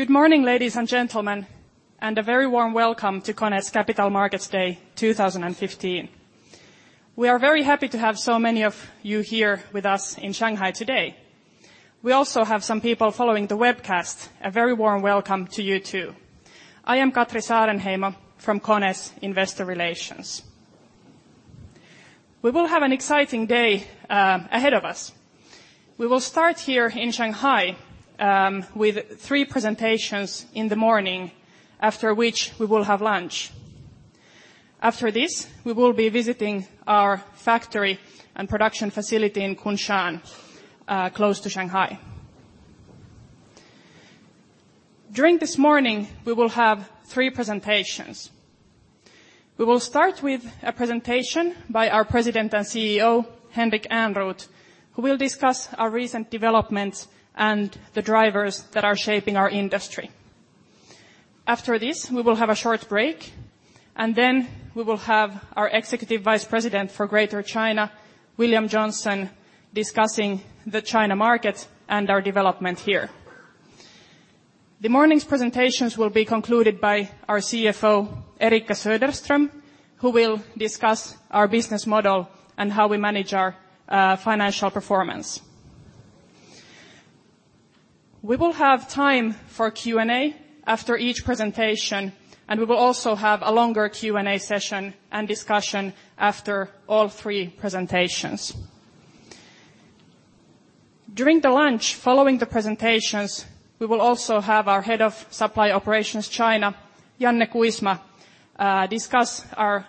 Good morning, ladies and gentlemen, and a very warm welcome to KONE's Capital Markets Day 2015. We are very happy to have so many of you here with us in Shanghai today. We also have some people following the webcast. A very warm welcome to you, too. I am Katri Saarenheimo from KONE's Investor Relations. We will have an exciting day ahead of us. We will start here in Shanghai with 3 presentations in the morning, after which we will have lunch. We will be visiting our factory and production facility in Kunshan, close to Shanghai. During this morning, we will have 3 presentations. We will start with a presentation by our President and CEO, Henrik Ehrnrooth, who will discuss our recent developments and the drivers that are shaping our industry. We will have a short break, then we will have our Executive Vice President for Greater China, William Johnson, discussing the China market and our development here. The morning's presentations will be concluded by our CFO, Eriikka Söderström, who will discuss our business model and how we manage our financial performance. We will have time for Q&A after each presentation, and we will also have a longer Q&A session and discussion after all 3 presentations. During the lunch following the presentations, we will also have our Head of Supply Operations China, Janne Kuisma, discuss our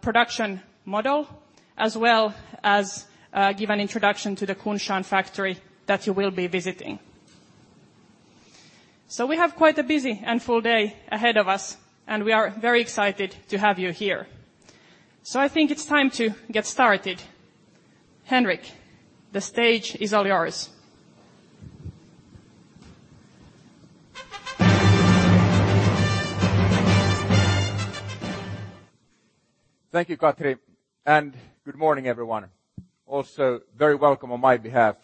production model as well as give an introduction to the Kunshan factory that you will be visiting. We have quite a busy and full day ahead of us, and we are very excited to have you here. I think it's time to get started. Henrik, the stage is all yours. Thank you, Katri, good morning, everyone. Also, very welcome on my behalf,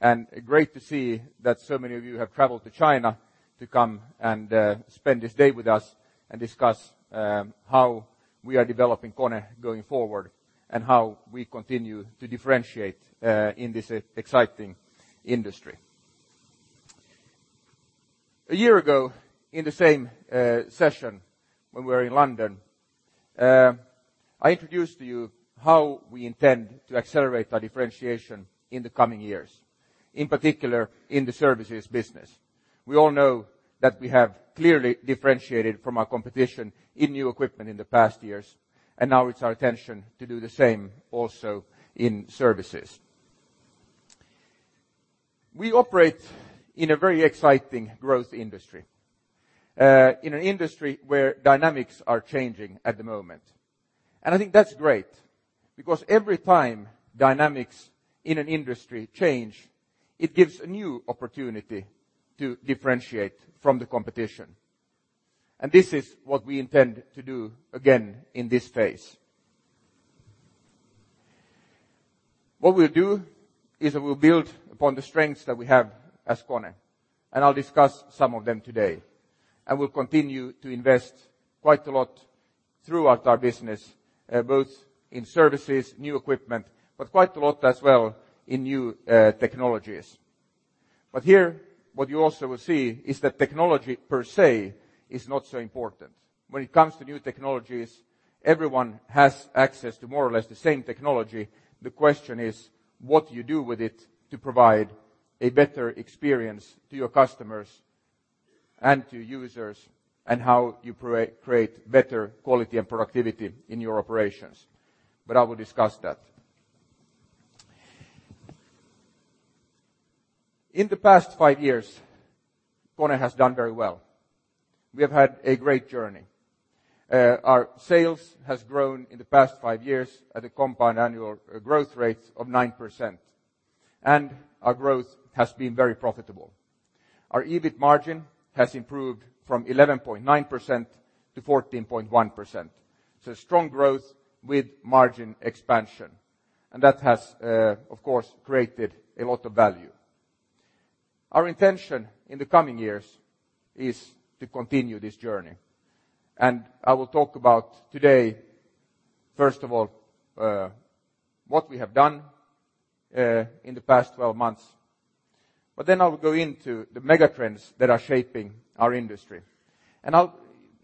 and great to see that so many of you have traveled to China to come and spend this day with us and discuss how we are developing KONE going forward and how we continue to differentiate in this exciting industry. A year ago, in the same session when we were in London, I introduced to you how we intend to accelerate our differentiation in the coming years. In particular, in the services business. We all know that we have clearly differentiated from our competition in new equipment in the past years, and now it's our intention to do the same also in services. We operate in a very exciting growth industry. In an industry where dynamics are changing at the moment. I think that's great, because every time dynamics in an industry change, it gives a new opportunity to differentiate from the competition. This is what we intend to do again in this phase. What we'll do is we'll build upon the strengths that we have as KONE, and I'll discuss some of them today, and we'll continue to invest quite a lot throughout our business, both in services, new equipment, but quite a lot as well in new technologies. Here, what you also will see is that technology per se is not so important. When it comes to new technologies, everyone has access to more or less the same technology. The question is what you do with it to provide a better experience to your customers and to users, and how you create better quality and productivity in your operations. I will discuss that. In the past five years, KONE has done very well. We have had a great journey. Our sales has grown in the past five years at a compound annual growth rate of 9%, and our growth has been very profitable. Our EBIT margin has improved from 11.9% to 14.1%. Strong growth with margin expansion, and that has, of course, created a lot of value. Our intention in the coming years is to continue this journey. I will talk about today, first of all, what we have done in the past 12 months. Then I will go into the mega trends that are shaping our industry.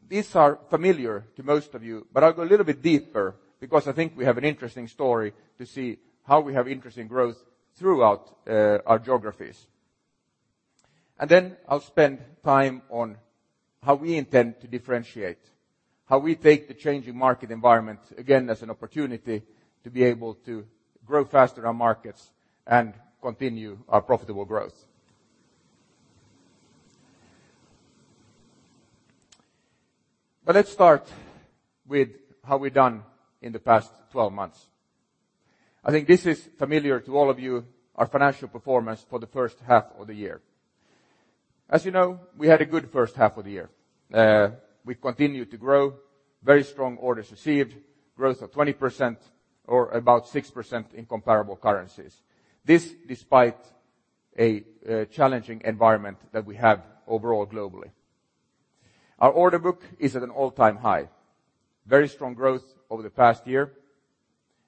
These are familiar to most of you, but I will go a little bit deeper because I think we have an interesting story to see how we have interesting growth throughout our geographies. Then I will spend time on how we intend to differentiate, how we take the changing market environment, again, as an opportunity to be able to grow faster our markets and continue our profitable growth. Let's start with how we have done in the past 12 months. I think this is familiar to all of you, our financial performance for the first half of the year. As you know, we had a good first half of the year. We continued to grow. Very strong orders received, growth of 20% or about 6% in comparable currencies. This despite a challenging environment that we have overall globally. Our order book is at an all-time high. Very strong growth over the past year,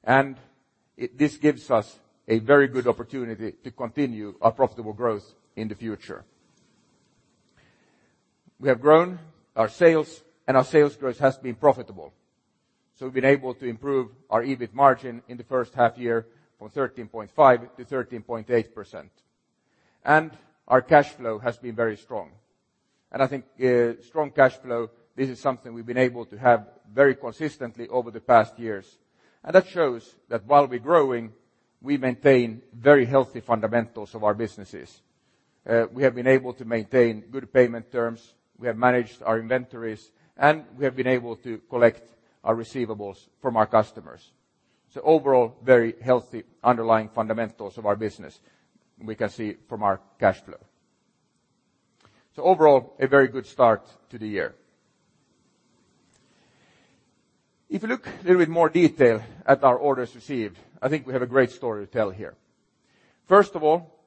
and this gives us a very good opportunity to continue our profitable growth in the future. We have grown our sales, and our sales growth has been profitable. We have been able to improve our EBIT margin in the first half year from 13.5% to 13.8%. Our cash flow has been very strong. I think strong cash flow, this is something we have been able to have very consistently over the past years. That shows that while we are growing, we maintain very healthy fundamentals of our businesses. We have been able to maintain good payment terms, we have managed our inventories, and we have been able to collect our receivables from our customers. Overall, very healthy underlying fundamentals of our business we can see from our cash flow. Overall, a very good start to the year. If you look a little bit more detail at our orders received, I think we have a great story to tell here. First of all,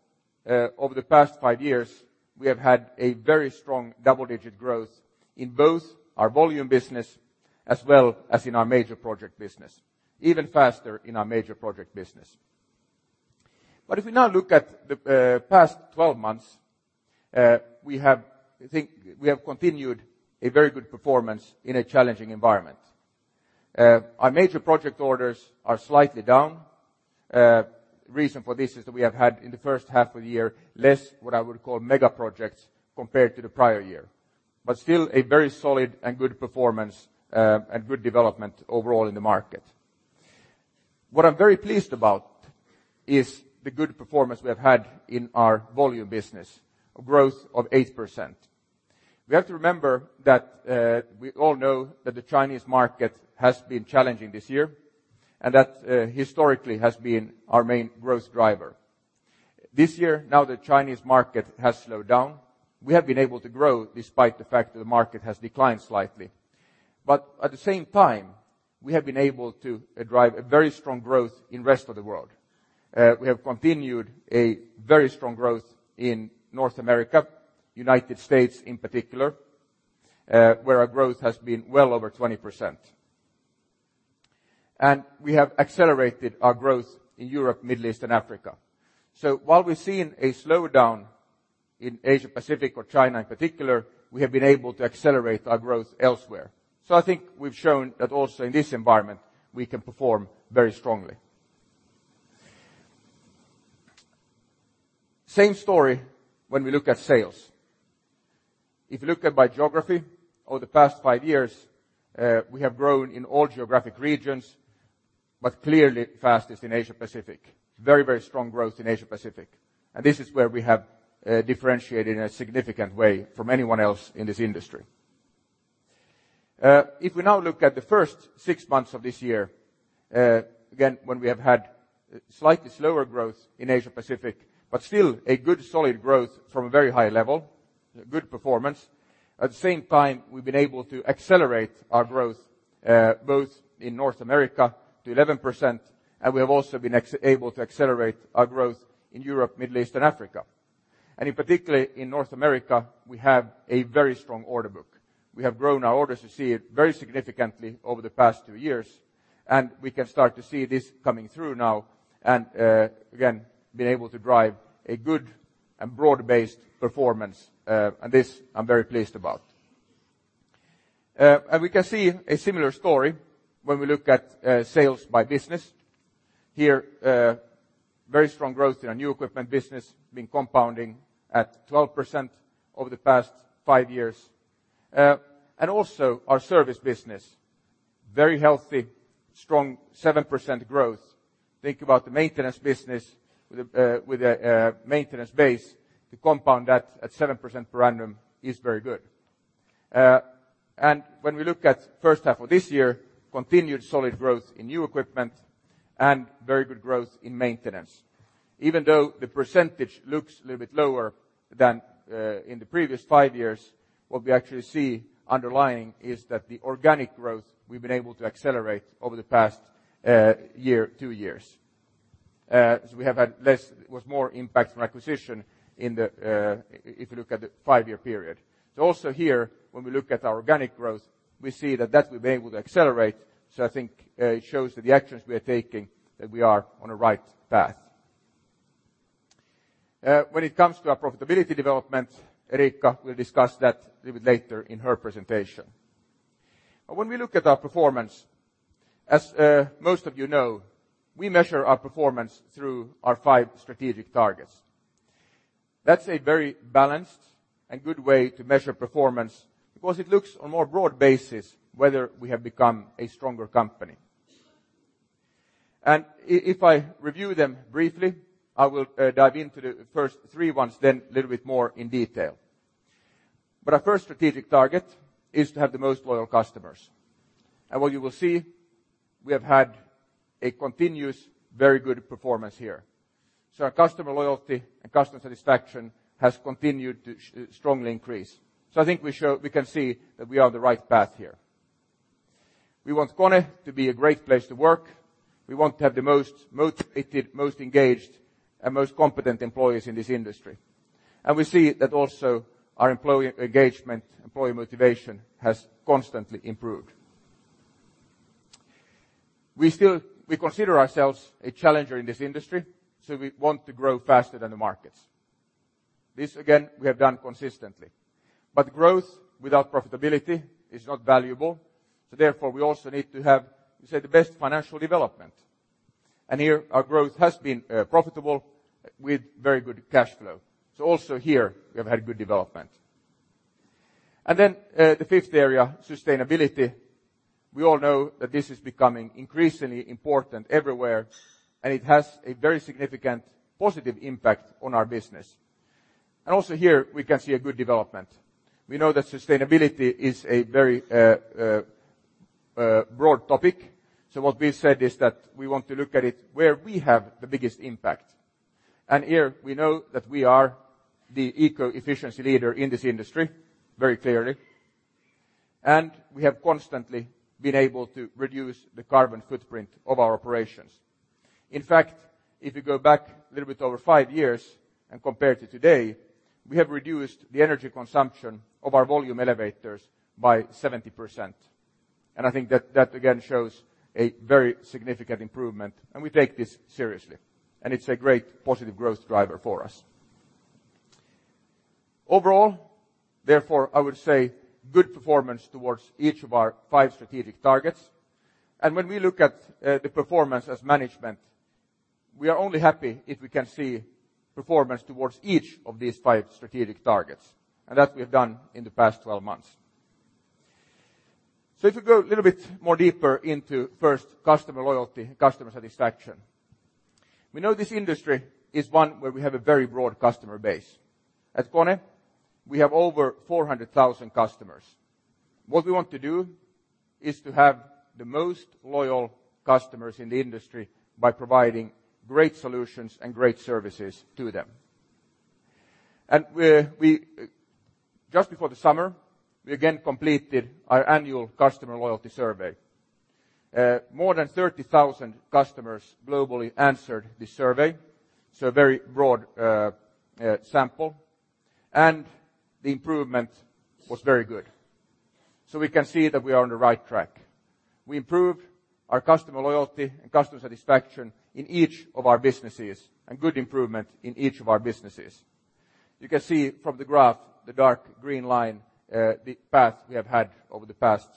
over the past five years, we have had a very strong double-digit growth in both our volume business as well as in our major project business, even faster in our major project business. If we now look at the past 12 months, we have continued a very good performance in a challenging environment. Our major project orders are slightly down. Reason for this is that we have had, in the first half of the year, less what I would call mega projects compared to the prior year. Still a very solid and good performance, and good development overall in the market. What I am very pleased about is the good performance we have had in our volume business, a growth of 8%. We have to remember that we all know that the Chinese market has been challenging this year and that historically has been our main growth driver. This year, the Chinese market has slowed down. We have been able to grow despite the fact that the market has declined slightly. At the same time, we have been able to drive a very strong growth in rest of the world. We have continued a very strong growth in North America, U.S. in particular, where our growth has been well over 20%. We have accelerated our growth in Europe, Middle East, and Africa. While we're seeing a slowdown in Asia-Pacific or China in particular, we have been able to accelerate our growth elsewhere. I think we've shown that also in this environment, we can perform very strongly. Same story when we look at sales. You look at by geography, over the past five years, we have grown in all geographic regions, but clearly fastest in Asia-Pacific. Very strong growth in Asia-Pacific. This is where we have differentiated in a significant way from anyone else in this industry. We now look at the first six months of this year, again, when we have had slightly slower growth in Asia-Pacific, but still a good solid growth from a very high level, a good performance. At the same time, we've been able to accelerate our growth, both in North America to 11%, and we have also been able to accelerate our growth in Europe, Middle East, and Africa. In particular, in North America, we have a very strong order book. We have grown our orders to see it very significantly over the past two years, we can start to see this coming through now and, again, being able to drive a good and broad-based performance, and this I'm very pleased about. We can see a similar story when we look at sales by business. Here, very strong growth in our new equipment business, being compounding at 12% over the past five years. Also our service business, very healthy, strong, 7% growth. Think about the maintenance business with a maintenance base, to compound that at 7% per annum is very good. When we look at first half of this year, continued solid growth in new equipment and very good growth in maintenance. Even though the percentage looks a little bit lower than in the previous five years, what we actually see underlying is that the organic growth we've been able to accelerate over the past two years. We have had more impact from acquisition if you look at the five-year period. When we look at our organic growth, we see that we've been able to accelerate. I think it shows that the actions we are taking, that we are on a right path. When it comes to our profitability development, Eriikka will discuss that a little bit later in her presentation. When we look at our performance, as most of you know, we measure our performance through our five strategic targets. That's a very balanced and good way to measure performance because it looks on more broad basis whether we have become a stronger company. If I review them briefly, I will dive into the first three ones then little bit more in detail. Our first strategic target is to have the most loyal customers. What you will see, we have had a continuous very good performance here. Our customer loyalty and customer satisfaction has continued to strongly increase. I think we can see that we are on the right path here. We want KONE to be a great place to work. We want to have the most motivated, most engaged, and most competent employees in this industry. We see that also our employee engagement, employee motivation, has constantly improved. We consider ourselves a challenger in this industry, so we want to grow faster than the markets. This, again, we have done consistently. Growth without profitability is not valuable, so therefore, we also need to have, say, the best financial development. Here our growth has been profitable with very good cash flow. Also here we have had good development. The fifth area, sustainability. We all know that this is becoming increasingly important everywhere, and it has a very significant positive impact on our business. Also here we can see a good development. We know that sustainability is a very broad topic. What we said is that we want to look at it where we have the biggest impact. Here we know that we are the eco-efficiency leader in this industry very clearly, and we have constantly been able to reduce the carbon footprint of our operations. In fact, if you go back a little bit over five years and compare to today, we have reduced the energy consumption of our volume elevators by 70%. I think that again shows a very significant improvement, and we take this seriously, and it's a great positive growth driver for us. Overall, therefore, I would say good performance towards each of our five strategic targets. When we look at the performance as management, we are only happy if we can see performance towards each of these five strategic targets, and that we have done in the past 12 months. If we go a little bit more deeper into first customer loyalty, customer satisfaction. We know this industry is one where we have a very broad customer base. At KONE, we have over 400,000 customers. What we want to do is to have the most loyal customers in the industry by providing great solutions and great services to them. Just before the summer, we again completed our annual customer loyalty survey. More than 30,000 customers globally answered the survey, so a very broad sample, and the improvement was very good. We can see that we are on the right track. We improved our customer loyalty and customer satisfaction in each of our businesses, and good improvement in each of our businesses. You can see from the graph, the dark green line, the path we have had over the past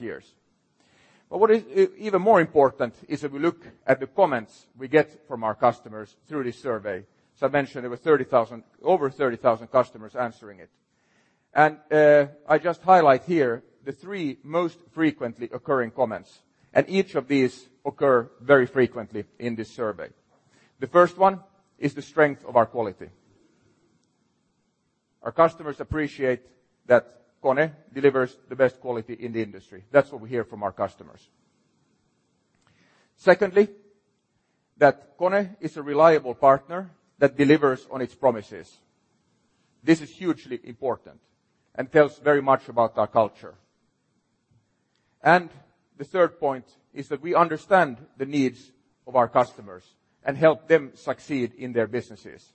years. What is even more important is if we look at the comments we get from our customers through this survey. I mentioned there were over 30,000 customers answering it. I just highlight here the three most frequently occurring comments, each of these occur very frequently in this survey. First one is the strength of our quality. Our customers appreciate that KONE delivers the best quality in the industry. That's what we hear from our customers. Secondly, that KONE is a reliable partner that delivers on its promises. This is hugely important and tells very much about our culture. Third point is that we understand the needs of our customers and help them succeed in their businesses.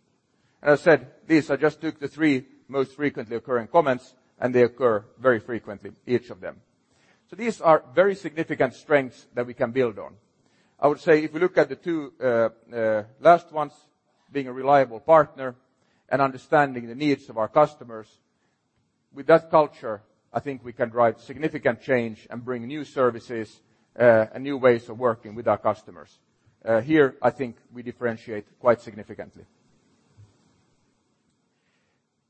As I said, these are just the three most frequently occurring comments, they occur very frequently, each of them. These are very significant strengths that we can build on. I would say if we look at the two last ones, being a reliable partner and understanding the needs of our customers, with that culture, I think we can drive significant change and bring new services, and new ways of working with our customers. Here, I think we differentiate quite significantly.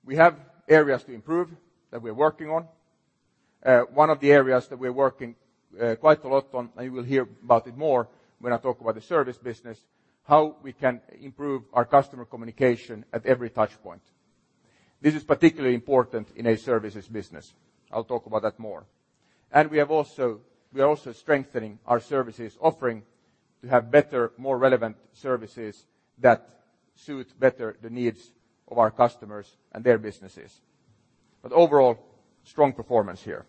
We have areas to improve that we are working on. One of the areas that we are working quite a lot on, you will hear about it more when I talk about the service business, how we can improve our customer communication at every touch point. This is particularly important in a services business. I'll talk about that more. We are also strengthening our services offering to have better, more relevant services that suit better the needs of our customers and their businesses. Overall, strong performance here.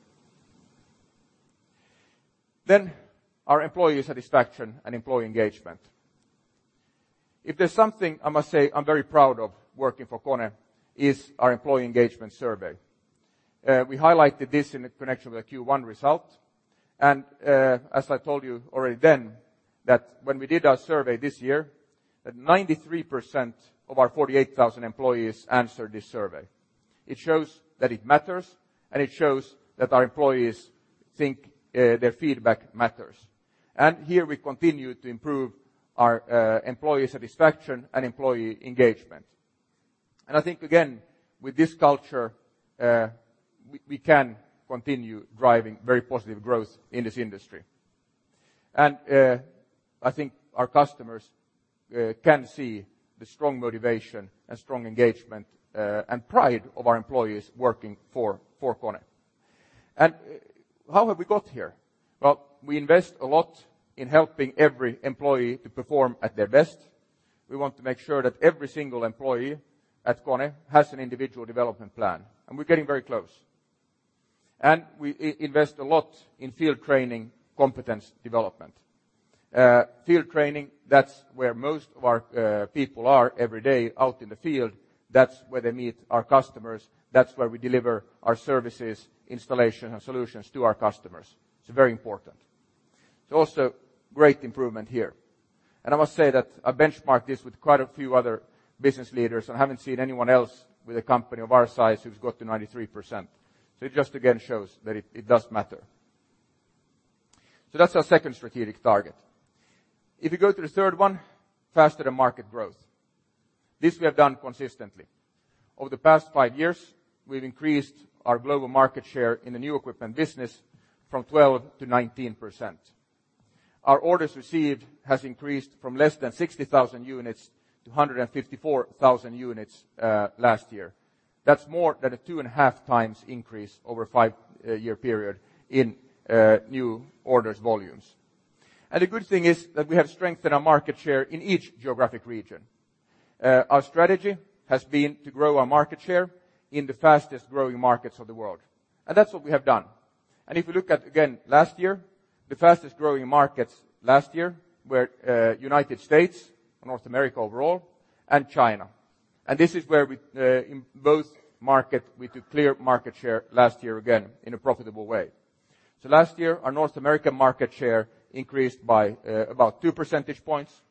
Our employee satisfaction and employee engagement. If there's something I must say I'm very proud of working for KONE is our employee engagement survey. We highlighted this in connection with the Q1 result, as I told you already then, that when we did our survey this year, that 93% of our 48,000 employees answered this survey. It shows that it matters, it shows that our employees think their feedback matters. Here we continue to improve our employee satisfaction and employee engagement. I think, again, with this culture, we can continue driving very positive growth in this industry. I think our customers can see the strong motivation, strong engagement, and pride of our employees working for KONE. How have we got here? Well, we invest a lot in helping every employee to perform at their best. We want to make sure that every single employee at KONE has an individual development plan, we're getting very close. We invest a lot in field training competence development. Field training, that's where most of our people are every day out in the field. That's where they meet our customers. That's where we deliver our services, installation, and solutions to our customers. It's very important. It's also great improvement here. I must say that I benchmarked this with quite a few other business leaders, I haven't seen anyone else with a company of our size who's got to 93%. It just again shows that it does matter. That's our second strategic target. If you go to the third one, faster than market growth. This we have done consistently. Over the past five years, we've increased our global market share in the new equipment business from 12% to 19%. Our orders received has increased from less than 60,000 units to 154,000 units last year. That's more than a two and a half times increase over a five-year period in new orders volumes. The good thing is that we have strengthened our market share in each geographic region. Our strategy has been to grow our market share in the fastest growing markets of the world. That's what we have done. If we look at, again, last year, the fastest growing markets last year were U.S., North America overall, and China. This is where we, in both markets, we took clear market share last year again in a profitable way. Last year, our North American market share increased by about two percentage points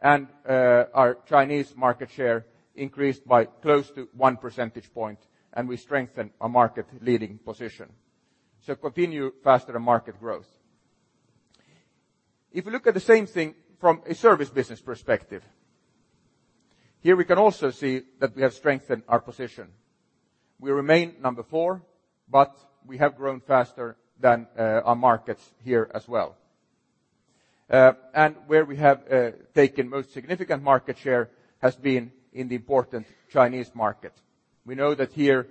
and our Chinese market share increased by close to one percentage point, and we strengthened our market leading position. Continue faster than market growth. If you look at the same thing from a service business perspective, here we can also see that we have strengthened our position. We remain number four, but we have grown faster than our markets here as well. Where we have taken most significant market share has been in the important Chinese market. We know that here,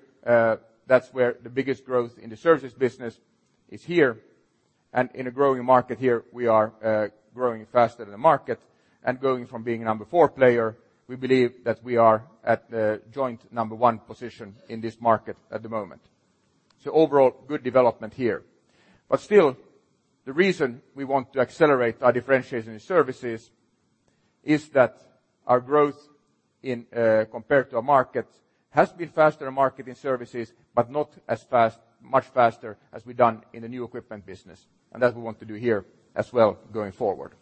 that's where the biggest growth in the services business is here. In a growing market here, we are growing faster than the market and going from being number four player, we believe that we are at the joint number one position in this market at the moment. Overall, good development here. Still, the reason we want to accelerate our differentiation in services is that our growth compared to our markets has to be faster than market in services, but not as much faster as we've done in the new equipment business. That we want to do here as well going forward.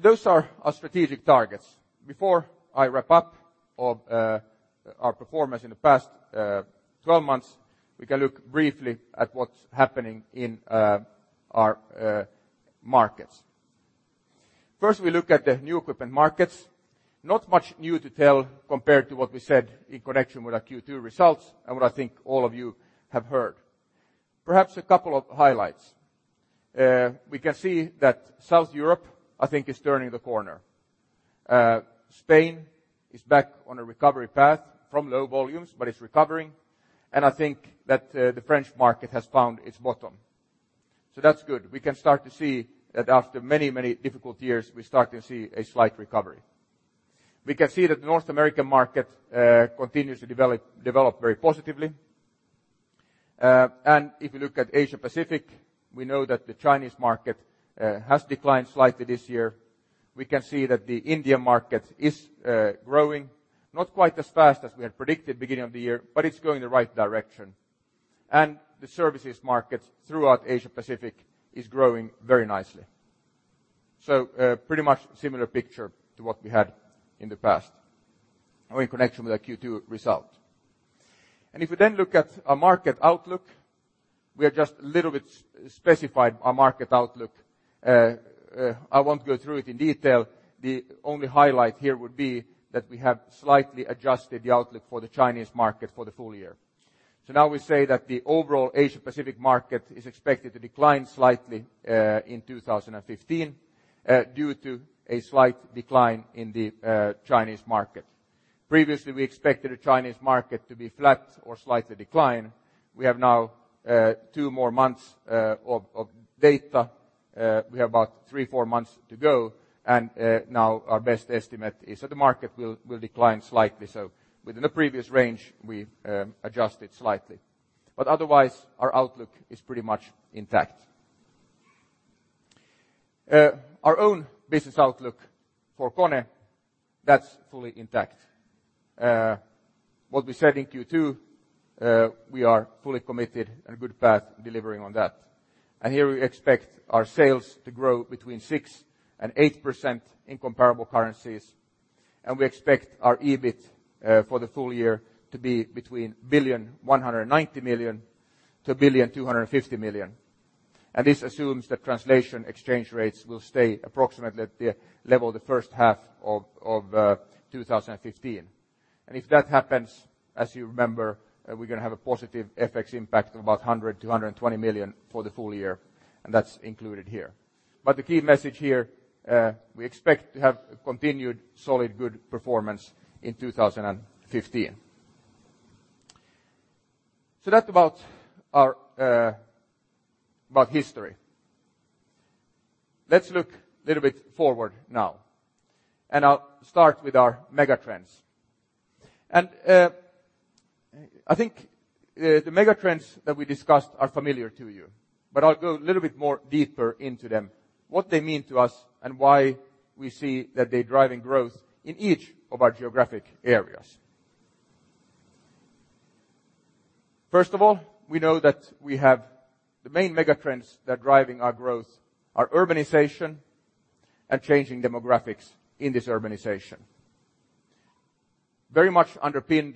Those are our strategic targets. Before I wrap up of our performance in the past 12 months, we can look briefly at what's happening in our markets. First, we look at the new equipment markets. Not much new to tell compared to what we said in connection with our Q2 results and what I think all of you have heard. Perhaps a couple of highlights. We can see that South Europe, I think, is turning the corner. Spain is back on a recovery path from low volumes, but it's recovering. I think that the French market has found its bottom. That's good. We can start to see that after many, many difficult years, we start to see a slight recovery. We can see that the North American market continues to develop very positively. If you look at Asia-Pacific, we know that the Chinese market has declined slightly this year. We can see that the Indian market is growing, not quite as fast as we had predicted beginning of the year, but it's going the right direction. The services market throughout Asia-Pacific is growing very nicely. Pretty much similar picture to what we had in the past or in connection with our Q2 result. If we then look at our market outlook, we have just a little bit specified our market outlook. I won't go through it in detail. The only highlight here would be that we have slightly adjusted the outlook for the Chinese market for the full year. Now we say that the overall Asia-Pacific market is expected to decline slightly in 2015 due to a slight decline in the Chinese market. Previously, we expected the Chinese market to be flat or slightly decline. We have now 2 more months of data. We have about three, four months to go, and now our best estimate is that the market will decline slightly. Within the previous range, we've adjusted slightly. Otherwise, our outlook is pretty much intact. Our own business outlook for KONE, that's fully intact. What we said in Q2, we are fully committed and on a good path delivering on that. Here we expect our sales to grow between 6%-8% in comparable currencies. We expect our EBIT for the full year to be between 1,190 million-1,250 million. This assumes that translation exchange rates will stay approximately at the level the first half of 2015. If that happens, as you remember, we're going to have a positive FX impact of about 100 million-120 million for the full year, and that's included here. The key message here, we expect to have continued solid, good performance in 2015. That's about history. Let's look a little bit forward now, and I'll start with our megatrends. I think the megatrends that we discussed are familiar to you, but I'll go a little bit more deeper into them, what they mean to us, and why we see that they're driving growth in each of our geographic areas. First of all, we know that we have the main megatrends that are driving our growth are urbanization and changing demographics in this urbanization. Very much underpinned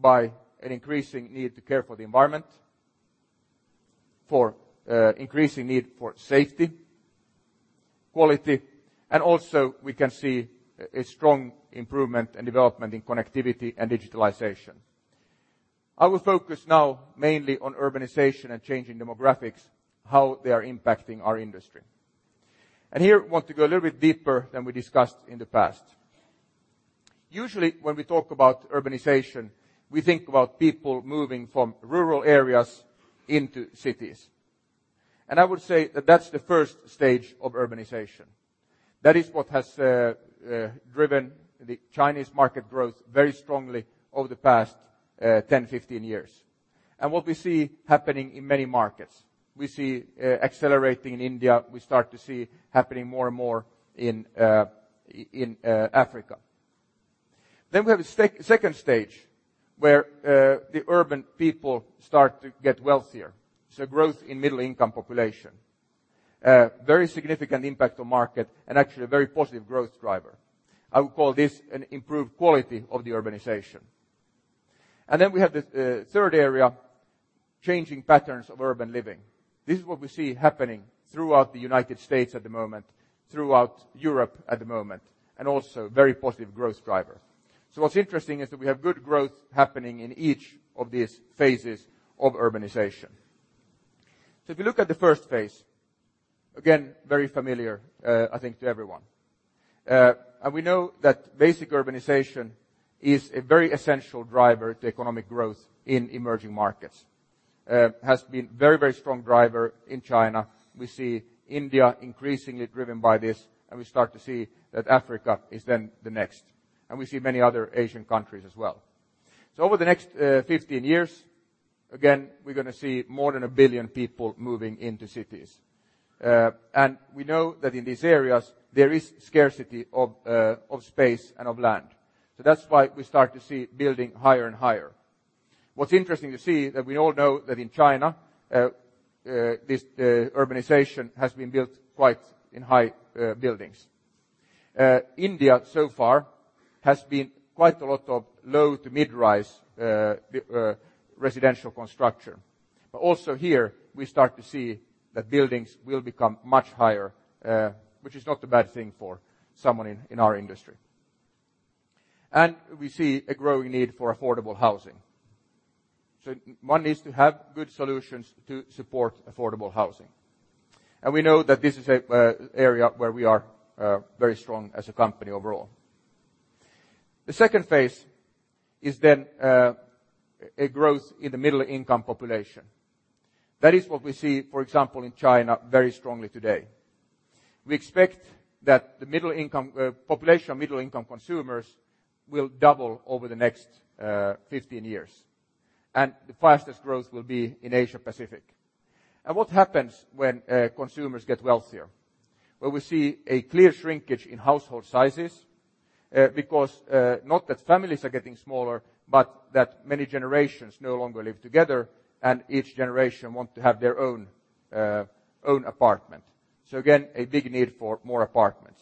by an increasing need to care for the environment, for increasing need for safety, quality, and also we can see a strong improvement and development in connectivity and digitalization. I will focus now mainly on urbanization and changing demographics, how they are impacting our industry. Here, I want to go a little bit deeper than we discussed in the past. Usually, when we talk about urbanization, we think about people moving from rural areas into cities. I would say that that's the first stage of urbanization. That is what has driven the Chinese market growth very strongly over the past 10-15 years. What we see happening in many markets, we see accelerating in India, we start to see happening more and more in Africa. We have a stage 2 where the urban people start to get wealthier. Growth in middle-income population. Very significant impact on market and actually a very positive growth driver. I would call this an improved quality of the urbanization. We have the area 3, changing patterns of urban living. This is what we see happening throughout the U.S. at the moment, throughout Europe at the moment, and also a very positive growth driver. What's interesting is that we have good growth happening in each of these phases of urbanization. If you look at the phase 1, again, very familiar, I think, to everyone. We know that basic urbanization is a very essential driver to economic growth in emerging markets. Has been a very strong driver in China. We see India increasingly driven by this. We start to see that Africa is then the next. We see many other Asian countries as well. Over the next 15 years, again, we're going to see more than 1 billion people moving into cities. We know that in these areas, there is scarcity of space and of land. That's why we start to see building higher and higher. What's interesting to see that we all know that in China, this urbanization has been built quite in high buildings. India, so far, has been quite a lot of low to mid-rise residential construction. Also here, we start to see that buildings will become much higher, which is not a bad thing for someone in our industry. We see a growing need for affordable housing. One needs to have good solutions to support affordable housing. We know that this is an area where we are very strong as a company overall. The second phase is a growth in the middle income population. That is what we see, for example, in China very strongly today. We expect that the population of middle-income consumers will double over the next 15 years. The fastest growth will be in Asia-Pacific. What happens when consumers get wealthier? Well, we see a clear shrinkage in household sizes, because not that families are getting smaller, but that many generations no longer live together and each generation want to have their own apartment. Again, a big need for more apartments.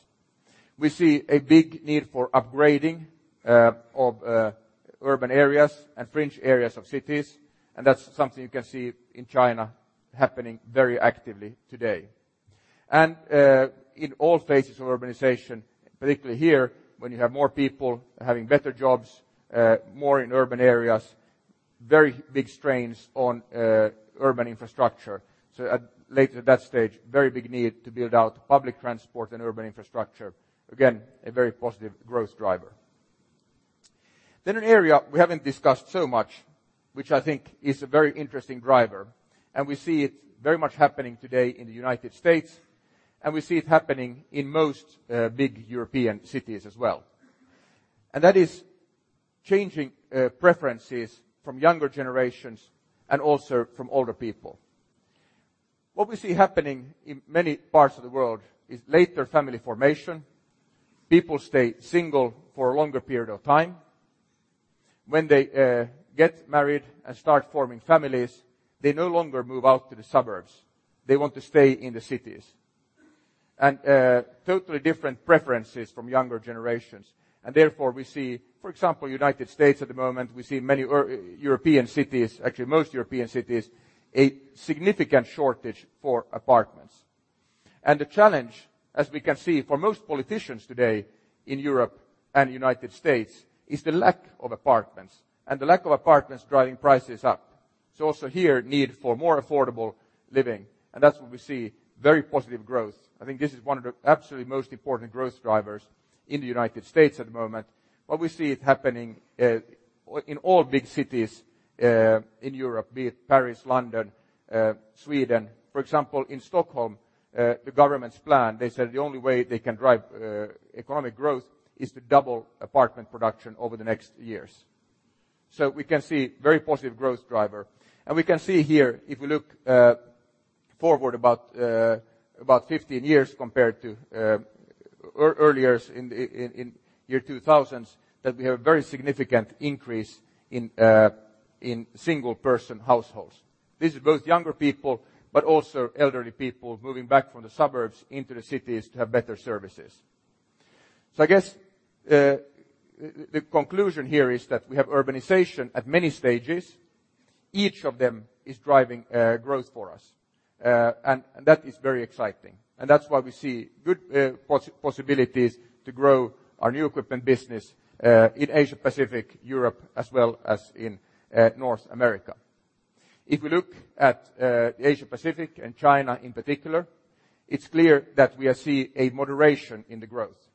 We see a big need for upgrading of urban areas and fringe areas of cities, and that's something you can see in China happening very actively today. In all phases of urbanization, particularly here, when you have more people having better jobs, more in urban areas, very big strains on urban infrastructure. Later at that stage, very big need to build out public transport and urban infrastructure. Again, a very positive growth driver. An area we haven't discussed so much, which I think is a very interesting driver. We see it very much happening today in the U.S. We see it happening in most big European cities as well. That is changing preferences from younger generations and also from older people. What we see happening in many parts of the world is later family formation. People stay single for a longer period of time. When they get married and start forming families, they no longer move out to the suburbs. They want to stay in the cities. Totally different preferences from younger generations. Therefore we see, for example, the U.S. at the moment. We see many European cities, actually most European cities, a significant shortage for apartments. The challenge, as we can see for most politicians today in Europe and the U.S., is the lack of apartments. The lack of apartments driving prices up. Also here, need for more affordable living, and that's where we see very positive growth. I think this is one of the absolutely most important growth drivers in the U.S. at the moment. We see it happening in all big cities in Europe, be it Paris, London, Sweden. For example, in Stockholm, the government's plan, they said the only way they can drive economic growth is to double apartment production over the next years. We can see very positive growth driver. We can see here, if we look forward about 15 years compared to earlier in year 2000s, that we have very significant increase in single person households. This is both younger people, but also elderly people moving back from the suburbs into the cities to have better services. I guess the conclusion here is that we have urbanization at many stages. Each of them is driving growth for us. That is very exciting. That's why we see good possibilities to grow our new equipment business, in Asia-Pacific, Europe, as well as in North America. If we look at Asia-Pacific and China in particular, it's clear that we see a moderation in the growth.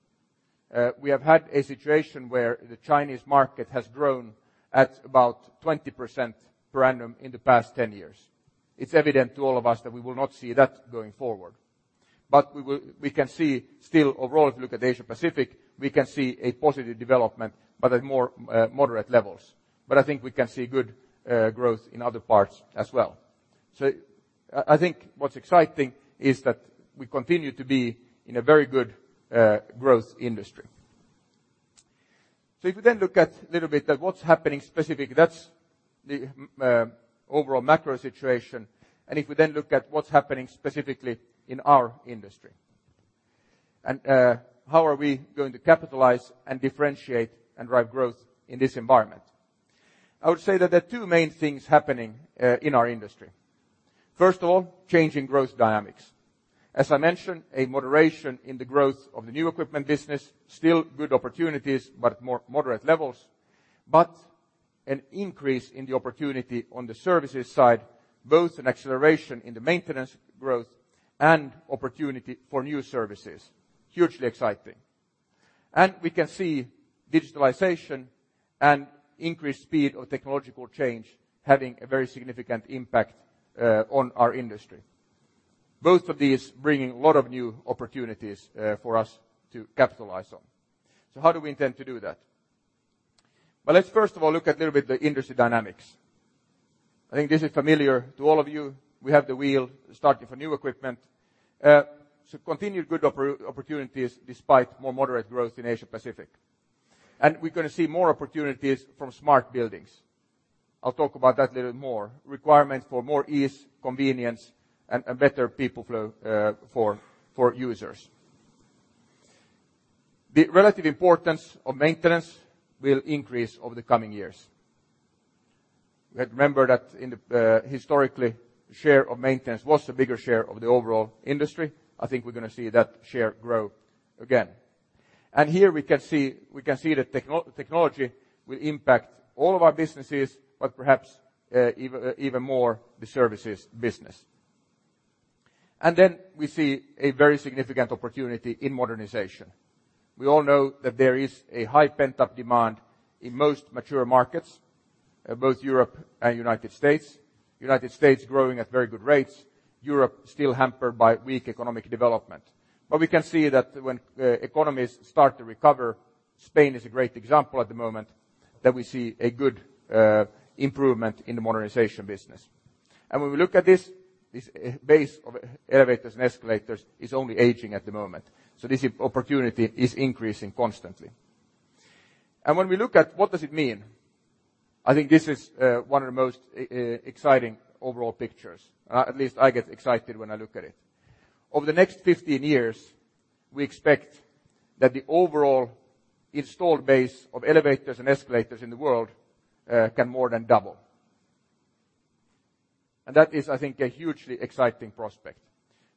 We have had a situation where the Chinese market has grown at about 20% per annum in the past 10 years. It's evident to all of us that we will not see that going forward. We can see still overall if you look at Asia-Pacific, we can see a positive development, but at more moderate levels. I think we can see good growth in other parts as well. I think what's exciting is that we continue to be in a very good growth industry. If we then look at little bit at what's happening specific, that's the overall macro situation. If we then look at what's happening specifically in our industry, and how are we going to capitalize and differentiate and drive growth in this environment? I would say that there are two main things happening in our industry. First of all, changing growth dynamics. As I mentioned, a moderation in the growth of the new equipment business, still good opportunities, but more moderate levels. An increase in the opportunity on the services side, both an acceleration in the maintenance growth and opportunity for new services. Hugely exciting. We can see digitalization and increased speed of technological change having a very significant impact on our industry. Both of these bringing a lot of new opportunities for us to capitalize on. How do we intend to do that? Well, let's first of all look at a little bit the industry dynamics. I think this is familiar to all of you. We have the wheel starting for new equipment. Continued good opportunities despite more moderate growth in Asia-Pacific. We're going to see more opportunities from smart buildings. I'll talk about that a little more, requirements for more ease, convenience, and better people flow for users. The relative importance of maintenance will increase over the coming years. Remember that historically, share of maintenance was the bigger share of the overall industry. I think we're going to see that share grow again. Here we can see that technology will impact all of our businesses, but perhaps even more the services business. Then we see a very significant opportunity in modernization. We all know that there is a high pent-up demand in most mature markets, both Europe and United States. United States growing at very good rates. Europe still hampered by weak economic development. We can see that when economies start to recover, Spain is a great example at the moment, that we see a good improvement in the modernization business. When we look at this base of elevators and escalators is only aging at the moment. This opportunity is increasing constantly. When we look at what does it mean, I think this is one of the most exciting overall pictures. At least I get excited when I look at it. Over the next 15 years, we expect that the overall installed base of elevators and escalators in the world can more than double. That is, I think, a hugely exciting prospect.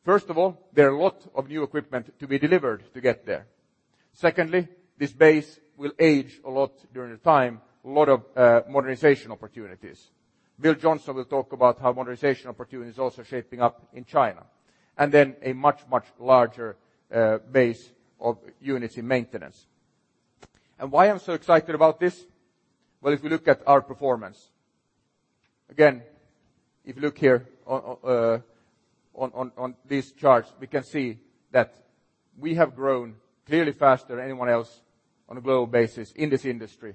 First of all, there are a lot of new equipment to be delivered to get there. Secondly, this base will age a lot during the time, a lot of modernization opportunities. Bill Johnson will talk about how modernization opportunities also shaping up in China. Then a much, much larger base of units in maintenance. Why I'm so excited about this? Well, if we look at our performance, again, if you look here on this chart, we can see that we have grown clearly faster than anyone else on a global basis in this industry.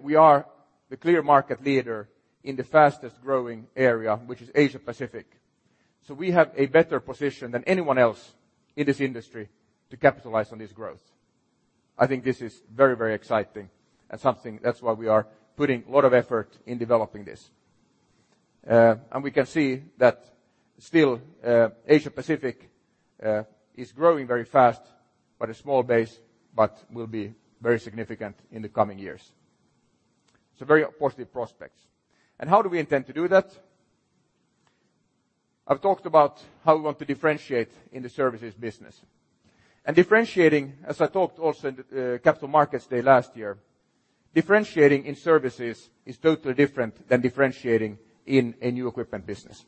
We are the clear market leader in the fastest growing area, which is Asia-Pacific. We have a better position than anyone else in this industry to capitalize on this growth. I think this is very, very exciting and something that's why we are putting a lot of effort in developing this. We can see that still, Asia-Pacific is growing very fast, but a small base, but will be very significant in the coming years. Very positive prospects. How do we intend to do that? I've talked about how we want to differentiate in the services business. Differentiating, as I talked also in the Capital Markets Day last year, differentiating in services is totally different than differentiating in a new equipment business.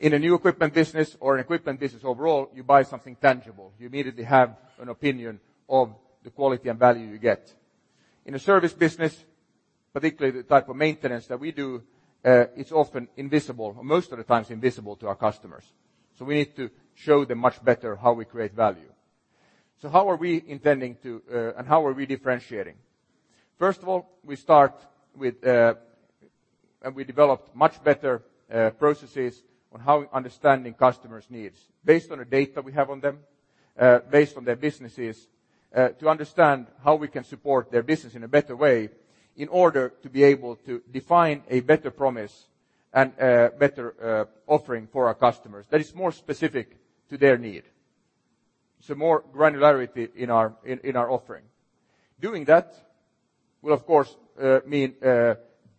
In a new equipment business or an equipment business overall, you buy something tangible. You immediately have an opinion of the quality and value you get. In a service business, particularly the type of maintenance that we do, it's often invisible, or most of the times invisible to our customers. We need to show them much better how we create value. How are we intending to, and how are we differentiating? First of all, we start with, and we developed much better processes on how understanding customers' needs based on the data we have on them, based on their businesses, to understand how we can support their business in a better way in order to be able to define a better promise and better offering for our customers that is more specific to their need. More granularity in our offering. Doing that will, of course, mean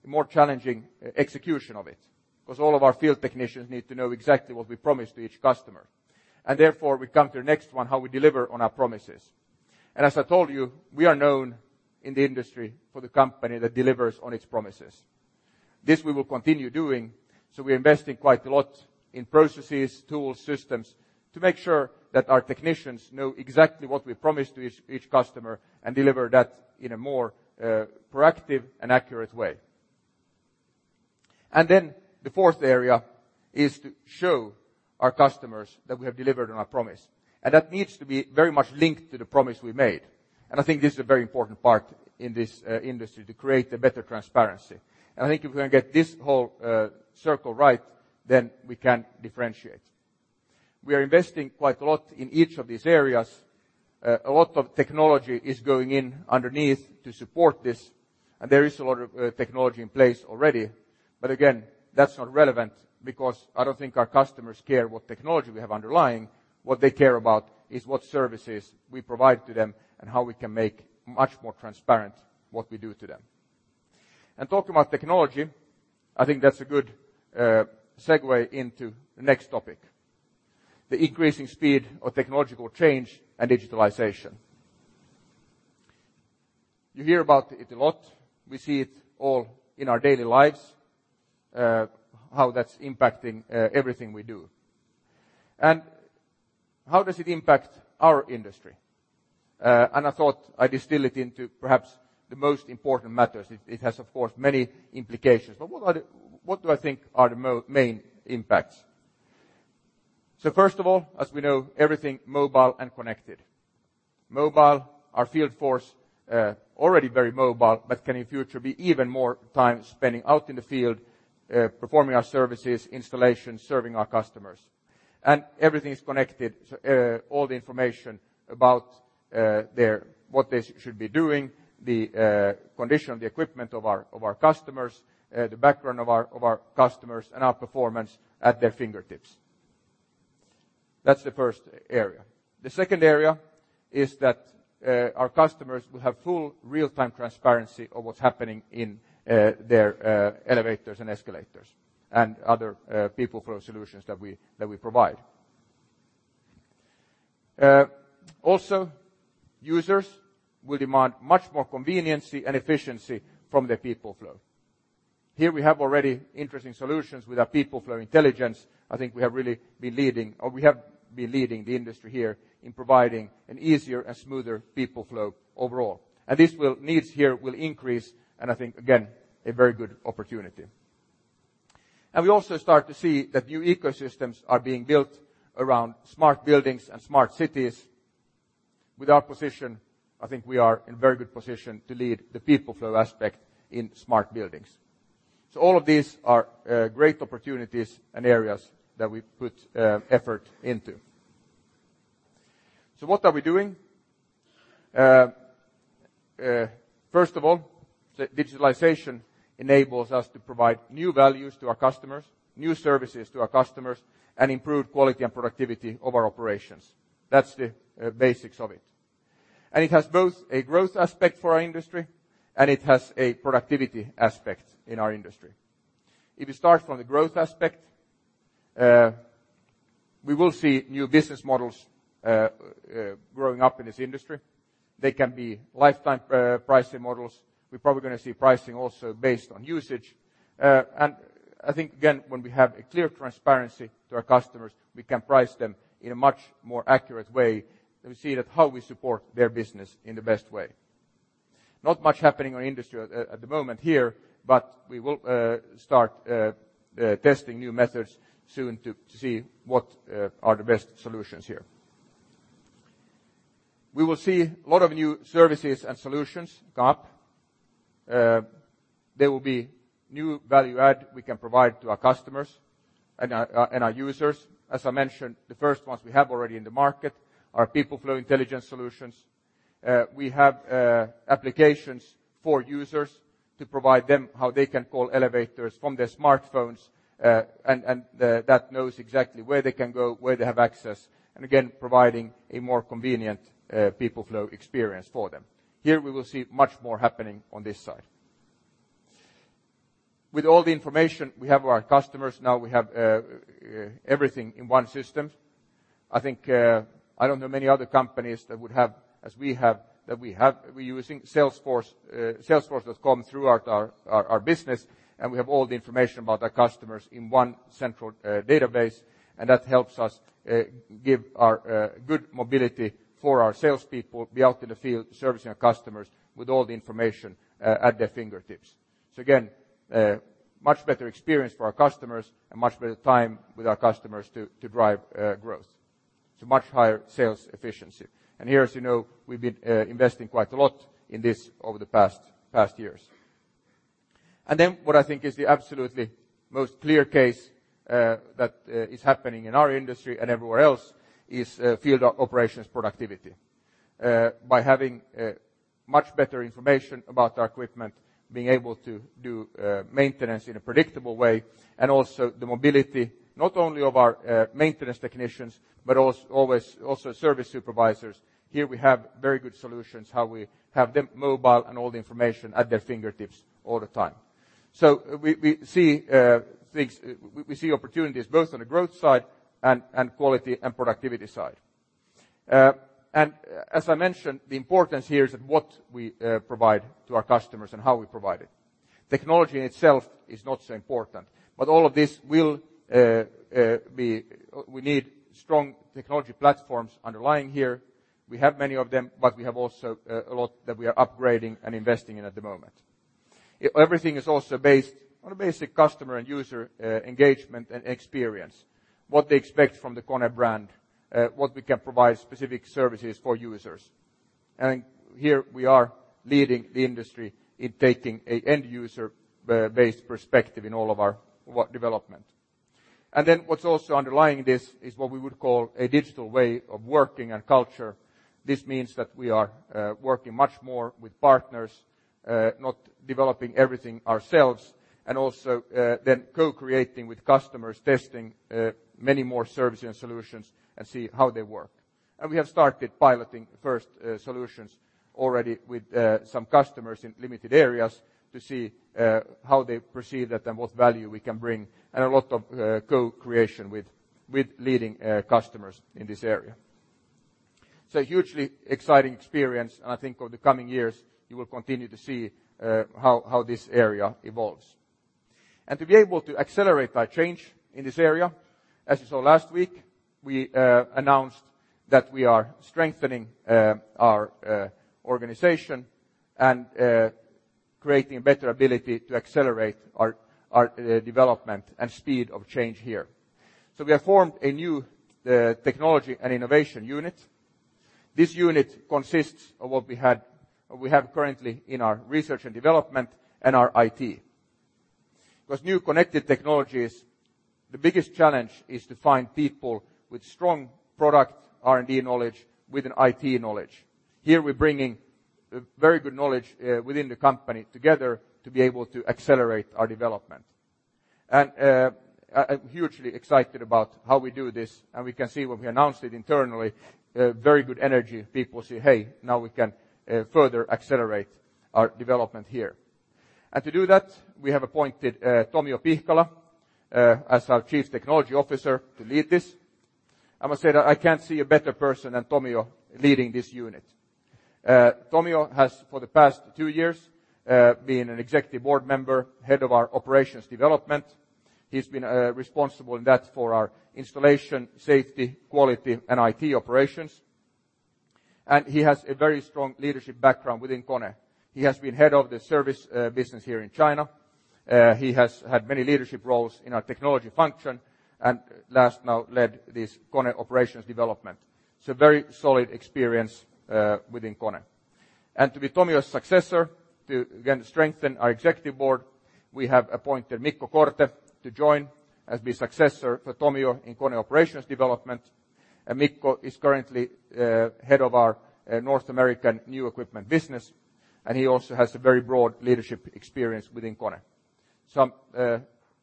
more challenging execution of it because all of our field technicians need to know exactly what we promise to each customer, therefore we come to the next one, how we deliver on our promises. As I told you, we are known in the industry for the company that delivers on its promises. This we will continue doing, so we invest in quite a lot in processes, tools, systems to make sure that our technicians know exactly what we promise to each customer and deliver that in a more proactive and accurate way. The fourth area is to show our customers that we have delivered on our promise, and that needs to be very much linked to the promise we made. I think this is a very important part in this industry to create a better transparency. I think if we can get this whole circle right, then we can differentiate. We are investing quite a lot in each of these areas. A lot of technology is going in underneath to support this, and there is a lot of technology in place already. Again, that's not relevant because I don't think our customers care what technology we have underlying. What they care about is what services we provide to them and how we can make much more transparent what we do to them. Talking about technology, I think that's a good segue into the next topic, the increasing speed of technological change and digitalization. You hear about it a lot. We see it all in our daily lives, how that's impacting everything we do. How does it impact our industry? I thought I'd distill it into perhaps the most important matters. It has, of course, many implications, but what do I think are the main impacts? First of all, as we know, everything mobile and connected. Mobile, our field force, already very mobile, but can in future be even more time spending out in the field, performing our services, installations, serving our customers. Everything is connected, so all the information about what they should be doing, the condition of the equipment of our customers, the background of our customers, and our performance at their fingertips. That's the first area. The second area is that our customers will have full real-time transparency of what's happening in their elevators and escalators and other people flow solutions that we provide. Also, users will demand much more convenience and efficiency from their people flow. Here we have already interesting solutions with our People Flow Intelligence. I think we have really been leading, or we have been leading the industry here in providing an easier and smoother people flow overall. These needs here will increase, and I think, again, a very good opportunity. We also start to see that new ecosystems are being built around smart buildings and smart cities. With our position, I think we are in very good position to lead the people flow aspect in smart buildings. All of these are great opportunities and areas that we put effort into. What are we doing? First of all, digitalization enables us to provide new values to our customers, new services to our customers, and improve quality and productivity of our operations. That's the basics of it. It has both a growth aspect for our industry and it has a productivity aspect in our industry. If you start from the growth aspect, we will see new business models growing up in this industry. They can be lifetime pricing models. We're probably going to see pricing also based on usage. I think, again, when we have a clear transparency to our customers, we can price them in a much more accurate way and we see that how we support their business in the best way. Not much happening in our industry at the moment here, we will start testing new methods soon to see what are the best solutions here. We will see a lot of new services and solutions come. There will be new value add we can provide to our customers and our users. As I mentioned, the first ones we have already in the market are People Flow Intelligence solutions. We have applications for users to provide them how they can call elevators from their smartphones, that knows exactly where they can go, where they have access, and again, providing a more convenient People Flow Experience for them. Here we will see much more happening on this side. With all the information we have our customers, now we have everything in one system. I don't know many other companies that would have, as we have, we're using Salesforce. Salesforce has come throughout our business, and we have all the information about our customers in one central database, that helps us give our good mobility for our salespeople to be out in the field servicing our customers with all the information at their fingertips. Again, much better experience for our customers and much better time with our customers to drive growth. Much higher sales efficiency. Here, as you know, we've been investing quite a lot in this over the past years. What I think is the absolutely most clear case that is happening in our industry and everywhere else is field operations productivity. By having much better information about our equipment, being able to do maintenance in a predictable way, and also the mobility, not only of our maintenance technicians, but also service supervisors. Here we have very good solutions, how we have them mobile and all the information at their fingertips all the time. We see opportunities both on the growth side and quality and productivity side. As I mentioned, the importance here is that what we provide to our customers and how we provide it. Technology in itself is not so important. All of this we need strong technology platforms underlying here. We have many of them, but we have also a lot that we are upgrading and investing in at the moment. Everything is also based on a basic customer and user engagement and experience, what they expect from the KONE brand, what we can provide specific services for users. Here we are leading the industry in taking an end user based perspective in all of our development. What's also underlying this is what we would call a digital way of working and culture. This means that we are working much more with partners, not developing everything ourselves, and also then co-creating with customers, testing many more services and solutions and see how they work. We have started piloting first solutions already with some customers in limited areas to see how they perceive that and what value we can bring and a lot of co-creation with leading customers in this area. Hugely exciting experience, and I think over the coming years, you will continue to see how this area evolves. To be able to accelerate that change in this area, as you saw last week, we announced that we are strengthening our organization and creating a better ability to accelerate our development and speed of change here. We have formed a new technology and innovation unit. This unit consists of what we have currently in our research and development and our IT. With new connected technologies, the biggest challenge is to find people with strong product R&D knowledge with an IT knowledge. Here we're bringing very good knowledge within the company together to be able to accelerate our development. I'm hugely excited about how we do this, and we can see when we announced it internally, very good energy. People say, "Hey, now we can further accelerate our development here." To do that, we have appointed Tomio Pihkala as our Chief Technology Officer to lead this. I must say that I can't see a better person than Tomio leading this unit. Tomio has, for the past two years, been an Executive Board Member, Head of our Operations Development. He's been responsible in that for our installation, safety, quality, and IT operations. He has a very strong leadership background within KONE. He has been Head of the service business here in China. He has had many leadership roles in our technology function, and last now led this KONE Operations Development. Very solid experience within KONE. To be Tomio's successor to again strengthen our Executive Board, we have appointed Mikko Korte to join as the successor for Tomio in KONE Operations Development. Mikko is currently Head of our North American New Equipment Business, and he also has a very broad leadership experience within KONE. I'm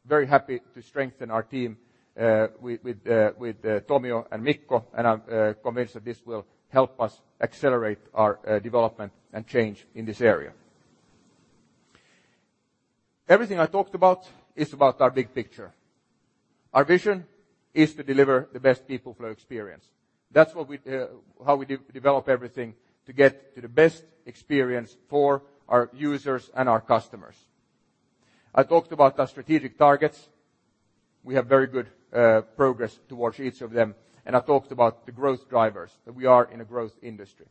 very happy to strengthen our team with Tomio and Mikko, and I'm convinced that this will help us accelerate our development and change in this area. Everything I talked about is about our big picture. Our vision is to deliver the best People Flow Experience. That's how we develop everything to get to the best experience for our users and our customers. I talked about our strategic targets. We have very good progress towards each of them, and I talked about the growth drivers, that we are in a growth industry.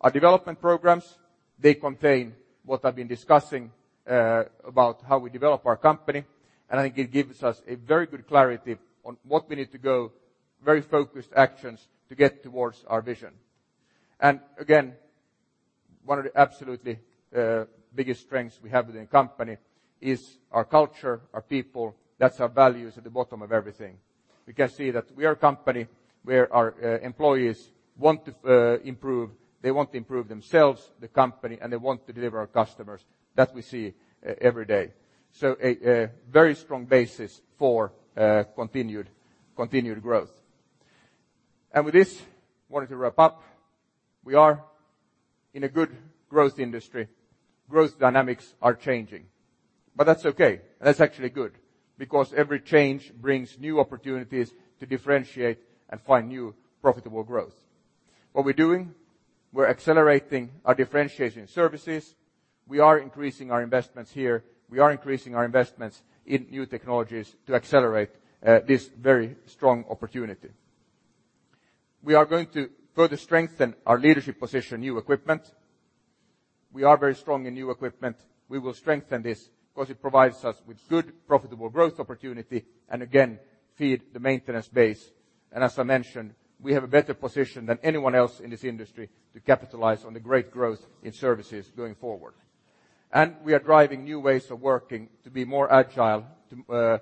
Our development programs, they contain what I've been discussing about how we develop our company, and I think it gives us a very good clarity on what we need to go, very focused actions to get towards our vision. Again, one of the absolutely biggest strengths we have within the company is our culture, our people. That's our values at the bottom of everything. We can see that we are a company where our employees want to improve. They want to improve themselves, the company, and they want to deliver our customers. That we see every day. A very strong basis for continued growth. With this, I wanted to wrap up. We are in a good growth industry. Growth dynamics are changing. That's okay. That's actually good, because every change brings new opportunities to differentiate and find new profitable growth. What we're doing, we're accelerating our differentiation services. We are increasing our investments here, we are increasing our investments in new technologies to accelerate this very strong opportunity. We are going to further strengthen our leadership position in new equipment. We are very strong in new equipment. We will strengthen this because it provides us with good, profitable growth opportunity, and again, feed the maintenance base. As I mentioned, we have a better position than anyone else in this industry to capitalize on the great growth in services going forward. We are driving new ways of working to be more agile, to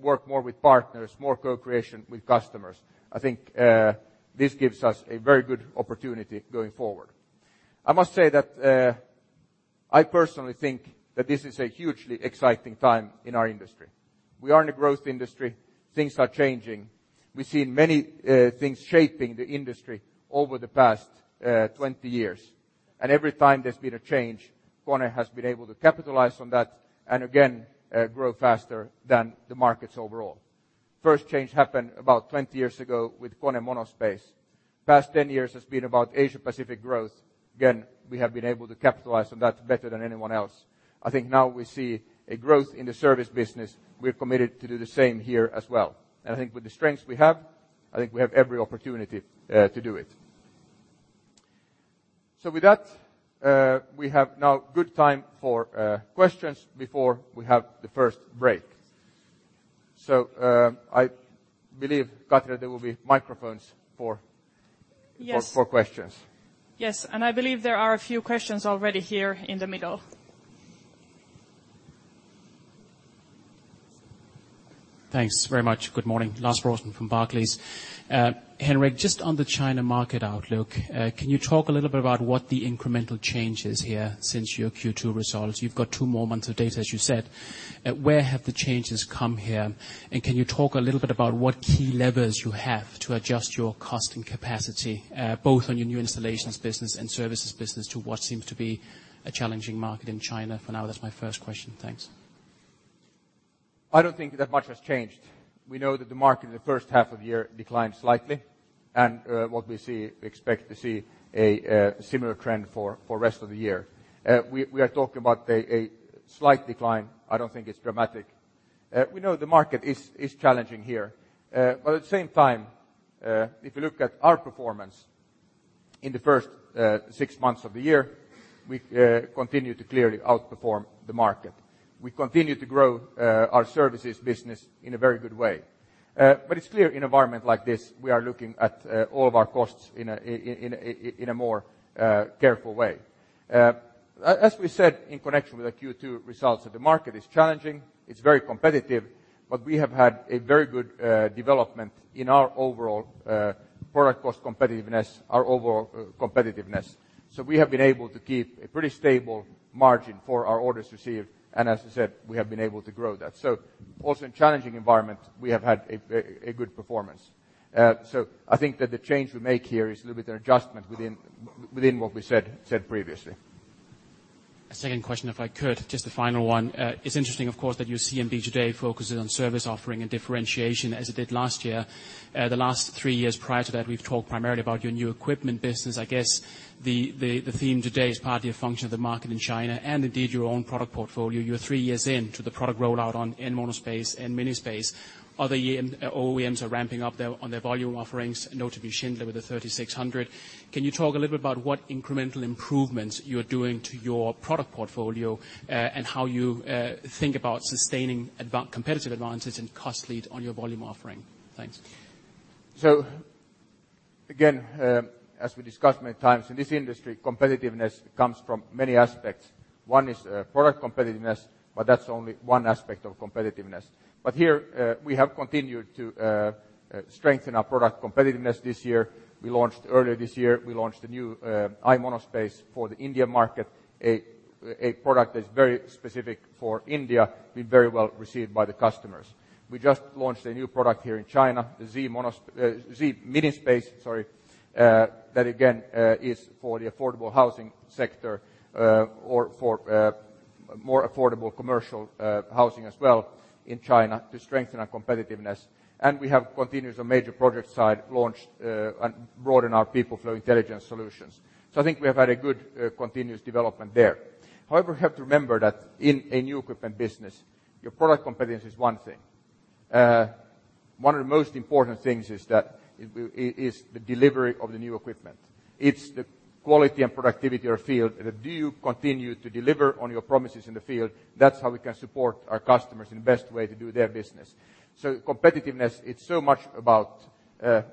work more with partners, more co-creation with customers. I think this gives us a very good opportunity going forward. I must say that I personally think that this is a hugely exciting time in our industry. We are in a growth industry, things are changing. We've seen many things shaping the industry over the past 20 years. Every time there's been a change, KONE has been able to capitalize on that, and again, grow faster than the markets overall. First change happened about 20 years ago with KONE MonoSpace. Past 10 years has been about Asia-Pacific growth. Again, we have been able to capitalize on that better than anyone else. I think now we see a growth in the service business. We're committed to do the same here as well. I think with the strengths we have, I think we have every opportunity to do it. With that, we have now good time for questions before we have the first break. I believe, Katri, there will be microphones for- Yes for questions. Yes. I believe there are a few questions already here in the middle. Thanks very much. Good morning. Lars Brostrøm from Barclays. Henrik, just on the China market outlook, can you talk a little bit about what the incremental change is here since your Q2 results? You've got two more months of data, as you said. Where have the changes come here? Can you talk a little bit about what key levers you have to adjust your cost and capacity, both on your new installations business and services business, to what seems to be a challenging market in China for now? That's my first question. Thanks. I don't think that much has changed. We know that the market in the first half of the year declined slightly. What we expect to see a similar trend for rest of the year. We are talking about a slight decline. I don't think it's dramatic. We know the market is challenging here. At the same time, if you look at our performance in the first six months of the year, we've continued to clearly outperform the market. We've continued to grow our services business in a very good way. It's clear in environment like this, we are looking at all of our costs in a more careful way. As we said, in connection with the Q2 results, that the market is challenging, it's very competitive. We have had a very good development in our overall product cost competitiveness, our overall competitiveness. We have been able to keep a pretty stable margin for our orders received. As I said, we have been able to grow that. Also in challenging environment, we have had a good performance. I think that the change we make here is a little bit of an adjustment within what we said previously. A second question, if I could, just a final one. It's interesting, of course, that your CMD today focuses on service offering and differentiation as it did last year. The last three years prior to that, we've talked primarily about your new equipment business. I guess the theme today is partly a function of the market in China and indeed your own product portfolio. You're three years in to the product rollout on KONE MonoSpace and KONE MiniSpace. Other OEMs are ramping up on their volume offerings, notably Schindler with the 3600. Can you talk a little bit about what incremental improvements you're doing to your product portfolio and how you think about sustaining competitive advantages and cost lead on your volume offering? Thanks. Again, as we discussed many times, in this industry, competitiveness comes from many aspects. One is product competitiveness, but that's only one aspect of competitiveness. Here, we have continued to strengthen our product competitiveness this year. Earlier this year, we launched a new KONE I MonoSpace for the India market, a product that's very specific for India, been very well received by the customers. We just launched a new product here in China, the KONE Z MiniSpace, that again, is for the affordable housing sector, or for more affordable commercial housing as well in China to strengthen our competitiveness. And we have continuous on major project side launched and broaden our KONE People Flow Intelligence solutions. I think we have had a good continuous development there. You have to remember that in a new equipment business, your product competitiveness is one thing. One of the most important things is the delivery of the new equipment. It's the quality and productivity of field. Do you continue to deliver on your promises in the field? That's how we can support our customers in the best way to do their business. Competitiveness, it's so much about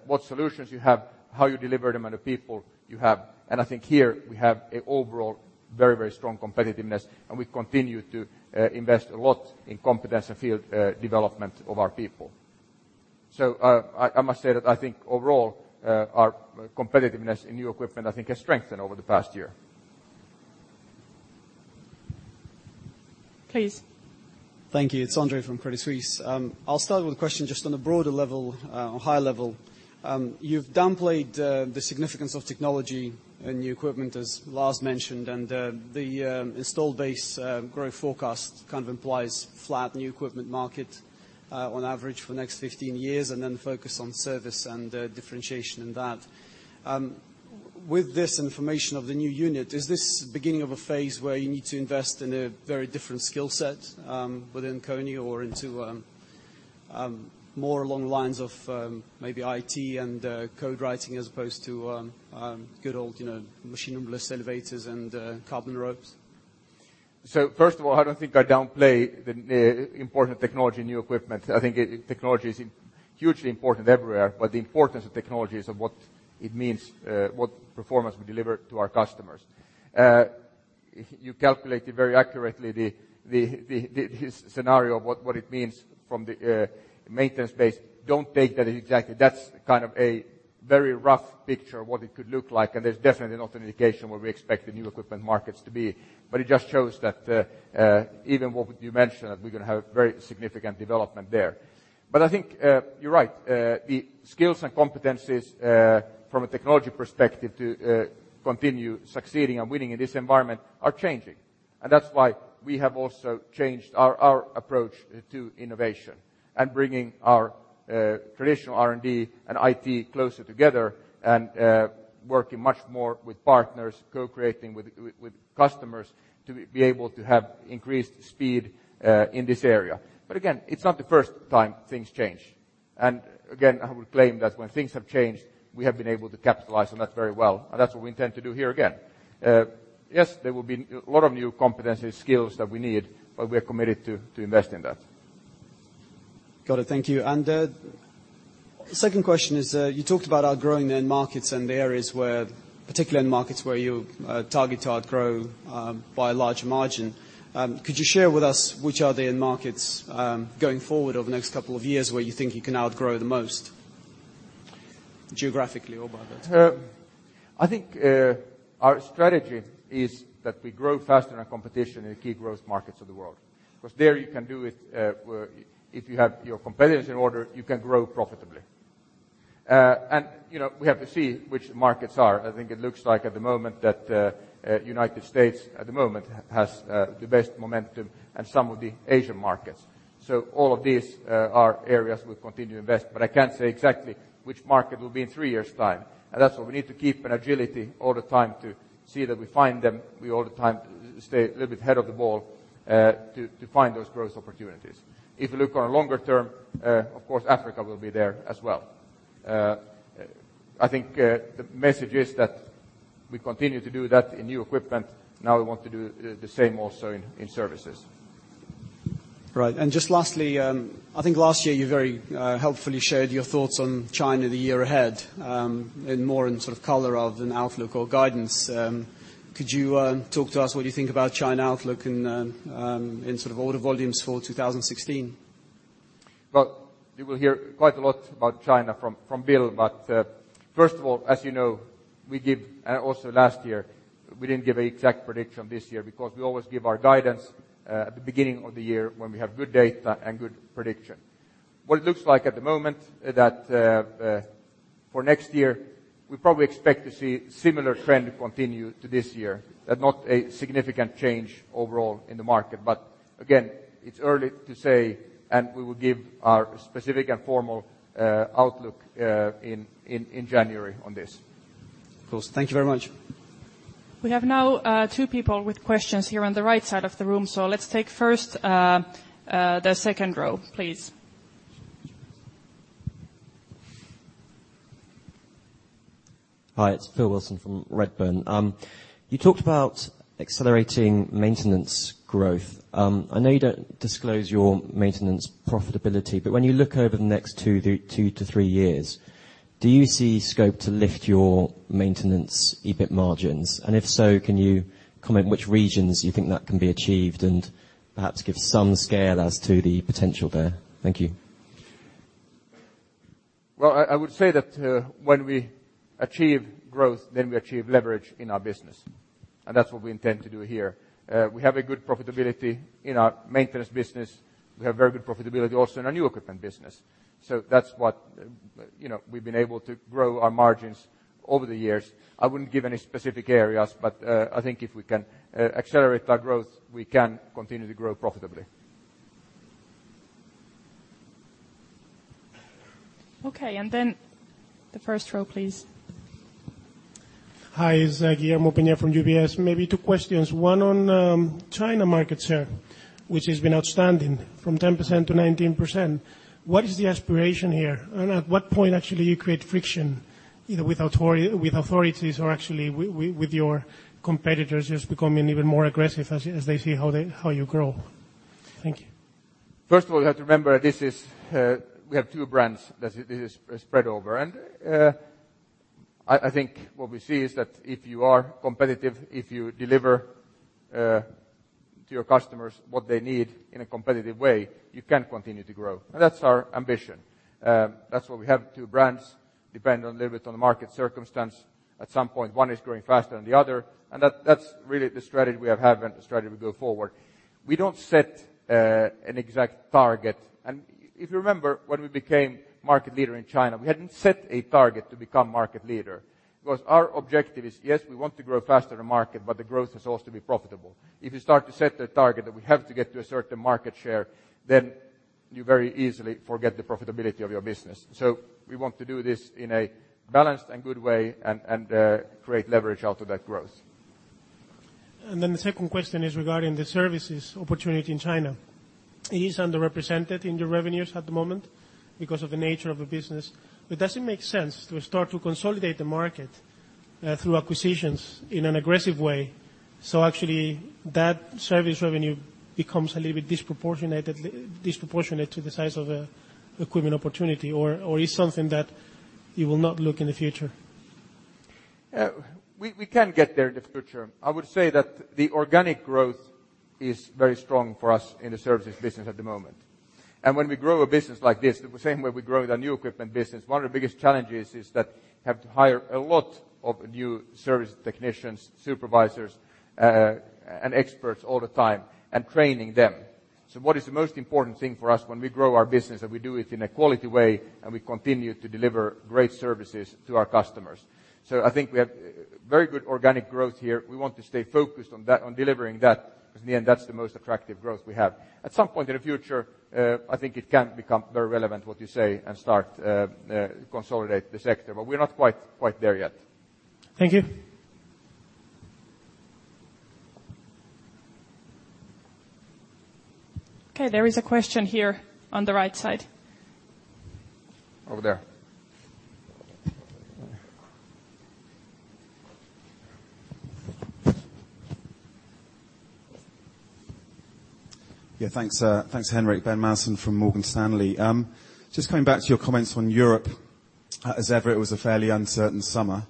what solutions you have, how you deliver them and the people you have. I think here we have an overall very strong competitiveness and we continue to invest a lot in competence and field development of our people. I must say that I think overall, our competitiveness in new equipment, I think, has strengthened over the past year. Please. Thank you. It's Andre from Credit Suisse. I'll start with a question just on a broader level, on a high level. You've downplayed the significance of technology in new equipment, as Lars mentioned, and the installed base growth forecast kind of implies flat new equipment market on average for the next 15 years, and then focus on service and differentiation in that. With this information of the new unit, is this the beginning of a phase where you need to invest in a very different skill set within KONE or into more along the lines of maybe IT and code writing as opposed to good old machine-room-less elevators and carbon ropes? First of all, I don't think I downplay the important technology in new equipment. I think technology is hugely important everywhere, but the importance of technology is of what it means, what performance we deliver to our customers. You calculated very accurately the scenario of what it means from the maintenance base. Don't take that exactly. That's kind of a very rough picture of what it could look like, and there's definitely not an indication where we expect the new equipment markets to be. It just shows that even what you mentioned, that we're going to have very significant development there. I think you're right. The skills and competencies from a technology perspective to continue succeeding and winning in this environment are changing, that's why we have also changed our approach to innovation and bringing our traditional R&D and IT closer together and working much more with partners, co-creating with customers to be able to have increased speed in this area. Again, it's not the first time things change. Again, I would claim that when things have changed, we have been able to capitalize on that very well. That's what we intend to do here again. Yes, there will be a lot of new competency skills that we need, but we are committed to invest in that. Got it. Thank you. The second question is, you talked about outgrowing end markets and the areas where, particularly end markets where you target to outgrow by a large margin. Could you share with us which are the end markets going forward over the next couple of years where you think you can outgrow the most geographically or by that? I think our strategy is that we grow faster than our competition in key growth markets of the world. There you can do it, if you have your competitors in order, you can grow profitably. We have to see which markets are. I think it looks like at the moment that United States, at the moment, has the best momentum and some of the Asian markets. All of these are areas we'll continue to invest, but I can't say exactly which market will be in 3 years' time. That's why we need to keep an agility all the time to see that we find them. We all the time stay a little bit ahead of the ball to find those growth opportunities. If you look on a longer term, of course, Africa will be there as well. I think the message is that we continue to do that in new equipment. Now we want to do the same also in services. Right. Just lastly, I think last year you very helpfully shared your thoughts on China the year ahead, in more in sort of color of an outlook or guidance. Could you talk to us what you think about China outlook in sort of order volumes for 2016? Well, you will hear quite a lot about China from Bill. First of all, as you know, we give also last year, we didn't give an exact prediction this year because we always give our guidance at the beginning of the year when we have good data and good prediction. What it looks like at the moment that for next year, we probably expect to see similar trend continue to this year, not a significant change overall in the market. Again, it's early to say, we will give our specific and formal outlook in January on this. Of course. Thank you very much. We have now two people with questions here on the right side of the room. Let's take first the second row, please. Hi, it's Phil Wilson from Redburn. You talked about accelerating maintenance growth. I know you don't disclose your maintenance profitability, but when you look over the next 2-3 years, do you see scope to lift your maintenance EBIT margins? If so, can you comment which regions you think that can be achieved and perhaps give some scale as to the potential there? Thank you. I would say that when we achieve growth, then we achieve leverage in our business, and that's what we intend to do here. We have a good profitability in our maintenance business. We have very good profitability also in our new equipment business. That's what we've been able to grow our margins over the years. I wouldn't give any specific areas, but I think if we can accelerate that growth, we can continue to grow profitably. Okay, the first row, please. Hi. It's Guillermo Peigneux-Lojo from UBS. Maybe 2 questions. One on China market share, which has been outstanding from 10%-19%. What is the aspiration here? At what point actually you create friction either with authorities or actually with your competitors just becoming even more aggressive as they see how you grow? Thank you. First of all, you have to remember we have two brands that it is spread over. I think what we see is that if you are competitive, if you deliver to your customers what they need in a competitive way, you can continue to grow. That's our ambition. That's why we have two brands, depend a little bit on the market circumstance. At some point, one is growing faster than the other, and that's really the strategy we have had and the strategy we go forward. We don't set an exact target. If you remember, when we became market leader in China, we hadn't set a target to become market leader. Our objective is, yes, we want to grow faster than market, but the growth is also to be profitable. If you start to set the target that we have to get to a certain market share, you very easily forget the profitability of your business. We want to do this in a balanced and good way and create leverage out of that growth. The second question is regarding the services opportunity in China. It is underrepresented in the revenues at the moment because of the nature of the business. Does it make sense to start to consolidate the market through acquisitions in an aggressive way, so actually that service revenue becomes a little bit disproportionate to the size of the equipment opportunity, or is something that you will not look in the future? We can get there in the future. I would say that the organic growth is very strong for us in the services business at the moment. When we grow a business like this, the same way we grow the new equipment business, one of the biggest challenges is that you have to hire a lot of new service technicians, supervisors, and experts all the time, and training them. What is the most important thing for us when we grow our business, that we do it in a quality way and we continue to deliver great services to our customers. I think we have very good organic growth here. We want to stay focused on delivering that, because in the end, that's the most attractive growth we have. At some point in the future, I think it can become very relevant, what you say, and start consolidate the sector, but we're not quite there yet. Thank you. Okay, there is a question here on the right side. Over there. Thanks, Henrik. Ben Maitland from Morgan Stanley. Just coming back to your comments on Europe. As ever, it was a fairly uncertain summer.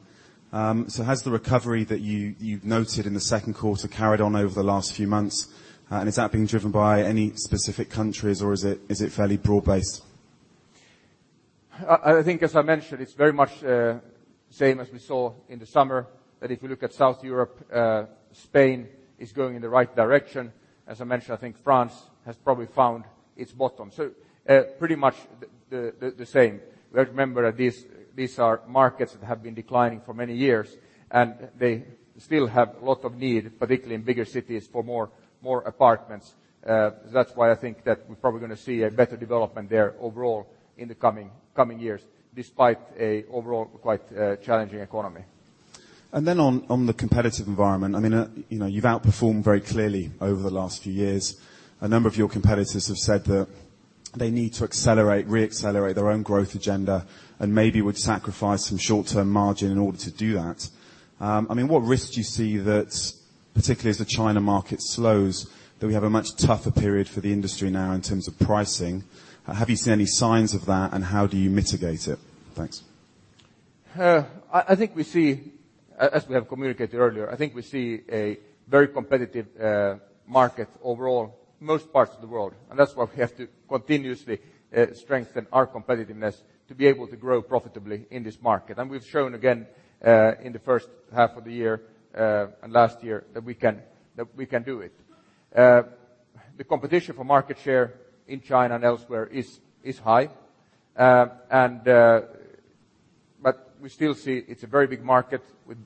Has the recovery that you've noted in the second quarter carried on over the last few months? Is that being driven by any specific countries, or is it fairly broad based? I think, as I mentioned, it's very much same as we saw in the summer, that if you look at South Europe, Spain is going in the right direction. As I mentioned, I think France has probably found its bottom. Pretty much the same. Remember, these are markets that have been declining for many years, and they still have a lot of need, particularly in bigger cities, for more apartments. That's why I think that we're probably going to see a better development there overall in the coming years, despite a overall quite challenging economy. On the competitive environment, you've outperformed very clearly over the last few years. A number of your competitors have said that they need to re-accelerate their own growth agenda and maybe would sacrifice some short-term margin in order to do that. What risk do you see that, particularly as the China market slows, that we have a much tougher period for the industry now in terms of pricing? Have you seen any signs of that, and how do you mitigate it? Thanks. As we have communicated earlier, I think we see a very competitive market overall, most parts of the world, and that's why we have to continuously strengthen our competitiveness to be able to grow profitably in this market. We've shown again, in the first half of the year and last year, that we can do it. The competition for market share in China and elsewhere is high. We still see it's a very big market with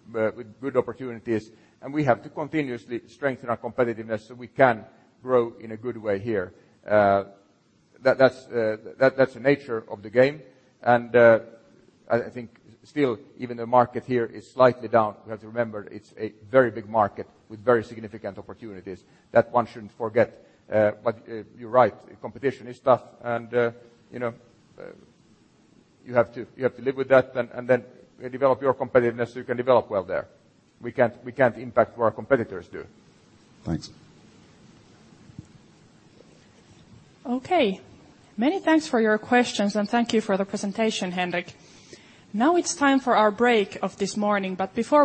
good opportunities, and we have to continuously strengthen our competitiveness so we can grow in a good way here. That's the nature of the game, and I think still, even the market here is slightly down. We have to remember, it's a very big market with very significant opportunities. That one shouldn't forget. You're right, competition is tough and you have to live with that and then develop your competitiveness so you can develop well there. We can't impact what our competitors do. Thanks. Okay. Many thanks for your questions, and thank you for the presentation, Henrik. Before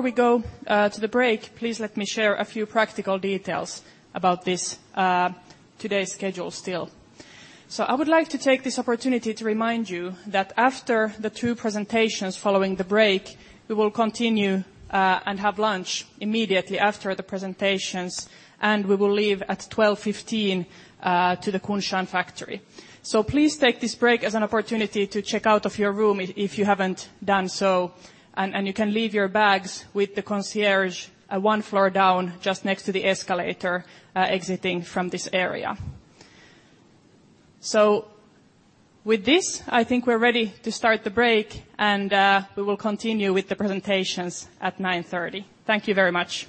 we go to the break, please let me share a few practical details about today's schedule still. I would like to take this opportunity to remind you that after the two presentations following the break, we will continue and have lunch immediately after the presentations, and we will leave at 12:15 P.M. to the Kunshan factory. Please take this break as an opportunity to check out of your room if you haven't done so, and you can leave your bags with the concierge one floor down, just next to the escalator exiting from this area. With this, I think we're ready to start the break, and we will continue with the presentations at 9:30 A.M. Thank you very much.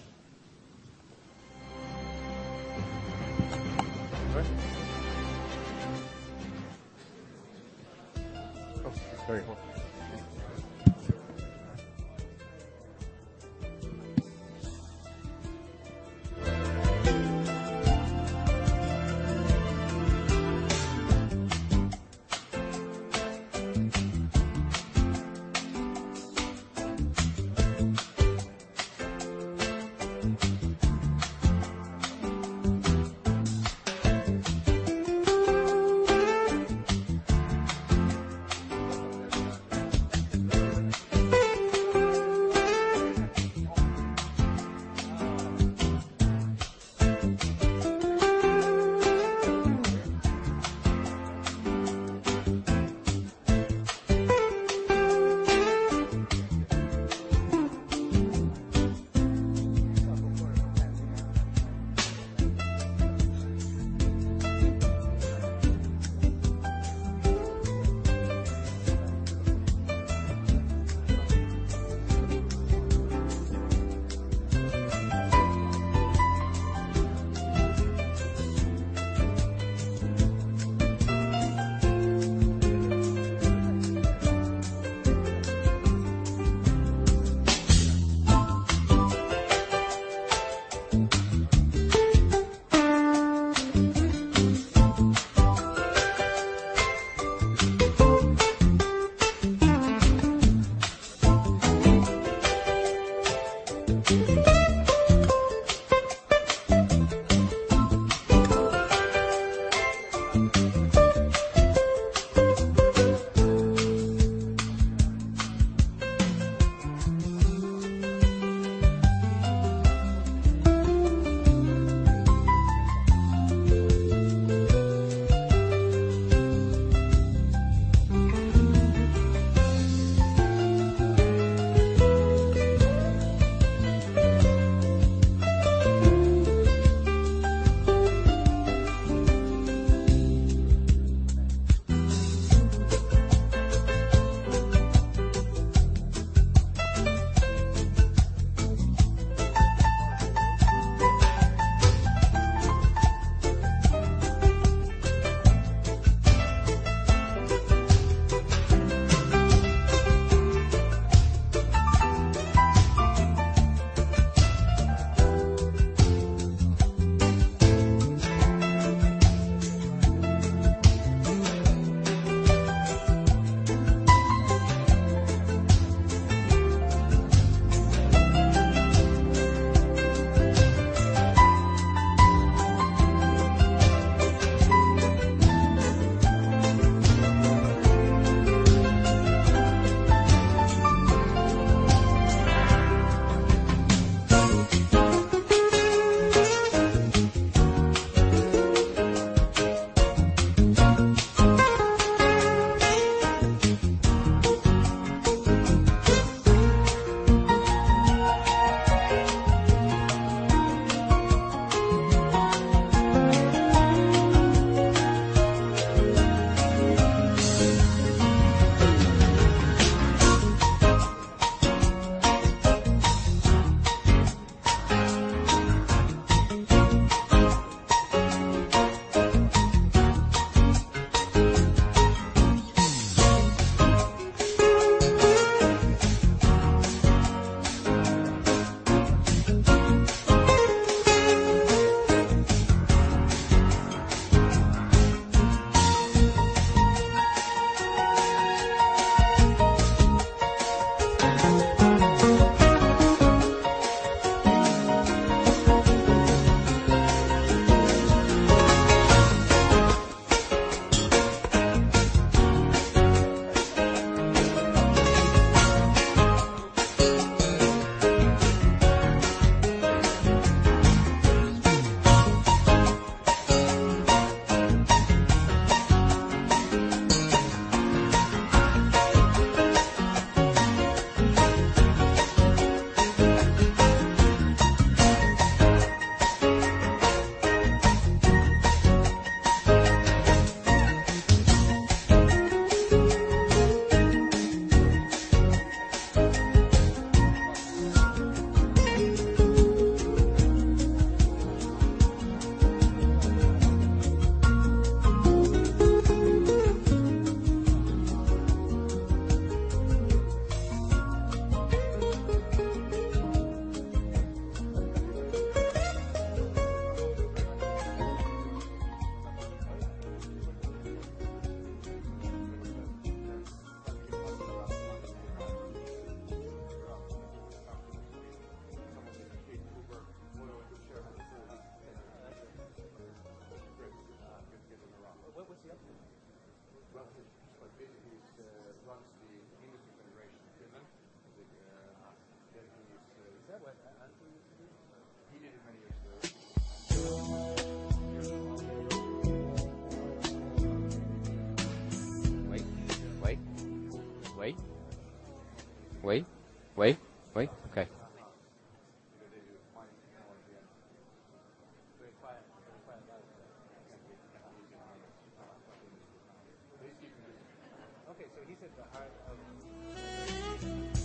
Okay.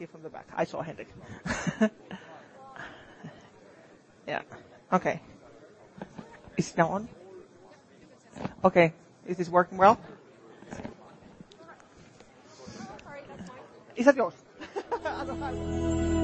No one will see from the back. I saw Henrik. Yeah, okay. Is it now on? Okay, is this working well? Sorry, that's mine. Is that yours? Otherwise Okay.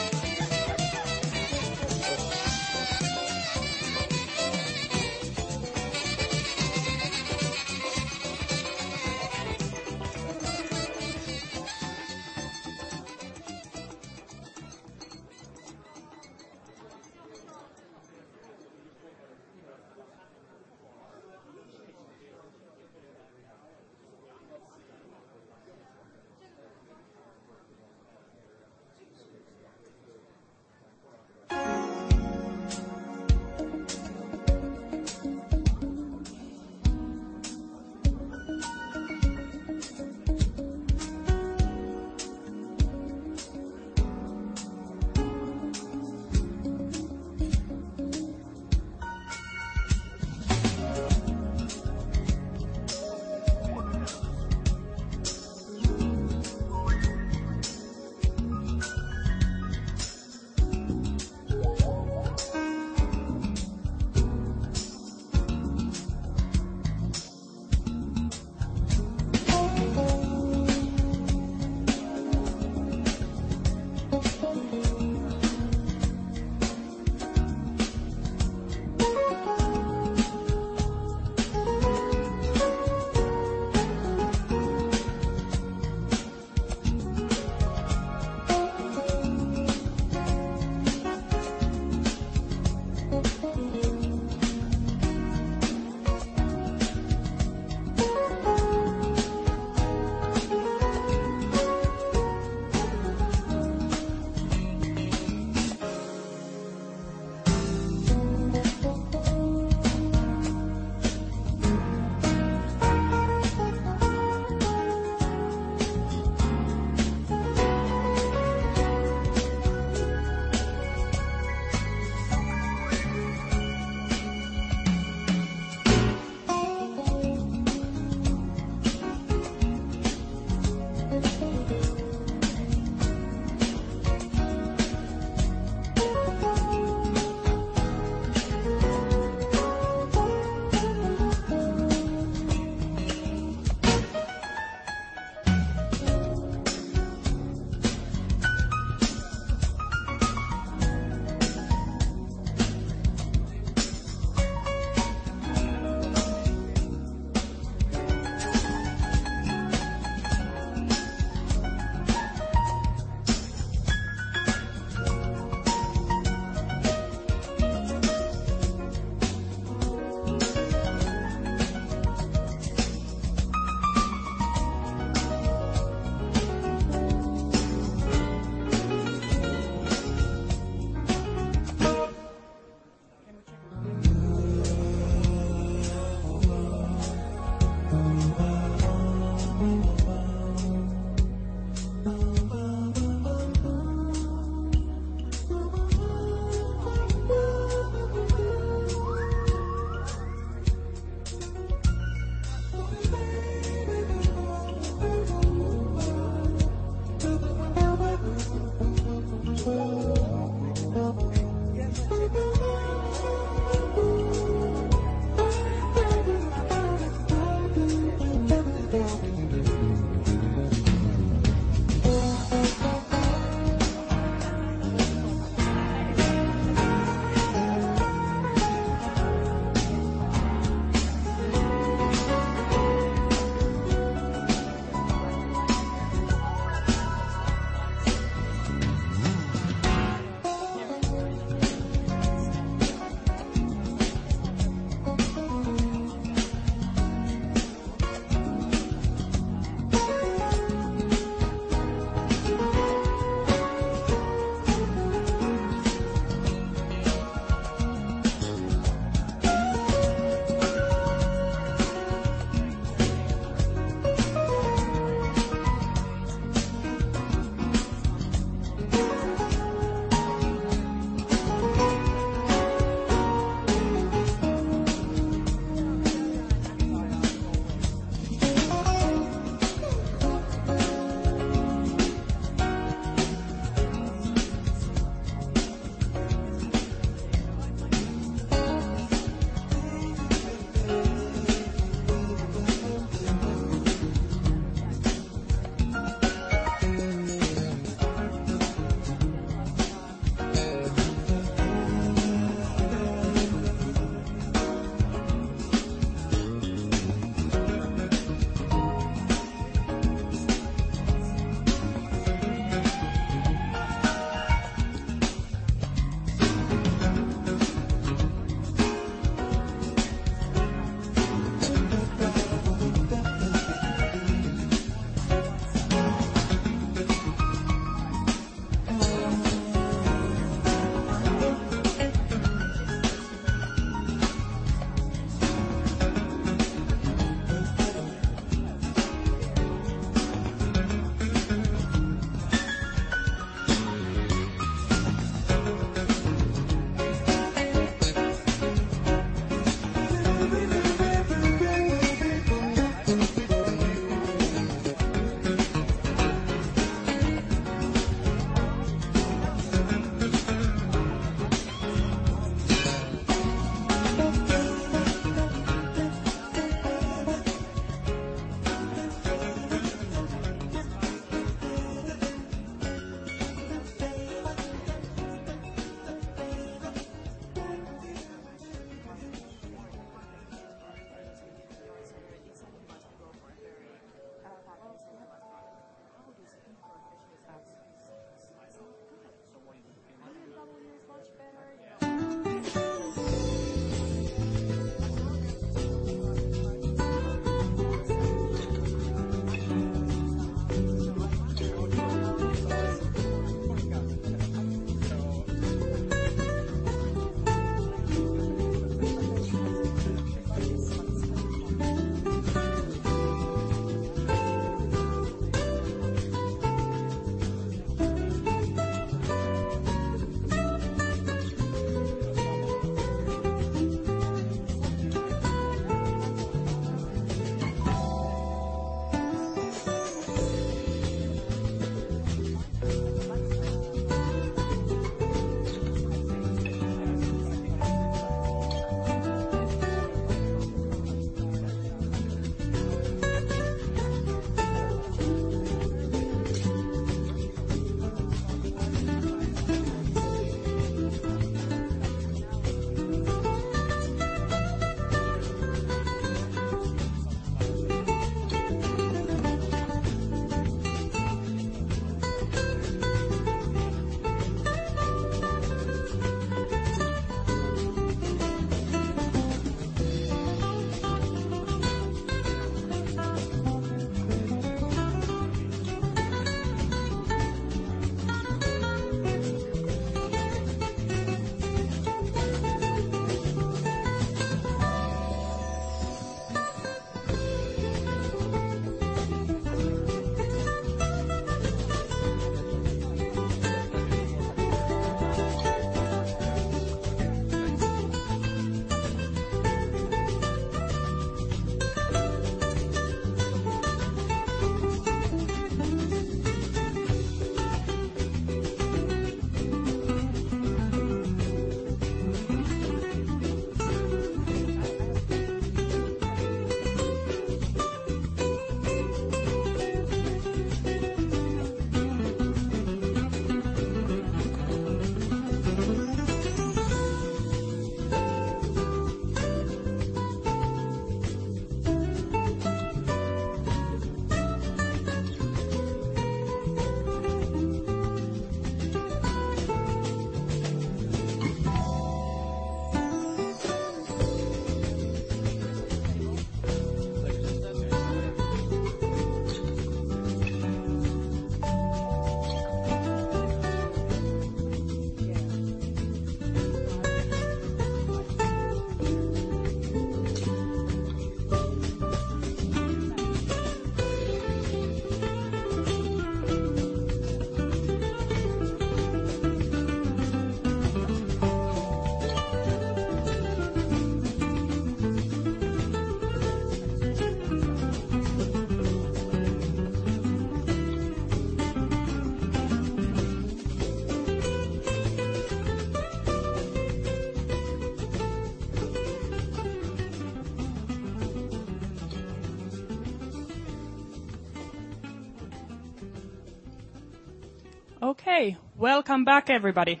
Welcome back, everybody.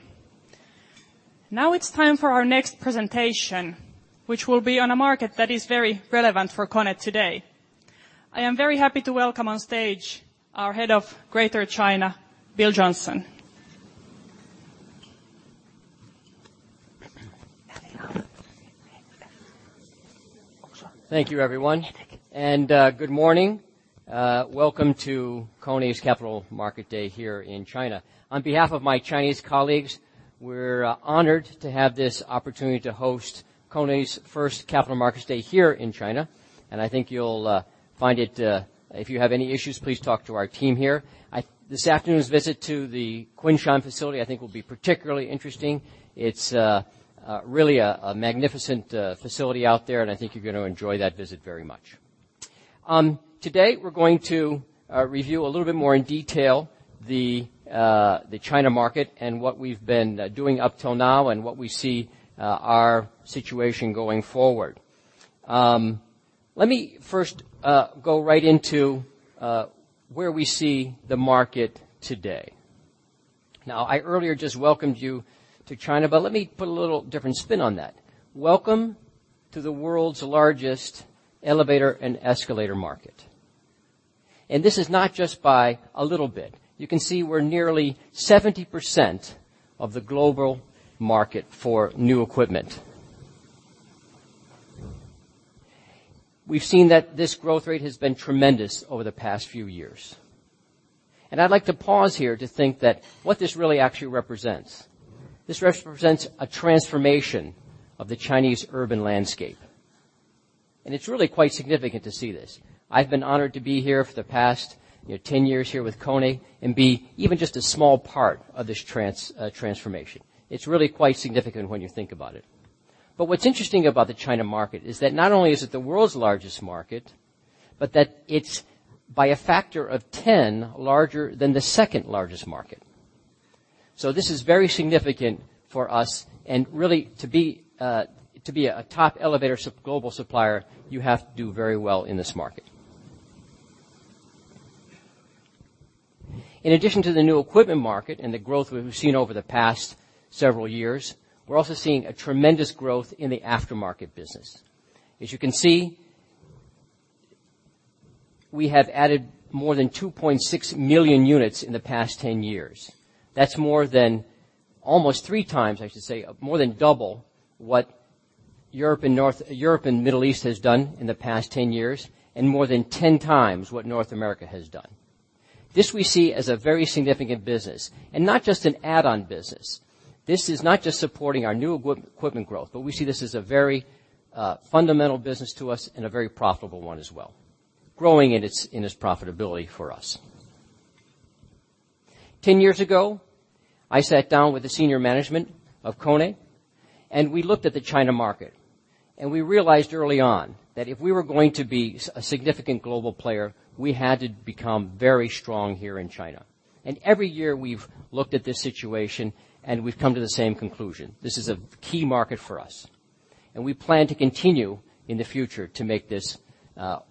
Now it is time for our next presentation, which will be on a market that is very relevant for KONE today. I am very happy to welcome on stage our head of Greater China, Bill Johnson. Thank you, everyone, and good morning. Welcome to KONE's Capital Markets Day here in China. On behalf of my Chinese colleagues, we are honored to have this opportunity to host KONE's first Capital Markets Day here in China. I think you will find it If you have any issues, please talk to our team here. This afternoon's visit to the Kunshan facility, I think, will be particularly interesting. It is really a magnificent facility out there, and I think you are going to enjoy that visit very much. Today, we are going to review a little bit more in detail the China market and what we have been doing up till now and what we see our situation going forward. Let me first go right into where we see the market today. Now, I earlier just welcomed you to China. Let me put a little different spin on that. Welcome to the world's largest elevator and escalator market. This is not just by a little bit. You can see we are nearly 70% of the global market for new equipment. We have seen that this growth rate has been tremendous over the past few years. I would like to pause here to think that what this really actually represents. This represents a transformation of the Chinese urban landscape, and it is really quite significant to see this. I have been honored to be here for the past 10 years here with KONE and be even just a small part of this transformation. It is really quite significant when you think about it. What is interesting about the China market is that not only is it the world's largest market, but that it is by a factor of 10 larger than the second-largest market. This is very significant for us and really to be a top elevator global supplier, you have to do very well in this market. In addition to the new equipment market and the growth we've seen over the past several years, we're also seeing a tremendous growth in the aftermarket business. As you can see, we have added more than 2.6 million units in the past 10 years. That's more than almost three times, I should say, more than double what Europe and Middle East has done in the past 10 years, and more than 10 times what North America has done. This we see as a very significant business, and not just an add-on business. This is not just supporting our new equipment growth, but we see this as a very fundamental business to us and a very profitable one as well, growing in its profitability for us. 10 years ago, I sat down with the senior management of KONE, and we looked at the China market, and we realized early on that if we were going to be a significant global player, we had to become very strong here in China. Every year we've looked at this situation and we've come to the same conclusion. This is a key market for us, and we plan to continue in the future to make this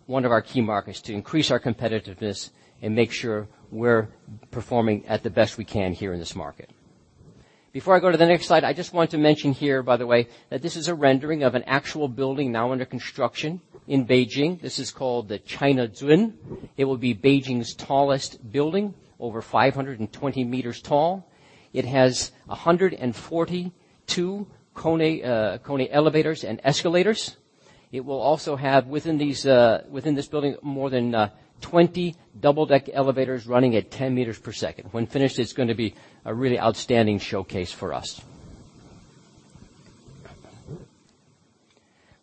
one of our key markets, to increase our competitiveness and make sure we're performing at the best we can here in this market. Before I go to the next slide, I just want to mention here, by the way, that this is a rendering of an actual building now under construction in Beijing. This is called the China Zun. It will be Beijing's tallest building, over 520 meters tall. It has 142 KONE elevators and escalators. It will also have, within this building, more than 20 double-deck elevators running at 10 meters per second. When finished, it's going to be a really outstanding showcase for us.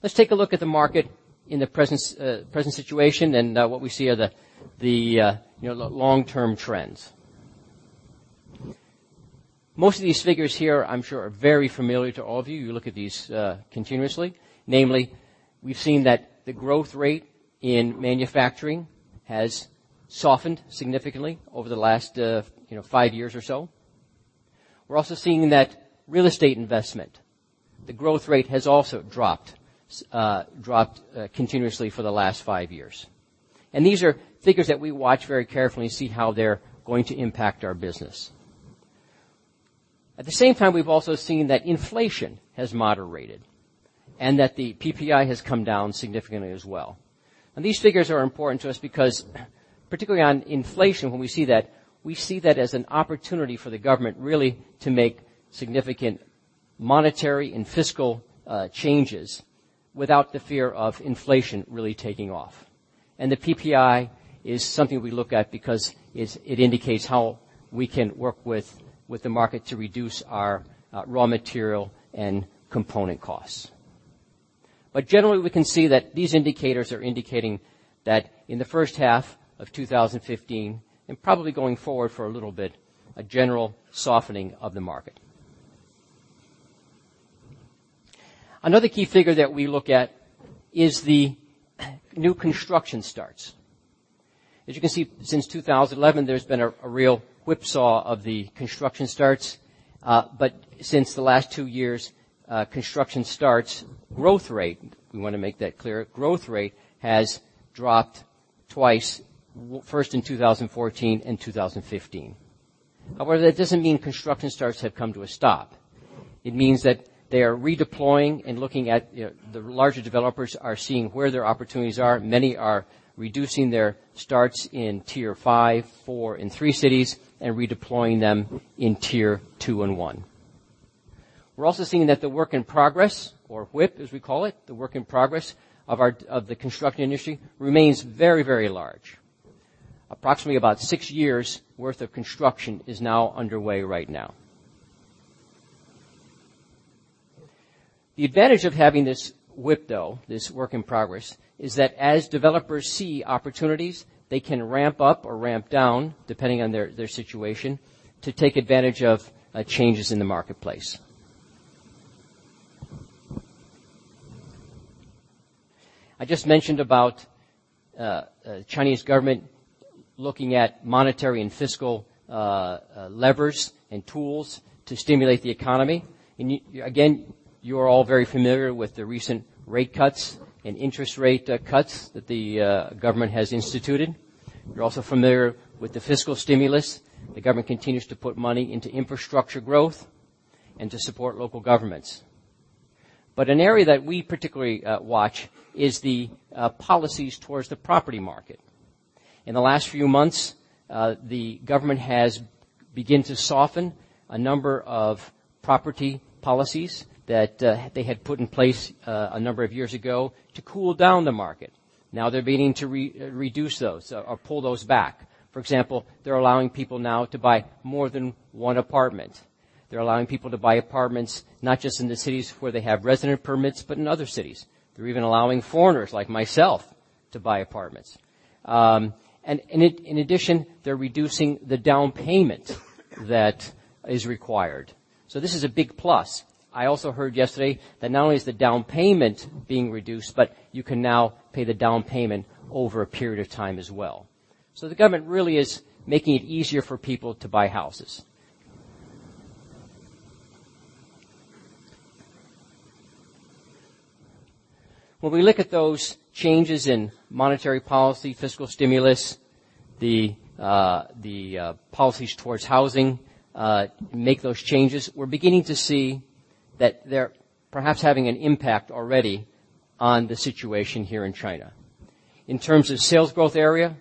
Let's take a look at the market in the present situation and what we see are the long-term trends. Most of these figures here, I'm sure, are very familiar to all of you. You look at these continuously. Namely, we've seen that the growth rate in manufacturing has softened significantly over the last five years or so. We're also seeing that real estate investment, the growth rate has also dropped continuously for the last five years. These are figures that we watch very carefully to see how they're going to impact our business. At the same time, we've also seen that inflation has moderated and that the PPI has come down significantly as well. These figures are important to us because particularly on inflation, when we see that, we see that as an opportunity for the government really to make significant monetary and fiscal changes without the fear of inflation really taking off. The PPI is something we look at because it indicates how we can work with the market to reduce our raw material and component costs. Generally, we can see that these indicators are indicating that in the first half of 2015, and probably going forward for a little bit, a general softening of the market. Another key figure that we look at is the new construction starts. As you can see, since 2011, there's been a real whipsaw of the construction starts. Since the last two years, construction starts growth rate, we want to make that clear, growth rate has dropped twice, first in 2014 and 2015. That doesn't mean construction starts have come to a stop. It means that they are redeploying and looking at the larger developers are seeing where their opportunities are. Many are reducing their starts in tier 5, 4, and 3 cities and redeploying them in tier 2 and 1. We're also seeing that the work in progress, or WIP as we call it, the work in progress of the construction industry remains very large. Approximately about six years' worth of construction is now underway right now. The advantage of having this WIP, though, this work in progress, is that as developers see opportunities, they can ramp up or ramp down, depending on their situation, to take advantage of changes in the marketplace. I just mentioned about Chinese government looking at monetary and fiscal levers and tools to stimulate the economy. Again, you are all very familiar with the recent rate cuts and interest rate cuts that the government has instituted. You're also familiar with the fiscal stimulus. The government continues to put money into infrastructure growth and to support local governments. An area that we particularly watch is the policies towards the property market. In the last few months, the government has begun to soften a number of property policies that they had put in place a number of years ago to cool down the market. Now they're beginning to reduce those or pull those back. For example, they're allowing people now to buy more than one apartment. They're allowing people to buy apartments, not just in the cities where they have resident permits, but in other cities. They're even allowing foreigners like myself to buy apartments. In addition, they're reducing the down payment that is required. This is a big plus. I also heard yesterday that not only is the down payment being reduced, but you can now pay the down payment over a period of time as well. The government really is making it easier for people to buy houses. When we look at those changes in monetary policy, fiscal stimulus, the policies towards housing, make those changes, we're beginning to see that they're perhaps having an impact already on the situation here in China. In terms of sales growth area,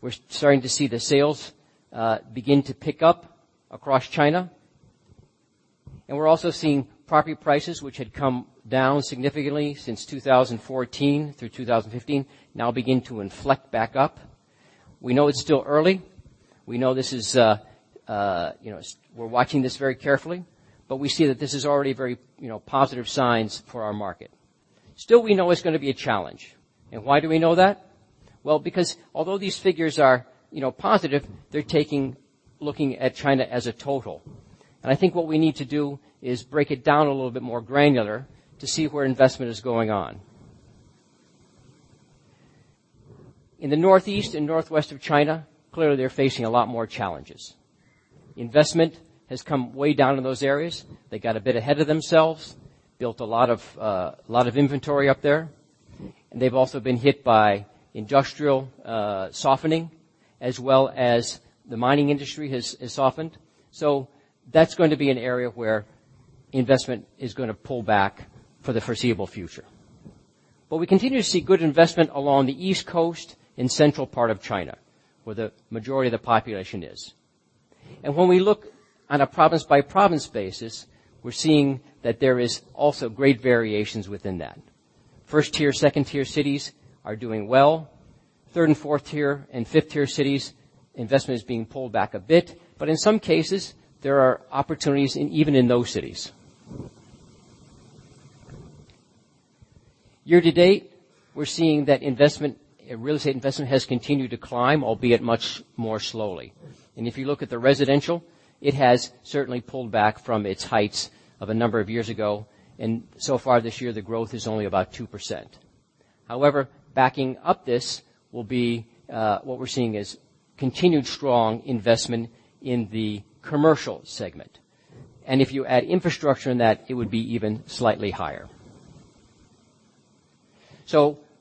we're starting to see the sales begin to pick up across China. We're also seeing property prices, which had come down significantly since 2014 through 2015, now begin to inflect back up. We know it's still early. We know we're watching this very carefully, but we see that this is already very positive signs for our market. Still, we know it's going to be a challenge. Why do we know that? Well, because although these figures are positive, they're looking at China as a total. I think what we need to do is break it down a little bit more granular to see where investment is going on. In the northeast and northwest of China, clearly, they're facing a lot more challenges. Investment has come way down in those areas. They got a bit ahead of themselves, built a lot of inventory up there, and they've also been hit by industrial softening as well as the mining industry has softened. That's going to be an area where investment is going to pull back for the foreseeable future. We continue to see good investment along the east coast and central part of China, where the majority of the population is. When we look on a province-by-province basis, we're seeing that there is also great variations within that. 1st-tier, 2nd-tier cities are doing well. 3rd and 4th-tier and 5th-tier cities, investment is being pulled back a bit. In some cases, there are opportunities even in those cities. Year to date, we're seeing that real estate investment has continued to climb, albeit much more slowly. If you look at the residential, it has certainly pulled back from its heights of a number of years ago, and so far this year, the growth is only about 2%. However, backing up this will be what we're seeing as continued strong investment in the commercial segment. If you add infrastructure in that, it would be even slightly higher.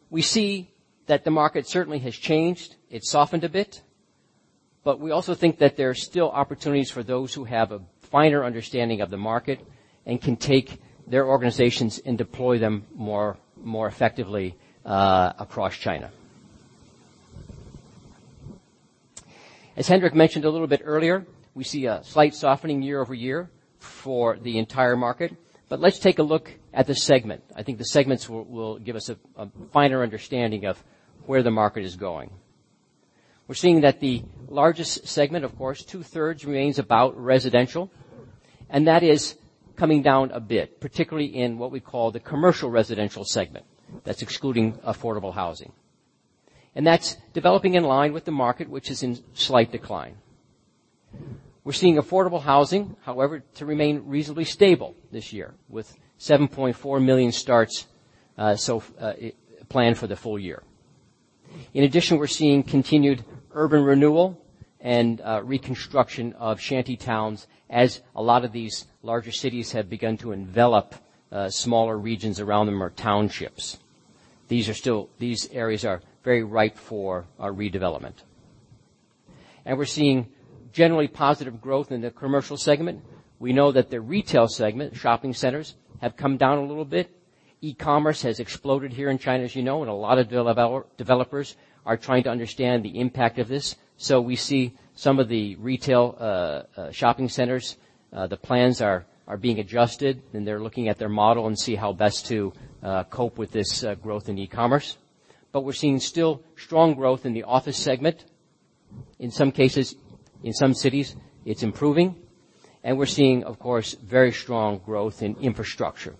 We see that the market certainly has changed. It softened a bit. We also think that there are still opportunities for those who have a finer understanding of the market and can take their organizations and deploy them more effectively across China. As Henrik mentioned a little bit earlier, we see a slight softening year-over-year for the entire market. Let's take a look at the segment. I think the segments will give us a finer understanding of where the market is going. We're seeing that the largest segment, of course, two-thirds remains about residential, and that is coming down a bit, particularly in what we call the commercial residential segment. That's excluding affordable housing. That's developing in line with the market, which is in slight decline. We're seeing affordable housing, however, to remain reasonably stable this year with 7.4 million starts planned for the full year. In addition, we're seeing continued urban renewal and reconstruction of shanty towns as a lot of these larger cities have begun to envelop smaller regions around them or townships. These areas are very ripe for redevelopment. We're seeing generally positive growth in the commercial segment. We know that the retail segment, shopping centers, have come down a little bit. e-commerce has exploded here in China, as you know, and a lot of developers are trying to understand the impact of this. We see some of the retail shopping centers, the plans are being adjusted, and they're looking at their model and see how best to cope with this growth in e-commerce. We're seeing still strong growth in the office segment. In some cases, in some cities, it's improving, and we're seeing, of course, very strong growth in infrastructure,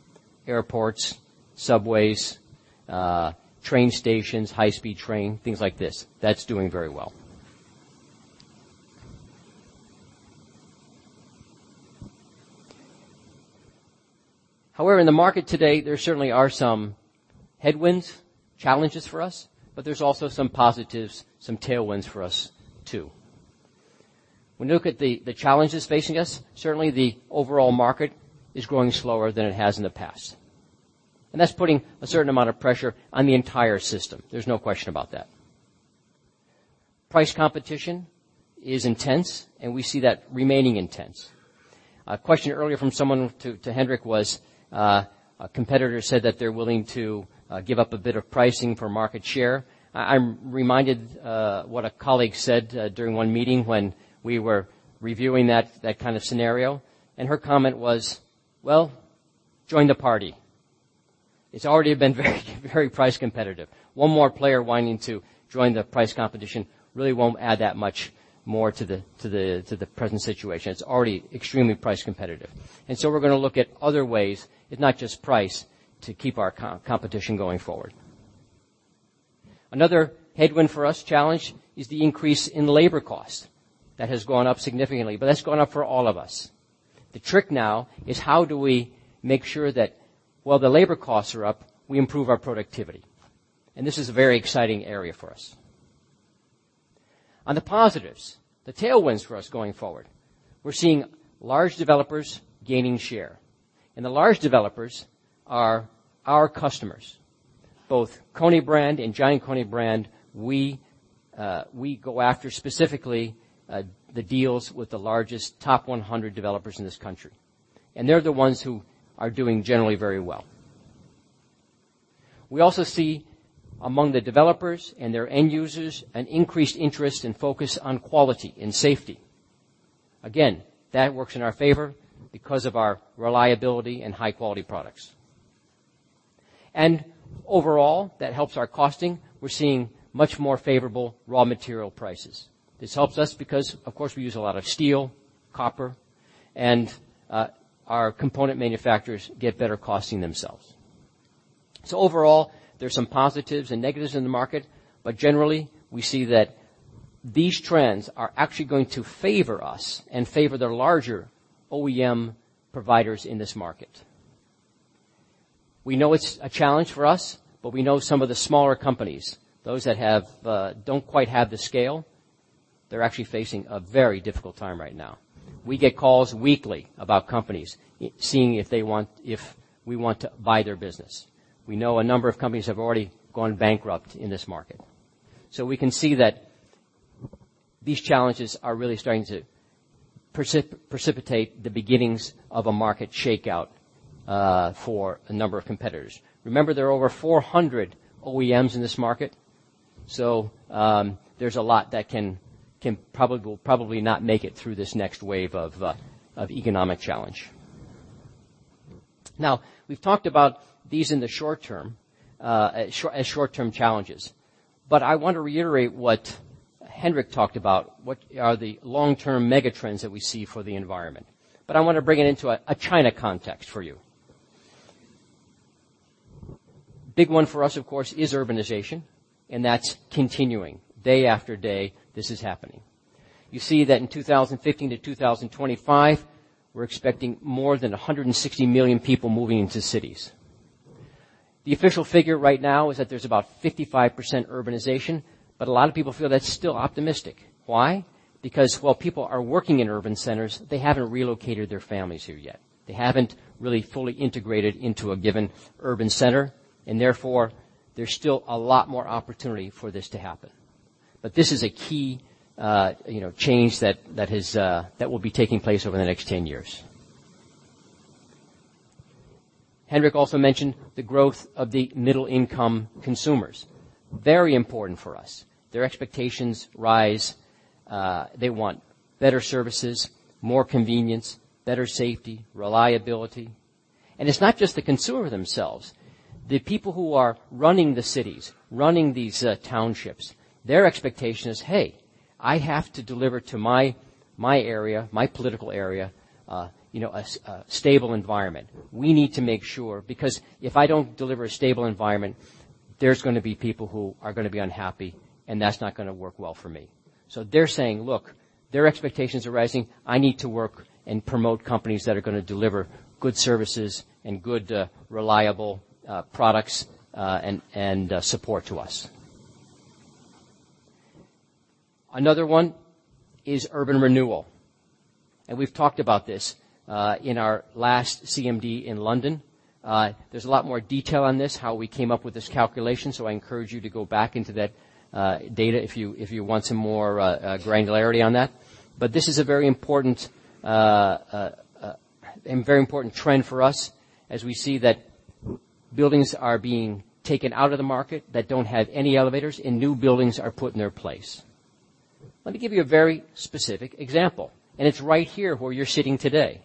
airports, subways, train stations, high-speed train, things like this. That's doing very well. However, in the market today, there certainly are some headwinds, challenges for us, but there's also some positives, some tailwinds for us, too. When you look at the challenges facing us, certainly the overall market is growing slower than it has in the past. That's putting a certain amount of pressure on the entire system. There's no question about that. Price competition is intense, and we see that remaining intense. A question earlier from someone to Henrik was, a competitor said that they're willing to give up a bit of pricing for market share. I'm reminded what a colleague said during one meeting when we were reviewing that kind of scenario, and her comment was, "Well, join the party." It's already been very price competitive. One more player wanting to join the price competition really won't add that much more to the present situation. It's already extremely price competitive. We're going to look at other ways, not just price, to keep our competition going forward. Another headwind for us, challenge, is the increase in labor cost. That has gone up significantly, but that's gone up for all of us. The trick now is how do we make sure that while the labor costs are up, we improve our productivity. This is a very exciting area for us. On the positives, the tailwinds for us going forward, we're seeing large developers gaining share, and the large developers are our customers. Both KONE brand and GiantKONE brand, we go after, specifically, the deals with the largest top 100 developers in this country, and they're the ones who are doing generally very well. We also see among the developers and their end users an increased interest and focus on quality and safety. Again, that works in our favor because of our reliability and high-quality products. Overall, that helps our costing. We're seeing much more favorable raw material prices. This helps us because, of course, we use a lot of steel, copper, and our component manufacturers get better costing themselves. Overall, there are some positives and negatives in the market, but generally, we see that these trends are actually going to favor us and favor the larger OEM providers in this market. We know it's a challenge for us, but we know some of the smaller companies, those that don't quite have the scale, they're actually facing a very difficult time right now. We get calls weekly about companies seeing if we want to buy their business. We know a number of companies have already gone bankrupt in this market. We can see that these challenges are really starting to precipitate the beginnings of a market shakeout for a number of competitors. Remember, there are over 400 OEMs in this market, there's a lot that will probably not make it through this next wave of economic challenge. Now, we've talked about these as short-term challenges, but I want to reiterate what Henrik talked about, what are the long-term mega trends that we see for the environment. I want to bring it into a China context for you. Big one for us, of course, is urbanization, and that's continuing. Day after day, this is happening. You see that in 2015 to 2025, we're expecting more than 160 million people moving into cities. The official figure right now is that there's about 55% urbanization, but a lot of people feel that's still optimistic. Why? Because while people are working in urban centers, they haven't relocated their families here yet. They haven't really fully integrated into a given urban center, and therefore, there's still a lot more opportunity for this to happen. This is a key change that will be taking place over the next 10 years. Henrik also mentioned the growth of the middle income consumers. Very important for us. Their expectations rise. They want better services, more convenience, better safety, reliability. It's not just the consumer themselves. The people who are running the cities, running these townships, their expectation is, "Hey, I have to deliver to my area, my political area, a stable environment. We need to make sure, because if I don't deliver a stable environment, there's going to be people who are going to be unhappy, and that's not going to work well for me." They're saying, look, their expectations are rising. I need to work and promote companies that are going to deliver good services and good, reliable products and support to us. Another one is urban renewal, and we've talked about this in our last CMD in London. There's a lot more detail on this, how we came up with this calculation, so I encourage you to go back into that data if you want some more granularity on that. This is a very important trend for us as we see that buildings are being taken out of the market that don't have any elevators, and new buildings are put in their place. Let me give you a very specific example, and it's right here where you're sitting today.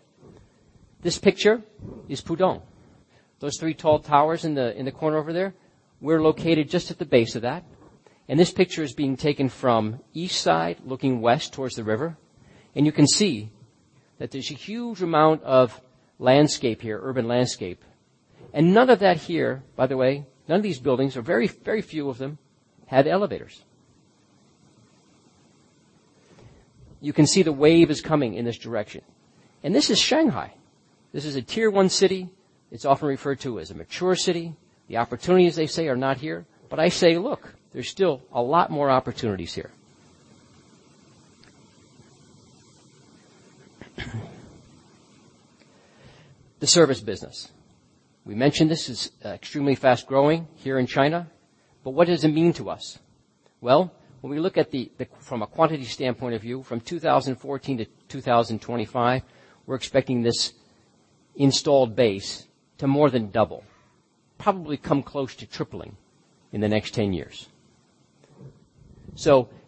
This picture is Pudong. Those three tall towers in the corner over there, we're located just at the base of that. This picture is being taken from east side, looking west towards the river. You can see that there's a huge amount of landscape here, urban landscape. None of that here, by the way, none of these buildings, or very few of them, had elevators. You can see the wave is coming in this direction. This is Shanghai. This is a tier 1 city. It's often referred to as a mature city. The opportunities, they say, are not here. I say, look, there's still a lot more opportunities here. The service business. We mentioned this is extremely fast-growing here in China, what does it mean to us? Well, when we look from a quantity standpoint of view, from 2014 to 2025, we're expecting this installed base to more than double, probably come close to tripling in the next 10 years.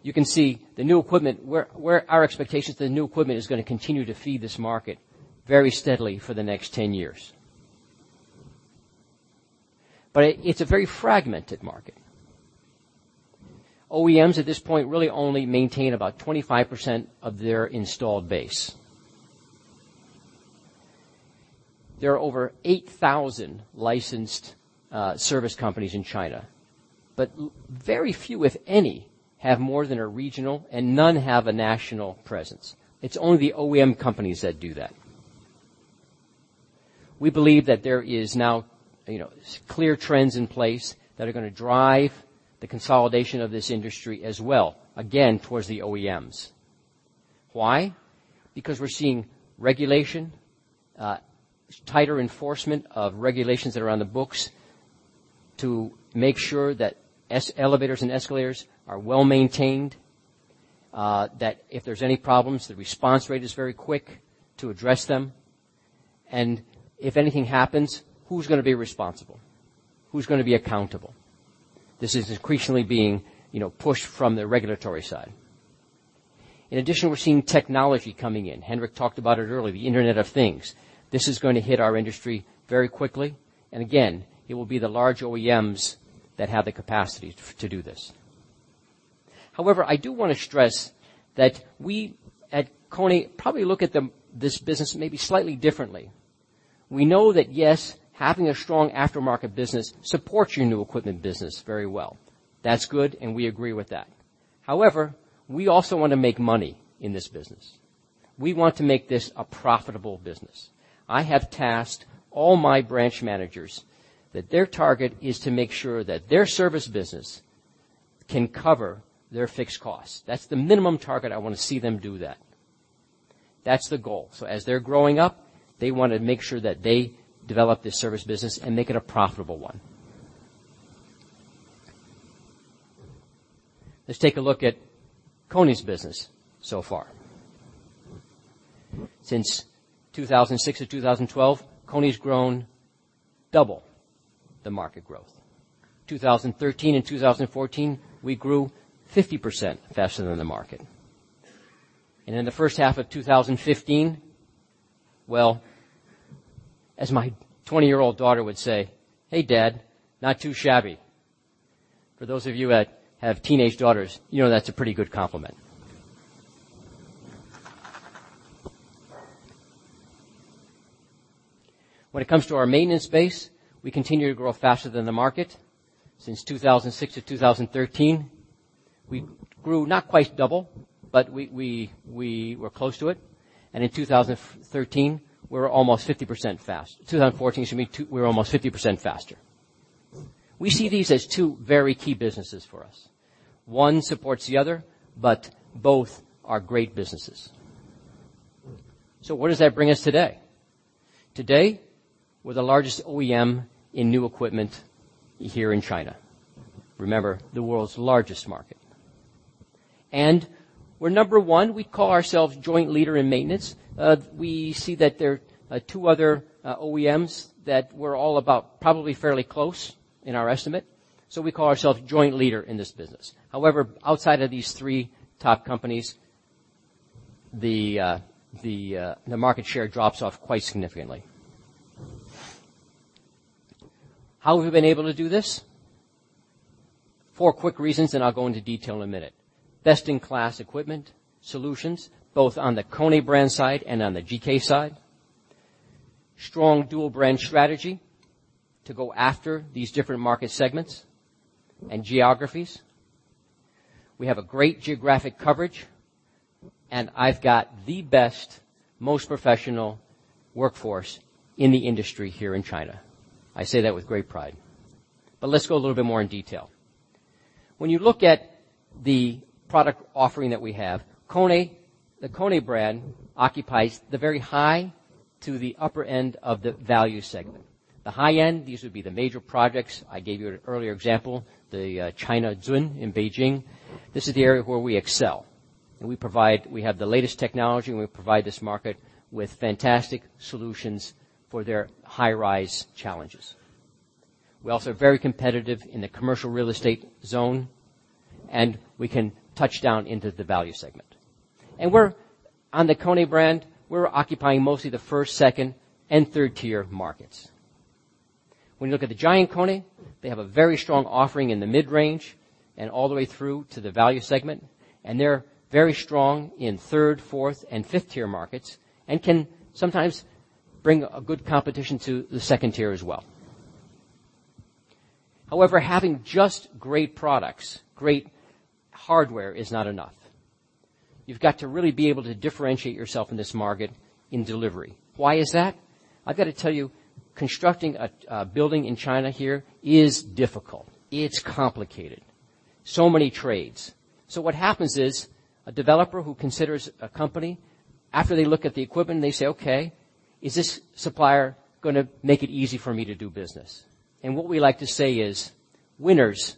You can see our expectation is that new equipment is going to continue to feed this market very steadily for the next 10 years. It's a very fragmented market. OEMs at this point really only maintain about 25% of their installed base. There are over 8,000 licensed service companies in China, but very few, if any, have more than a regional, and none have a national presence. It's only the OEM companies that do that. We believe that there is now clear trends in place that are going to drive the consolidation of this industry as well, again, towards the OEMs. Why? Because we're seeing regulation, tighter enforcement of regulations that are on the books to make sure that elevators and escalators are well-maintained, that if there's any problems, the response rate is very quick to address them, and if anything happens, who's going to be responsible? Who's going to be accountable? This is increasingly being pushed from the regulatory side. In addition, we're seeing technology coming in. Henrik talked about it earlier, the Internet of Things. Again, it will be the large OEMs that have the capacity to do this. However, I do want to stress that we at KONE probably look at this business maybe slightly differently. We know that, yes, having a strong aftermarket business supports your new equipment business very well. That's good, and we agree with that. We also want to make money in this business. We want to make this a profitable business. I have tasked all my branch managers that their target is to make sure that their service business can cover their fixed costs. That's the minimum target I want to see them do that. That's the goal. As they're growing up, they want to make sure that they develop this service business and make it a profitable one. Let's take a look at KONE's business so far. Since 2006 to 2012, KONE's grown double the market growth. 2013 and 2014, we grew 50% faster than the market. In the first half of 2015, well, as my 20-year-old daughter would say, "Hey, Dad, not too shabby." For those of you that have teenage daughters, you know that's a pretty good compliment. When it comes to our maintenance base, we continue to grow faster than the market. Since 2006 to 2013, we grew not quite double, but we were close to it. In 2013, we were almost 50% fast. 2014, should be we were almost 50% faster. We see these as two very key businesses for us. One supports the other, but both are great businesses. What does that bring us today? Today, we're the largest OEM in new equipment here in China. Remember, the world's largest market. We're number one, we call ourselves joint leader in maintenance. We see that there are two other OEMs that we're all about probably fairly close in our estimate. We call ourselves joint leader in this business. Outside of these three top companies, the market share drops off quite significantly. How have we been able to do this? Four quick reasons, and I'll go into detail in a minute. Best-in-class equipment solutions, both on the KONE brand side and on the GK side. Strong dual-brand strategy to go after these different market segments and geographies. We have a great geographic coverage, and I've got the best, most professional workforce in the industry here in China. I say that with great pride. Let's go a little bit more in detail. When you look at the product offering that we have, the KONE brand occupies the very high to the upper end of the value segment. The high end, these would be the major projects. I gave you an earlier example, the China Zun in Beijing. This is the area where we excel, and we have the latest technology, and we provide this market with fantastic solutions for their high-rise challenges. We're also very competitive in the commercial real estate zone, and we can touch down into the value segment. On the KONE brand, we're occupying mostly the first, second, and third-tier markets. When you look at the Giant KONE, they have a very strong offering in the mid-range and all the way through to the value segment, and they're very strong in third, fourth, and fifth-tier markets and can sometimes bring a good competition to the second tier as well. Having just great products, great hardware is not enough. You've got to really be able to differentiate yourself in this market in delivery. Why is that? I've got to tell you, constructing a building in China here is difficult. It's complicated. So many trades. What happens is, a developer who considers a company, after they look at the equipment, they say, "Okay, is this supplier going to make it easy for me to do business?" What we like to say is, winners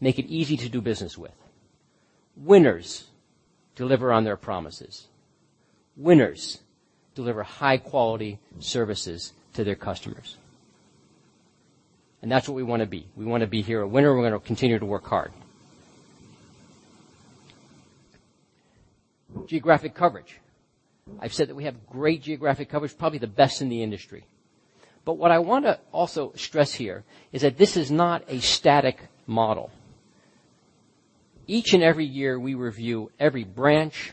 make it easy to do business with. Winners deliver on their promises. Winners deliver high-quality services to their customers. That's what we want to be. We want to be here a winner, and we're going to continue to work hard. Geographic coverage. I've said that we have great geographic coverage, probably the best in the industry. What I want to also stress here is that this is not a static model. Each and every year, we review every branch,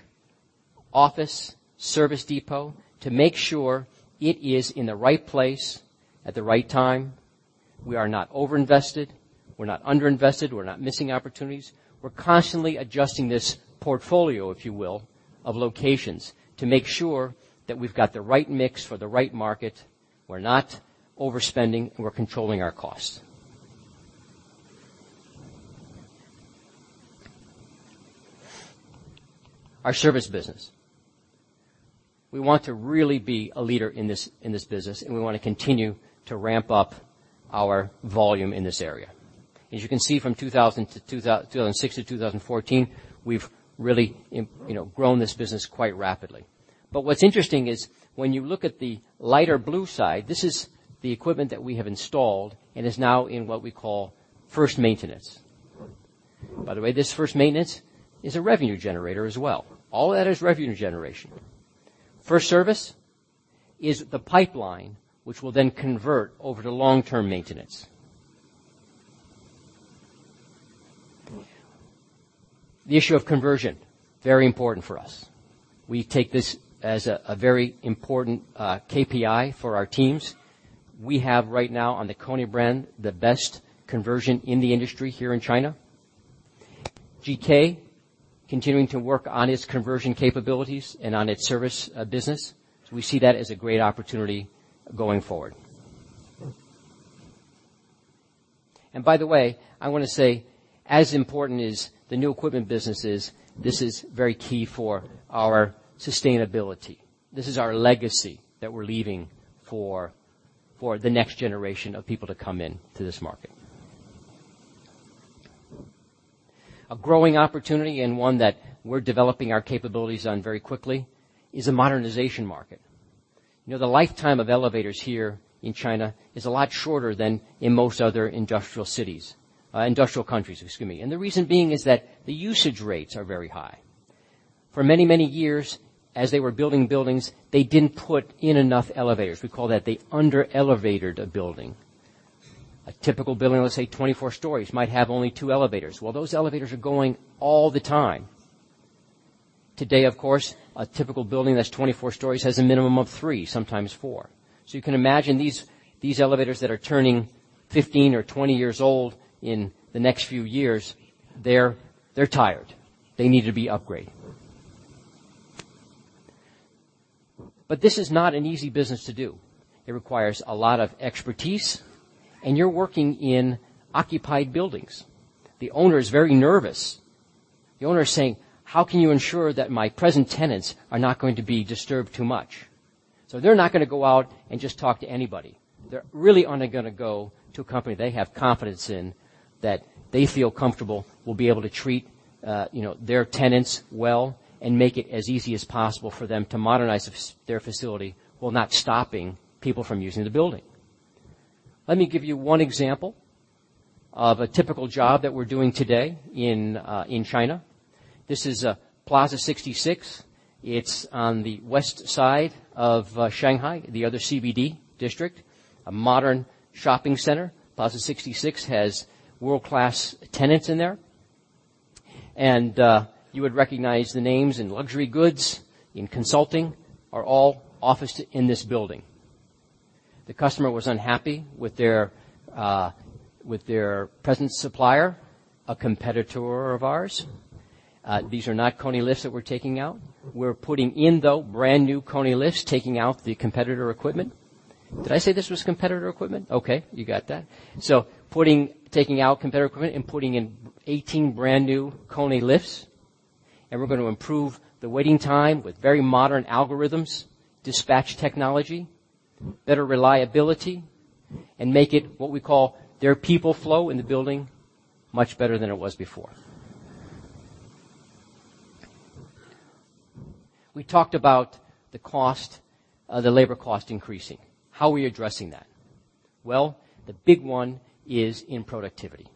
office, service depot to make sure it is in the right place at the right time. We are not over-invested, we're not under-invested, we're not missing opportunities. We're constantly adjusting this portfolio, if you will, of locations to make sure that we've got the right mix for the right market. We're not overspending, and we're controlling our costs. Our service business. We want to really be a leader in this business, and we want to continue to ramp up our volume in this area. As you can see from 2006 to 2014, we've really grown this business quite rapidly. What's interesting is when you look at the lighter blue side, this is the equipment that we have installed and is now in what we call first maintenance. By the way, this first maintenance is a revenue generator as well. All that is revenue generation. First service is the pipeline, which will then convert over to long-term maintenance. The issue of conversion, very important for us. We take this as a very important KPI for our teams. We have right now on the KONE brand, the best conversion in the industry here in China. GK, continuing to work on its conversion capabilities and on its service business. We see that as a great opportunity going forward. By the way, I want to say, as important as the new equipment business is, this is very key for our sustainability. This is our legacy that we're leaving for the next generation of people to come in to this market. A growing opportunity and one that we're developing our capabilities on very quickly is a modernization market. The lifetime of elevators here in China is a lot shorter than in most other industrial countries. The reason being is that the usage rates are very high. For many, many years, as they were building buildings, they didn't put in enough elevators. We call that they under-elevatored a building. A typical building, let's say 24 stories, might have only two elevators. Well, those elevators are going all the time. Today, of course, a typical building that's 24 stories has a minimum of three, sometimes four. You can imagine these elevators that are turning 15 or 20 years old in the next few years, they're tired. They need to be upgraded. This is not an easy business to do. It requires a lot of expertise, and you're working in occupied buildings. The owner is very nervous. The owner is saying, "How can you ensure that my present tenants are not going to be disturbed too much?" They're not going to go out and just talk to anybody. They really only are going to go to a company they have confidence in, that they feel comfortable will be able to treat their tenants well and make it as easy as possible for them to modernize their facility while not stopping people from using the building. Let me give you one example of a typical job that we're doing today in China. This is Plaza 66. It's on the west side of Shanghai, the other CBD district, a modern shopping center. Plaza 66 has world-class tenants in there. You would recognize the names in luxury goods, in consulting, are all officed in this building. The customer was unhappy with their present supplier, a competitor of ours. These are not KONE lifts that we're taking out. We're putting in, though, brand-new KONE lifts, taking out the competitor equipment. Did I say this was competitor equipment? Okay, you got that. Taking out competitor equipment and putting in 18 brand-new KONE lifts. We're going to improve the waiting time with very modern algorithms, dispatch technology, better reliability, and make it what we call their people flow in the building much better than it was before. We talked about the labor cost increasing. How are we addressing that? Well, the big one is in productivity.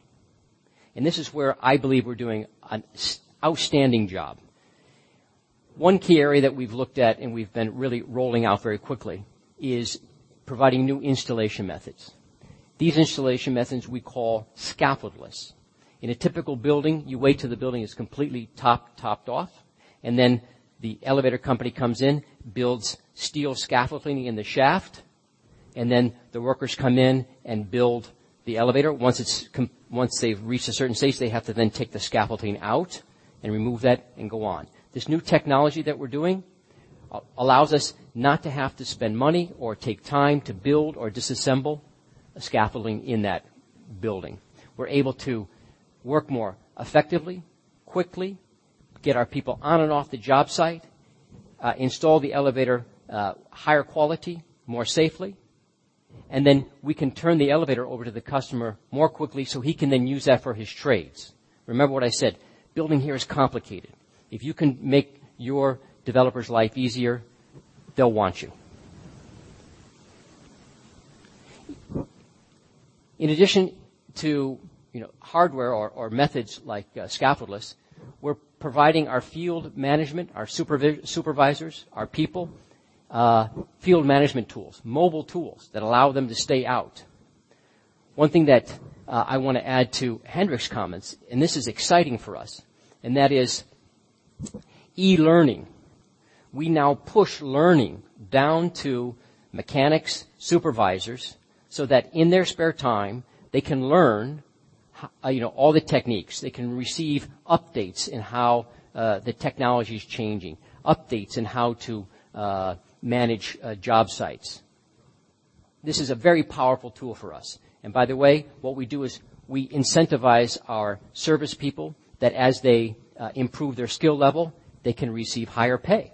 This is where I believe we're doing an outstanding job. One key area that we've looked at and we've been really rolling out very quickly is providing new installation methods. These installation methods we call scaffoldless. In a typical building, you wait till the building is completely topped off, then the elevator company comes in, builds steel scaffolding in the shaft, then the workers come in and build the elevator. Once they've reached a certain stage, they have to then take the scaffolding out and remove that and go on. This new technology that we're doing allows us not to have to spend money or take time to build or disassemble a scaffolding in that building. We're able to work more effectively, quickly, get our people on and off the job site, install the elevator higher quality, more safely, then we can turn the elevator over to the customer more quickly so he can then use that for his trades. Remember what I said, building here is complicated. If you can make your developer's life easier, they'll want you. In addition to hardware or methods like scaffoldless, we're providing our field management, our supervisors, our people field management tools, mobile tools that allow them to stay out. One thing that I want to add to Henrik's comments, this is exciting for us, that is e-learning. We now push learning down to mechanics, supervisors, so that in their spare time, they can learn all the techniques. They can receive updates in how the technology's changing, updates in how to manage job sites. This is a very powerful tool for us. By the way, what we do is we incentivize our service people that as they improve their skill level, they can receive higher pay.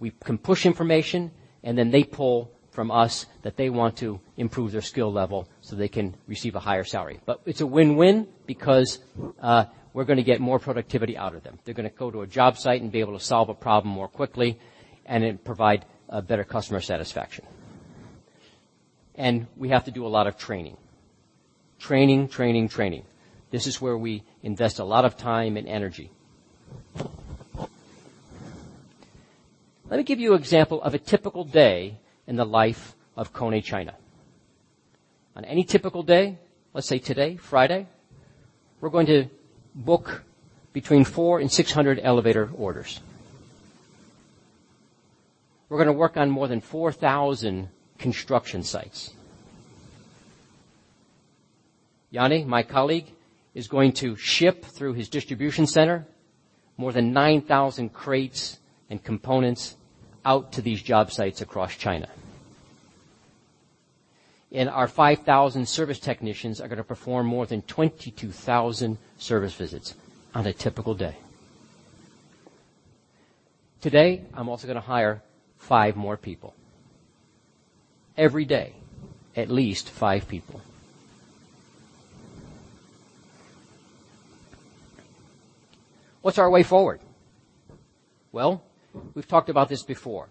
We can push information, then they pull from us that they want to improve their skill level so they can receive a higher salary. It's a win-win because we're going to get more productivity out of them. They're going to go to a job site and be able to solve a problem more quickly, and then provide a better customer satisfaction. We have to do a lot of training. Training, training. This is where we invest a lot of time and energy. Let me give you an example of a typical day in the life of KONE China. On any typical day, let's say today, Friday, we're going to book between 400 and 600 elevator orders. We're going to work on more than 4,000 construction sites. Janne, my colleague, is going to ship through his distribution center more than 9,000 crates and components out to these job sites across China. Our 5,000 service technicians are going to perform more than 22,000 service visits on a typical day. Today, I'm also going to hire five more people. Every day, at least five people. What's our way forward? We've talked about this before.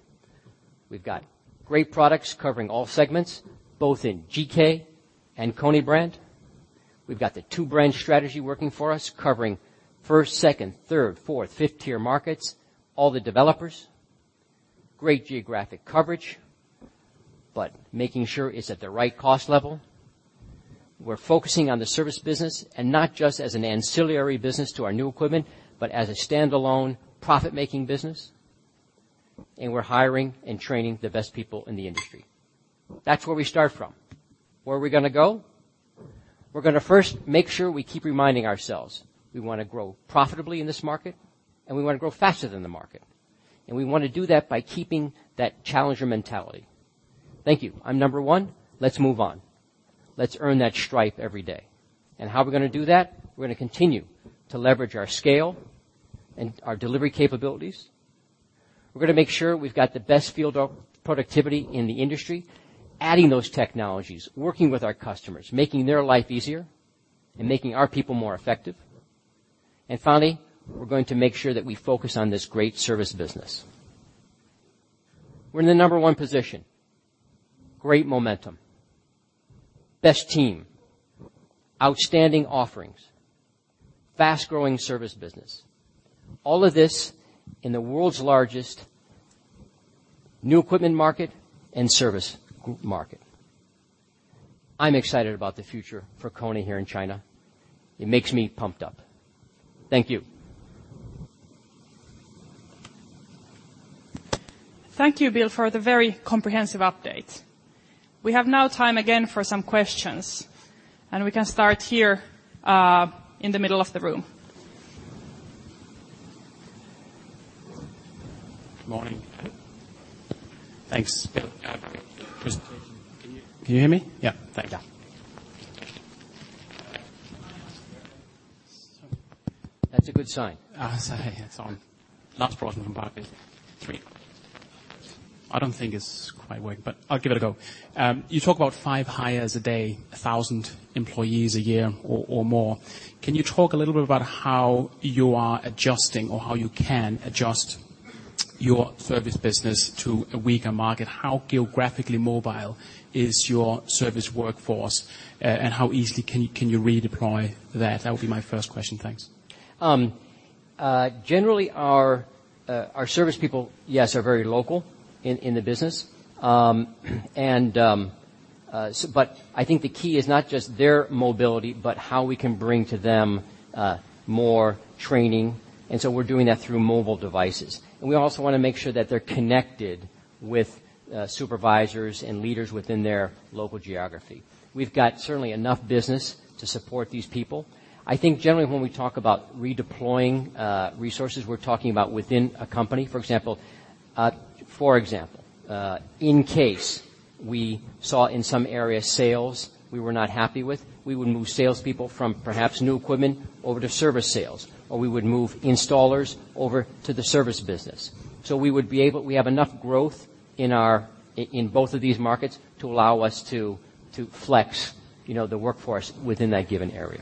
We've got great products covering all segments, both in GK and KONE brand. We've got the two-brand strategy working for us, covering 1st tier, 2nd tier, 3rd tier, 4th tier, 5th tier markets, all the developers. Great geographic coverage, but making sure it's at the right cost level. We're focusing on the service business and not just as an ancillary business to our new equipment, but as a standalone profit-making business. We're hiring and training the best people in the industry. That's where we start from. Where are we going to go? We're going to first make sure we keep reminding ourselves, we want to grow profitably in this market, we want to grow faster than the market, and we want to do that by keeping that challenger mentality. Thank you. I'm number 1. Let's move on. Let's earn that stripe every day. How are we going to do that? We're going to continue to leverage our scale and our delivery capabilities. We're going to make sure we've got the best field productivity in the industry, adding those technologies, working with our customers, making their life easier, and making our people more effective. Finally, we're going to make sure that we focus on this great service business. We're in the number 1 position. Great momentum. Best team. Outstanding offerings. Fast-growing service business. All of this in the world's largest new equipment market and service market. I'm excited about the future for KONE here in China. It makes me pumped up. Thank you. Thank you, Bill, for the very comprehensive update. We have now time again for some questions. We can start here in the middle of the room. Morning. Thanks. Can you hear me? Yeah. Thank you. That's a good sign. Sorry. It's on. Last problem, I promise. Three. I don't think it's quite working, but I'll give it a go. You talk about five hires a day, 1,000 employees a year or more. Can you talk a little bit about how you are adjusting or how you can adjust your service business to a weaker market? How geographically mobile is your service workforce, and how easily can you redeploy that? That would be my first question. Thanks. Generally, our service people, yes, are very local in the business. I think the key is not just their mobility, but how we can bring to them more training. We're doing that through mobile devices. We also want to make sure that they're connected with supervisors and leaders within their local geography. We've got certainly enough business to support these people. I think generally when we talk about redeploying resources, we're talking about within a company. For example, in case we saw in some area sales we were not happy with, we would move salespeople from perhaps new equipment over to service sales, or we would move installers over to the service business. We have enough growth in both of these markets to allow us to flex the workforce within that given area.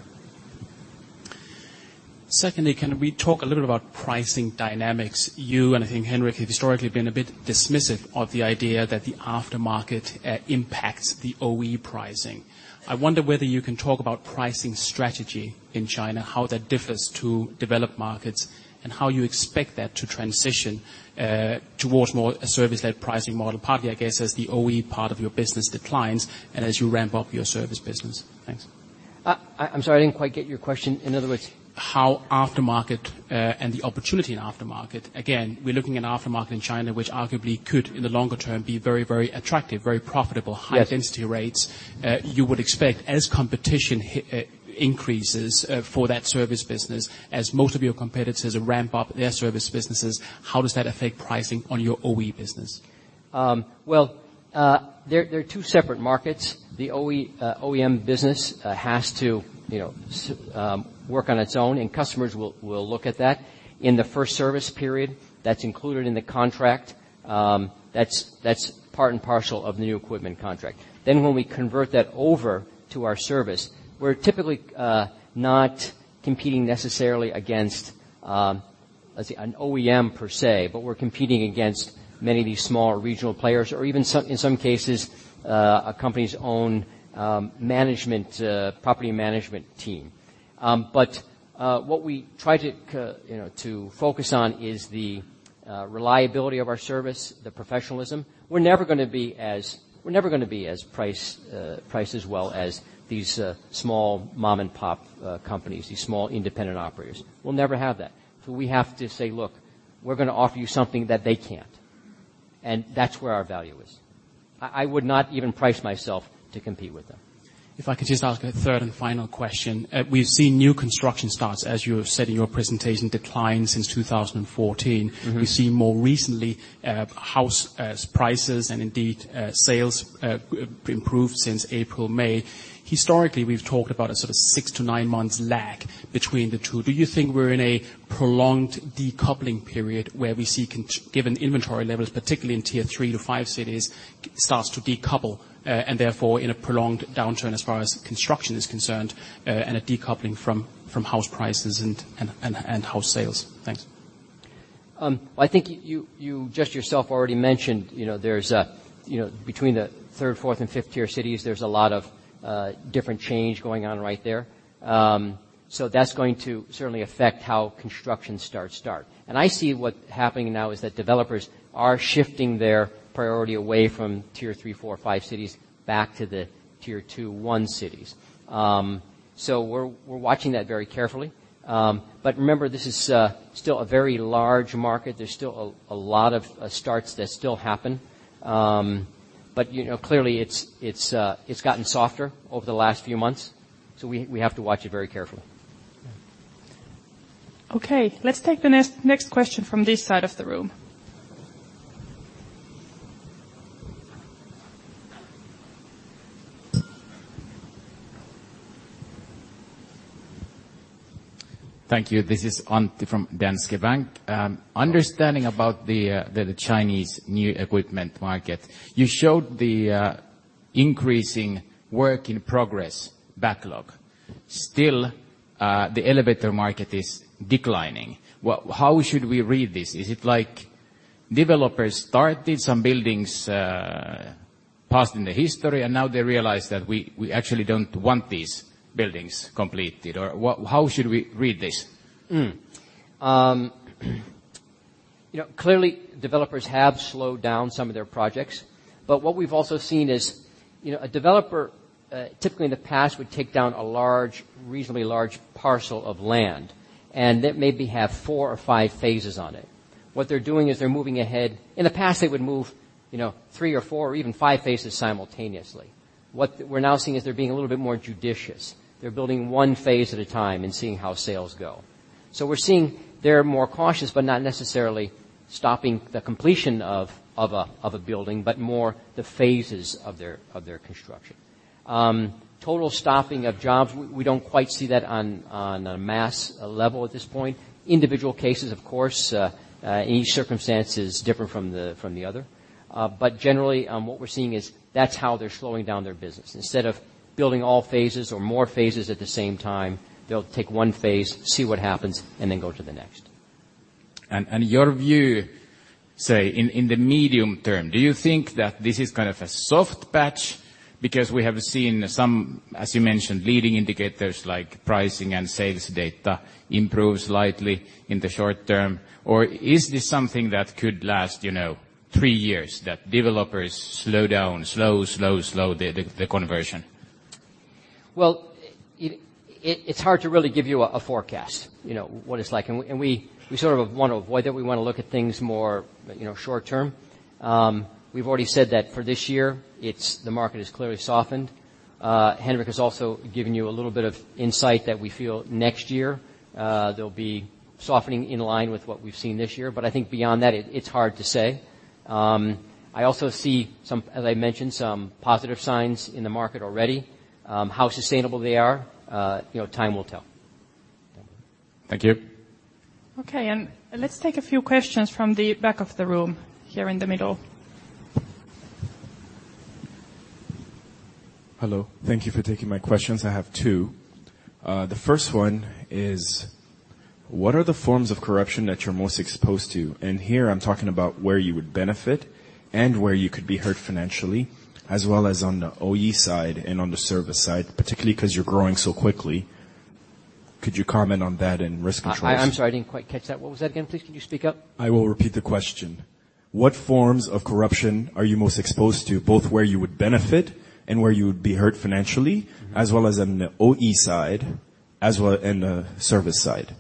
Secondly, can we talk a little about pricing dynamics? You and I think Henrik have historically been a bit dismissive of the idea that the aftermarket impacts the OE pricing. I wonder whether you can talk about pricing strategy in China, how that differs to developed markets, and how you expect that to transition towards more a service-led pricing model, partly, I guess, as the OE part of your business declines and as you ramp up your service business. Thanks. I'm sorry, I didn't quite get your question. How aftermarket and the opportunity in aftermarket, again, we're looking at aftermarket in China, which arguably could, in the longer term, be very attractive, very profitable. Yes high density rates. You would expect as competition increases for that service business, as most of your competitors ramp up their service businesses, how does that affect pricing on your OE business? Well, they're two separate markets. The OEM business has to work on its own, and customers will look at that. In the first service period, that's included in the contract. That's part and parcel of the new equipment contract. When we convert that over to our service, we're typically not competing necessarily against, let's see, an OEM per se, but we're competing against many of these small regional players or even in some cases, a company's own property management team. What we try to focus on is the reliability of our service, the professionalism. We're never going to be as priced as well as these small mom-and-pop companies, these small independent operators. We'll never have that. We have to say, "Look, we're going to offer you something that they can't." That's where our value is. I would not even price myself to compete with them. If I could just ask a third and final question. We've seen new construction starts, as you have said in your presentation, decline since 2014. We've seen more recently house prices and indeed sales improve since April, May. Historically, we've talked about a sort of six to nine months lag between the two. Do you think we're in a prolonged decoupling period where we see, given inventory levels, particularly in tier 3 to 5 cities, starts to decouple, and therefore in a prolonged downturn as far as construction is concerned, and a decoupling from house prices and house sales? Thanks. I think you just yourself already mentioned, between the tier 3, tier 4, and tier 5 cities, there is a lot of different change going on right there. That's going to certainly affect how construction starts. I see what happening now is that developers are shifting their priority away from tier 3, tier 4, tier 5 cities back to the tier 2, tier 1 cities. We're watching that very carefully. Remember, this is still a very large market. There's still a lot of starts that still happen. Clearly, it's gotten softer over the last few months, so we have to watch it very carefully. Okay. Let's take the next question from this side of the room. Thank you. This is Antti from Danske Bank. Understanding about the Chinese new equipment market, you showed the increasing work in progress backlog. Still, the elevator market is declining. How should we read this? Is it like developers started some buildings, passed in the history, and now they realize that we actually don't want these buildings completed? How should we read this? Clearly, developers have slowed down some of their projects. What we've also seen is a developer, typically in the past, would take down a reasonably large parcel of land, and that maybe have 4 or 5 phases on it. What they're doing is they're moving ahead. In the past, they would move 3 or 4 or even 5 phases simultaneously. What we're now seeing is they're being a little bit more judicious. They're building 1 phase at a time and seeing how sales go. We're seeing they're more cautious, but not necessarily stopping the completion of a building, but more the phases of their construction. Total stopping of jobs, we don't quite see that on a mass level at this point. Individual cases, of course, each circumstance is different from the other. Generally, what we're seeing is that's how they're slowing down their business. Instead of building all phases or more phases at the same time, they'll take one phase, see what happens, and then go to the next. Your view, say, in the medium term, do you think that this is kind of a soft patch because we have seen some, as you mentioned, leading indicators like pricing and sales data improve slightly in the short term? Or is this something that could last three years, that developers slow down, slow the conversion? Well, it's hard to really give you a forecast, what it's like, and we sort of want to avoid that. We want to look at things more short-term. We've already said that for this year, the market has clearly softened. Henrik has also given you a little bit of insight that we feel next year, there'll be softening in line with what we've seen this year. I think beyond that, it's hard to say. I also see, as I mentioned, some positive signs in the market already. How sustainable they are, time will tell. Thank you. Okay, let's take a few questions from the back of the room, here in the middle. Hello. Thank you for taking my questions. I have two. The first one is, what are the forms of corruption that you're most exposed to? Here, I'm talking about where you would benefit and where you could be hurt financially, as well as on the OE side and on the service side, particularly because you're growing so quickly. Could you comment on that and risk controls? I'm sorry, I didn't quite catch that. What was that again, please? Can you speak up? I will repeat the question. What forms of corruption are you most exposed to, both where you would benefit and where you would be hurt financially, as well as on the OE side and the service side?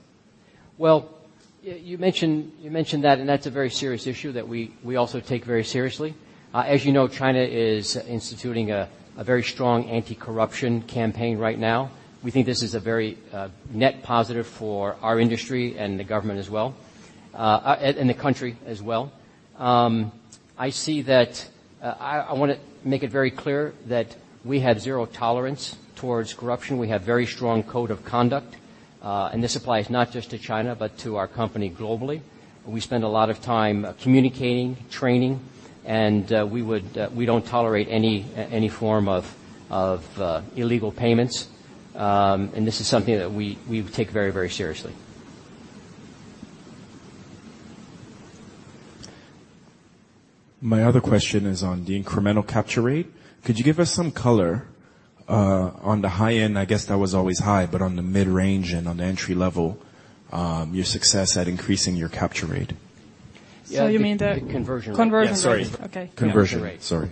Well, you mentioned that's a very serious issue that we also take very seriously. As you know, China is instituting a very strong anti-corruption campaign right now. We think this is a very net positive for our industry and the government as well, the country as well. I want to make it very clear that we have zero tolerance towards corruption. We have very strong code of conduct. This applies not just to China, but to our company globally. We spend a lot of time communicating, training, we don't tolerate any form of illegal payments. This is something that we take very seriously. My other question is on the incremental capture rate. Could you give us some color on the high end, I guess that was always high, but on the mid-range and on the entry-level, your success at increasing your capture rate? You mean. Conversion rate. Conversion rate. Okay. Conversion rate. Sorry.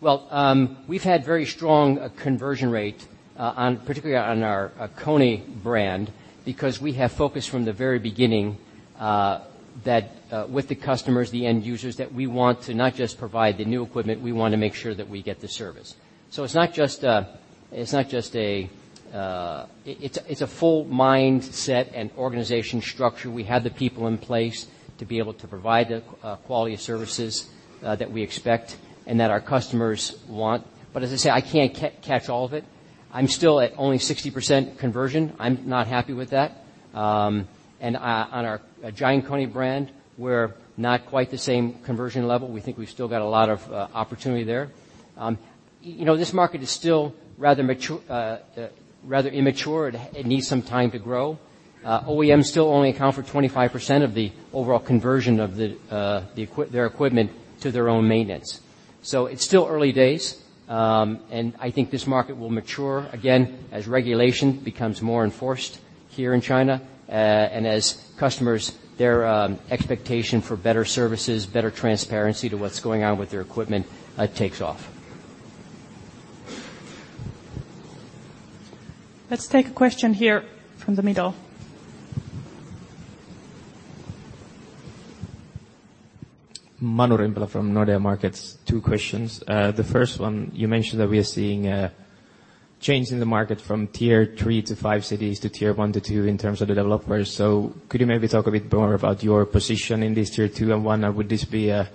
We've had very strong conversion rate, particularly on our KONE brand, because we have focused from the very beginning, that with the customers, the end users, that we want to not just provide the new equipment, we want to make sure that we get the service. It's a full mindset and organization structure. We have the people in place to be able to provide the quality of services that we expect and that our customers want. As I say, I can't catch all of it. I'm still at only 60% conversion. I'm not happy with that. On our Giant KONE brand, we're not quite the same conversion level. We think we've still got a lot of opportunity there. This market is still rather immature. It needs some time to grow. OEMs still only account for 25% of the overall conversion of their equipment to their own maintenance. It's still early days, and I think this market will mature again as regulation becomes more enforced here in China, and as customers, their expectation for better services, better transparency to what's going on with their equipment takes off. Let's take a question here from the middle. Manu Rimpelä from Nordea Markets. Two questions. The first one, you mentioned that we are seeing a change in the market from tier 3 to 5 cities to tier 1 to 2 in terms of the developers. Could you maybe talk a bit more about your position in these tier 2 and 1? Would this be a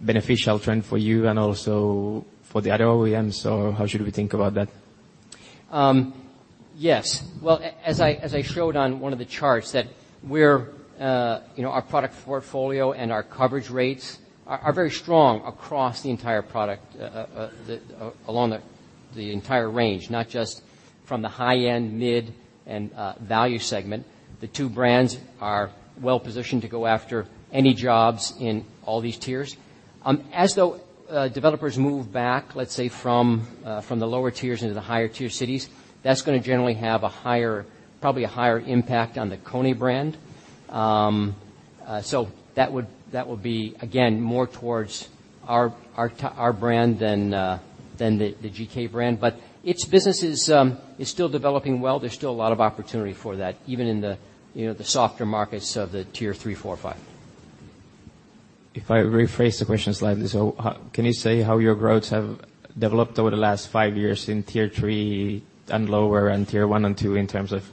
beneficial trend for you and also for the other OEMs, or how should we think about that? Yes. Well, as I showed on one of the charts, that our product portfolio and our coverage rates are very strong across the entire product, along the entire range, not just from the high-end, mid, and value segment. The two brands are well-positioned to go after any jobs in all these tiers. As the developers move back, let's say from the lower tiers into the higher tier cities, that's going to generally have probably a higher impact on the KONE brand. That would be, again, more towards our brand than the GK brand. Its business is still developing well. There's still a lot of opportunity for that, even in the softer markets of the tier 3, 4, 5. If I rephrase the question slightly. Can you say how your growths have developed over the last five years in tier 3 and lower, and tier 1 and 2 in terms of,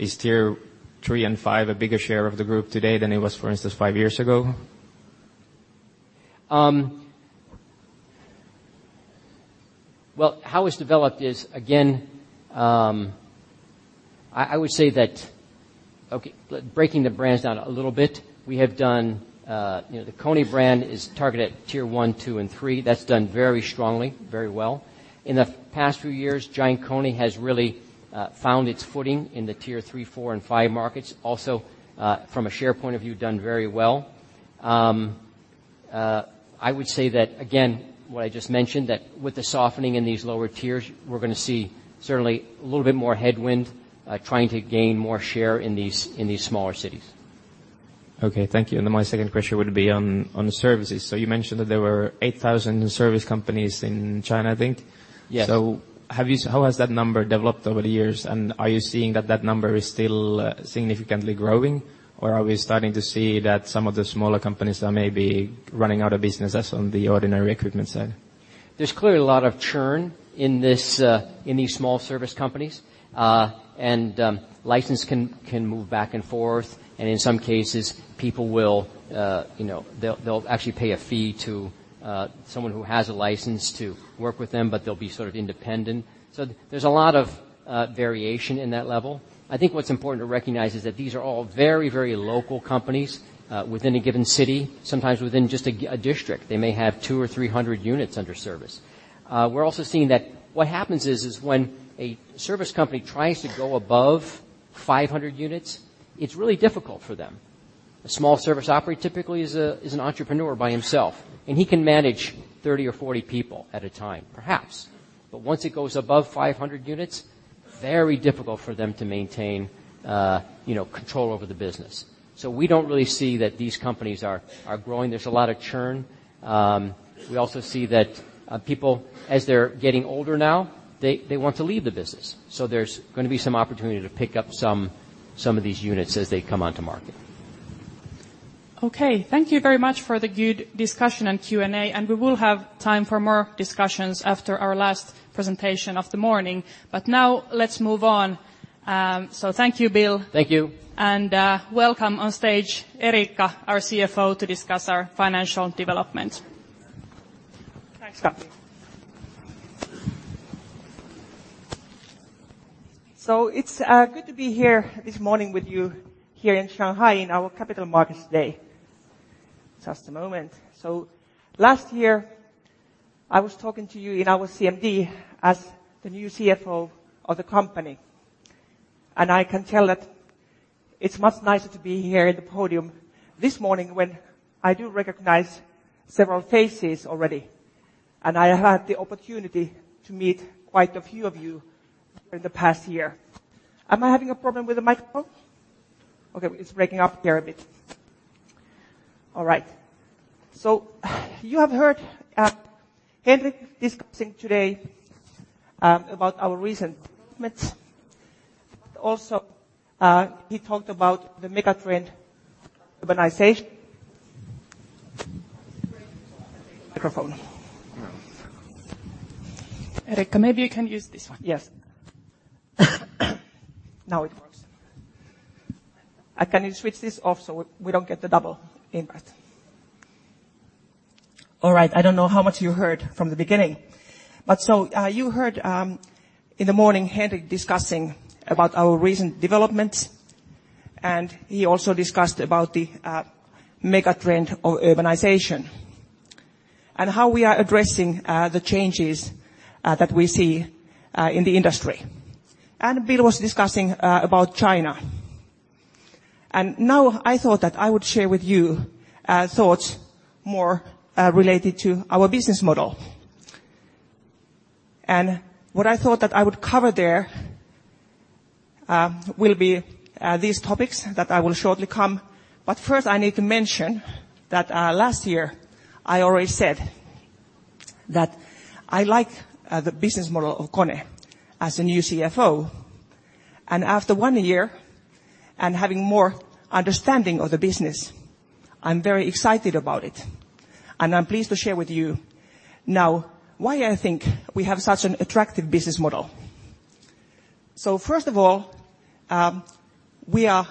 is tier 3 and 5 a bigger share of the group today than it was, for instance, five years ago? How it's developed is, again, I would say that, breaking the brands down a little bit, the KONE brand is targeted at tier 1, 2, and 3. That's done very strongly, very well. In the past few years, Giant KONE has really found its footing in the tier 3, 4, and 5 markets. Also, from a share point of view, done very well. I would say that, again, what I just mentioned, that with the softening in these lower tiers, we're going to see certainly a little bit more headwind trying to gain more share in these smaller cities. Okay, thank you. My second question would be on services. You mentioned that there were 8,000 service companies in China, I think. Yes. How has that number developed over the years, and are you seeing that number is still significantly growing? Are we starting to see that some of the smaller companies are maybe running out of business as on the ordinary equipment side? There's clearly a lot of churn in these small service companies. License can move back and forth, and in some cases, people will actually pay a fee to someone who has a license to work with them, but they'll be independent. There's a lot of variation in that level. I think what's important to recognize is that these are all very local companies within a given city, sometimes within just a district. They may have two or 300 units under service. We're also seeing that what happens is when a service company tries to go above 500 units, it's really difficult for them. A small service operator typically is an entrepreneur by himself, and he can manage 30 or 40 people at a time, perhaps. But once it goes above 500 units, very difficult for them to maintain control over the business. We don't really see that these companies are growing. There's a lot of churn. We also see that people, as they're getting older now, they want to leave the business. There's going to be some opportunity to pick up some of these units as they come onto market. Okay. Thank you very much for the good discussion and Q&A, we will have time for more discussions after our last presentation of the morning. Now let's move on. Thank you, Bill. Thank you. Welcome on stage Eriikka, our CFO, to discuss our financial development. Thanks, Katri. It's good to be here this morning with you here in Shanghai in our Capital Markets Day. Just a moment. Last year, I was talking to you in our CMD as the new CFO of the company. I can tell that it's much nicer to be here at the podium this morning when I do recognize several faces already. I have had the opportunity to meet quite a few of you during the past year. Am I having a problem with the microphone? Okay, it's breaking up here a bit. All right. You have heard Henrik discussing today about our recent developments, he talked about the megatrend of urbanization. Microphone. Eriikka, maybe you can use this one. Yes. Now it works. Can you switch this off so we don't get the double input? All right. I don't know how much you heard from the beginning. You heard in the morning Henrik discussing about our recent developments, he also discussed about the megatrend of urbanization and how we are addressing the changes that we see in the industry. Bill was discussing about China. Now I thought that I would share with you thoughts more related to our business model. What I thought that I would cover there will be these topics that I will shortly come. First, I need to mention that last year, I already said that I like the business model of KONE as a new CFO. After one year and having more understanding of the business, I'm very excited about it. I'm pleased to share with you now why I think we have such an attractive business model. First of all, we are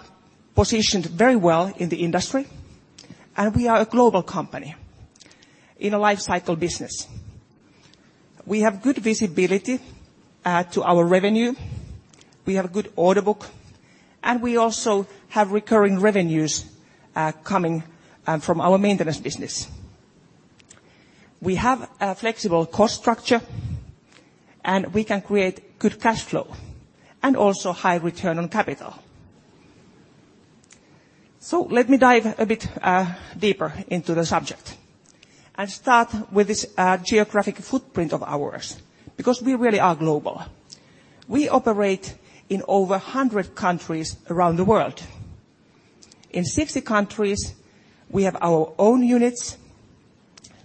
positioned very well in the industry, we are a global company in a life cycle business. We have good visibility to our revenue. We have a good order book, we also have recurring revenues coming from our maintenance business. We have a flexible cost structure, we can create good cash flow and also high return on capital. Let me dive a bit deeper into the subject and start with this geographic footprint of ours, because we really are global. We operate in over 100 countries around the world. In 60 countries, we have our own units.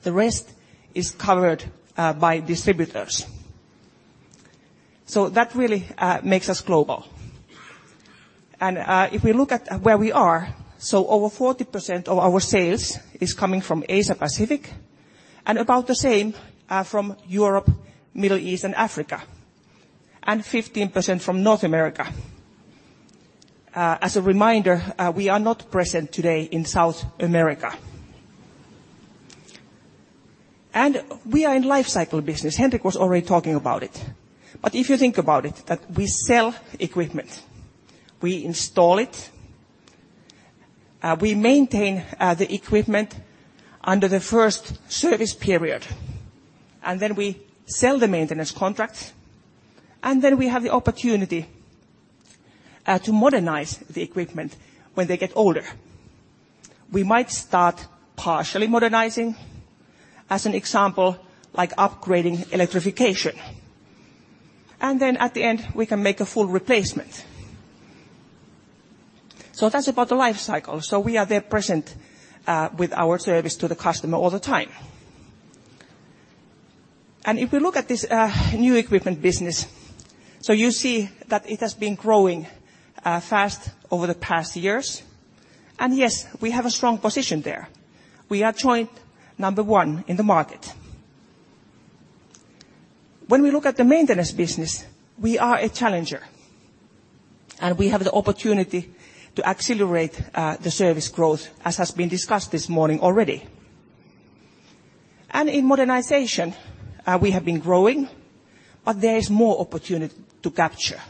The rest is covered by distributors. That really makes us global. If we look at where we are, over 40% of our sales is coming from Asia-Pacific, about the same from Europe, Middle East, and Africa, and 15% from North America. As a reminder, we are not present today in South America. We are in life cycle business. Henrik was already talking about it. If you think about it, that we sell equipment, we install it, we maintain the equipment under the first service period, we sell the maintenance contract, we have the opportunity to modernize the equipment when they get older. We might start partially modernizing, as an example, like upgrading electrification. At the end, we can make a full replacement. That's about the life cycle. We are there present with our service to the customer all the time. If we look at this new equipment business, you see that it has been growing fast over the past years. Yes, we have a strong position there. We are joint number one in the market. When we look at the maintenance business, we are a challenger, and we have the opportunity to accelerate the service growth, as has been discussed this morning already. In modernization, we have been growing, but there is more opportunity to capture.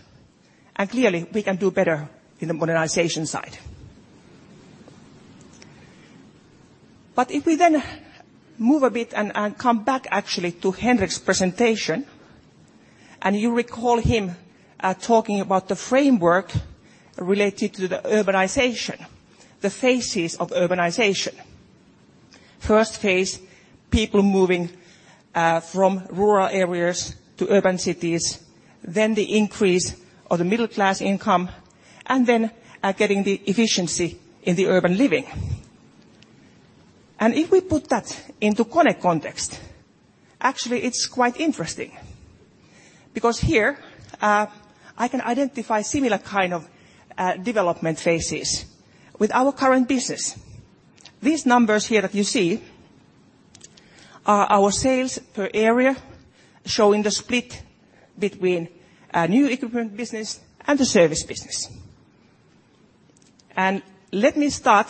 Clearly, we can do better in the modernization side. If we then move a bit and come back actually to Henrik's presentation, you recall him talking about the framework related to the urbanization, the phases of urbanization. First phase, people moving from rural areas to urban cities, the increase of the middle class income, getting the efficiency in the urban living. If we put that into KONE context, actually it's quite interesting, because here, I can identify similar kind of development phases with our current business. These numbers here that you see are our sales per area, showing the split between new equipment business and the service business. Let me start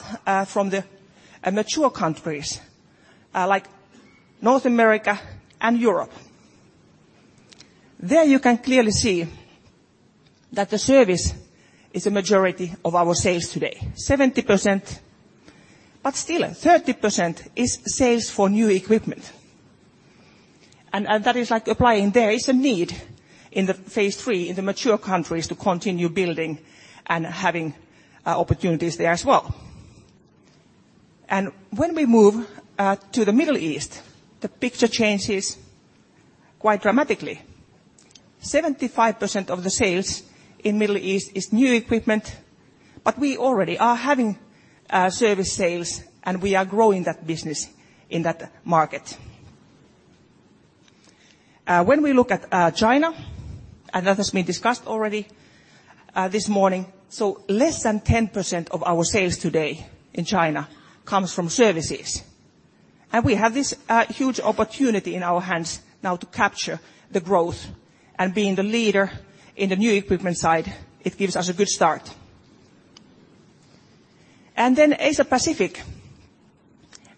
from the mature countries like North America and Europe. There you can clearly see that the service is a majority of our sales today, 70%, but still 30% is sales for new equipment. That is like applying there is a need in the phase 3, in the mature countries to continue building and having opportunities there as well. When we move to the Middle East, the picture changes quite dramatically. 75% of the sales in Middle East is new equipment, but we already are having service sales, and we are growing that business in that market. When we look at China, that has been discussed already this morning, less than 10% of our sales today in China comes from services. We have this huge opportunity in our hands now to capture the growth, being the leader in the new equipment side, it gives us a good start. Asia Pacific.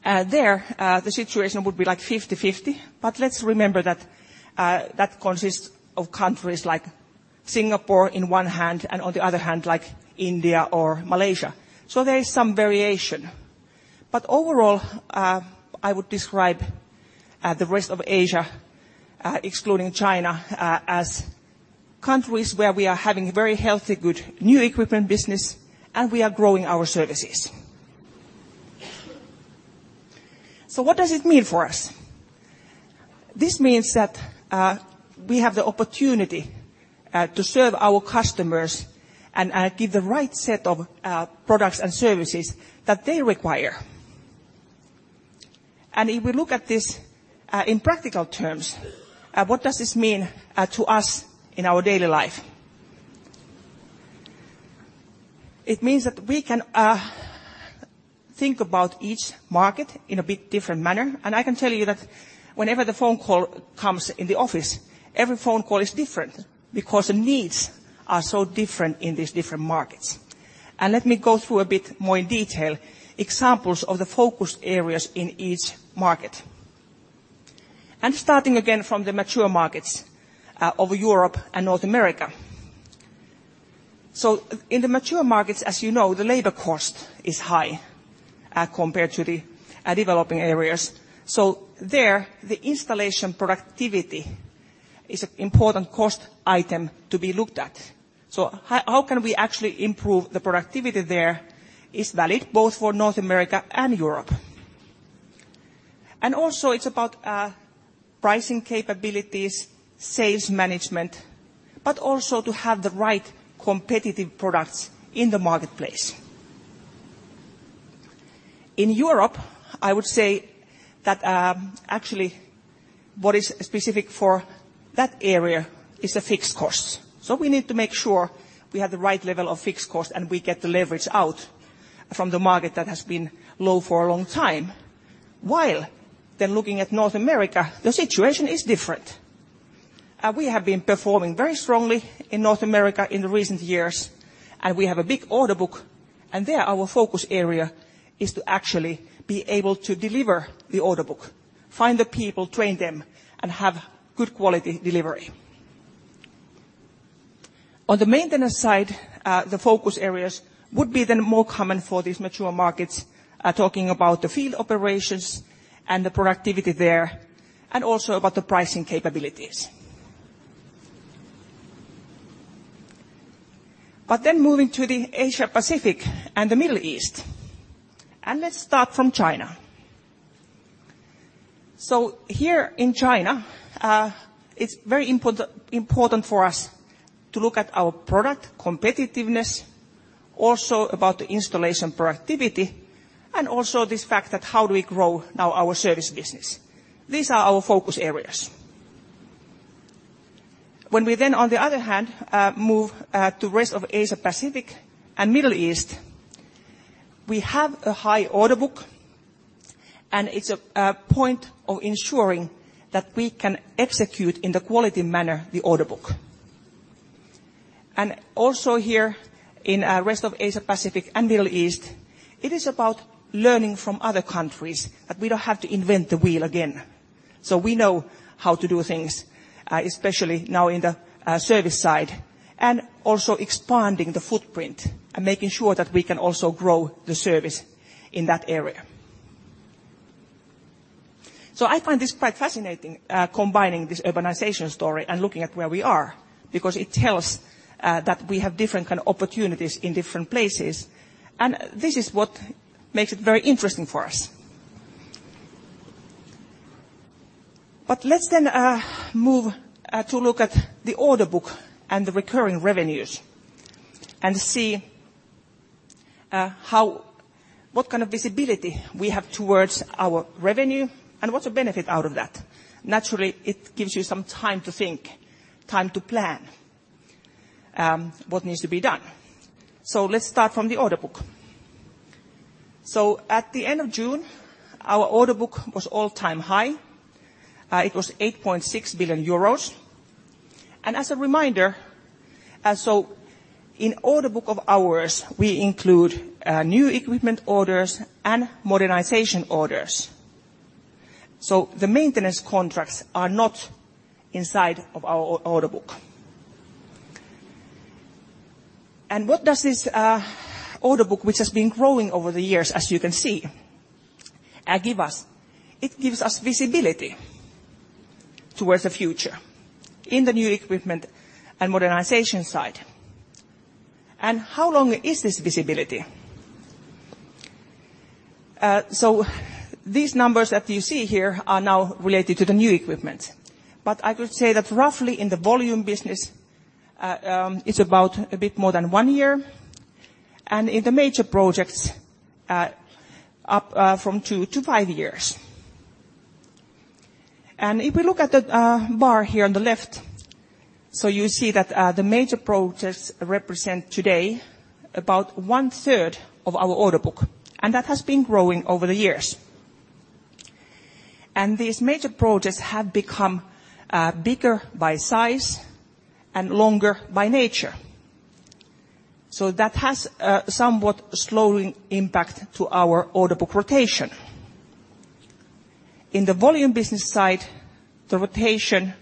There, the situation would be like 50/50, but let's remember that consists of countries like Singapore in one hand, and on the other hand, like India or Malaysia. There is some variation. Overall, I would describe the rest of Asia, excluding China, as countries where we are having very healthy, good new equipment business, and we are growing our services. What does it mean for us? This means that we have the opportunity to serve our customers and give the right set of products and services that they require. If we look at this in practical terms, what does this mean to us in our daily life? It means that we can think about each market in a bit different manner, and I can tell you that whenever the phone call comes in the office, every phone call is different, because the needs are so different in these different markets. Let me go through a bit more detail examples of the focus areas in each market. Starting again from the mature markets of Europe and North America. In the mature markets, as you know, the labor cost is high compared to the developing areas. There, the installation productivity is an important cost item to be looked at. How can we actually improve the productivity there is valid both for North America and Europe. Also it's about pricing capabilities, sales management, but also to have the right competitive products in the marketplace. In Europe, I would say that actually what is specific for that area is the fixed costs. We need to make sure we have the right level of fixed cost and we get the leverage out from the market that has been low for a long time. While looking at North America, the situation is different. We have been performing very strongly in North America in the recent years, and we have a big order book, and there our focus area is to actually be able to deliver the order book, find the people, train them, and have good quality delivery. On the maintenance side, the focus areas would be more common for these mature markets, talking about the field operations and the productivity there, and also about the pricing capabilities. Moving to the Asia Pacific and the Middle East. Let's start from China. Here in China, it's very important for us to look at our product competitiveness, also about the installation productivity, and also this fact that how do we grow now our service business. These are our focus areas. When we, on the other hand, move to rest of Asia, Pacific, and Middle East, we have a high order book, and it's a point of ensuring that we can execute in the quality manner the order book. Also here in rest of Asia Pacific and Middle East, it is about learning from other countries, that we don't have to invent the wheel again. We know how to do things, especially now in the service side, and also expanding the footprint and making sure that we can also grow the service in that area. I find this quite fascinating, combining this urbanization story and looking at where we are, because it tells that we have different kind of opportunities in different places. This is what makes it very interesting for us. Let's then move to look at the order book and the recurring revenues, and see what kind of visibility we have towards our revenue, and what's the benefit out of that. Naturally, it gives you some time to think, time to plan what needs to be done. Let's start from the order book. At the end of June, our order book was all-time high. It was 8.6 billion euros. As a reminder, in order book of ours, we include new equipment orders and modernization orders. The maintenance contracts are not inside of our order book. What does this order book, which has been growing over the years, as you can see, give us? It gives us visibility towards the future in the new equipment and modernization side. How long is this visibility? These numbers that you see here are now related to the new equipment. I could say that roughly in the volume business, it's about a bit more than one year, and in the major projects, up from two to five years. If we look at the bar here on the left, you see that the major projects represent today about one-third of our order book. That has been growing over the years. These major projects have become bigger by size and longer by nature. That has a somewhat slowing impact to our order book rotation. In the volume business side, the rotation,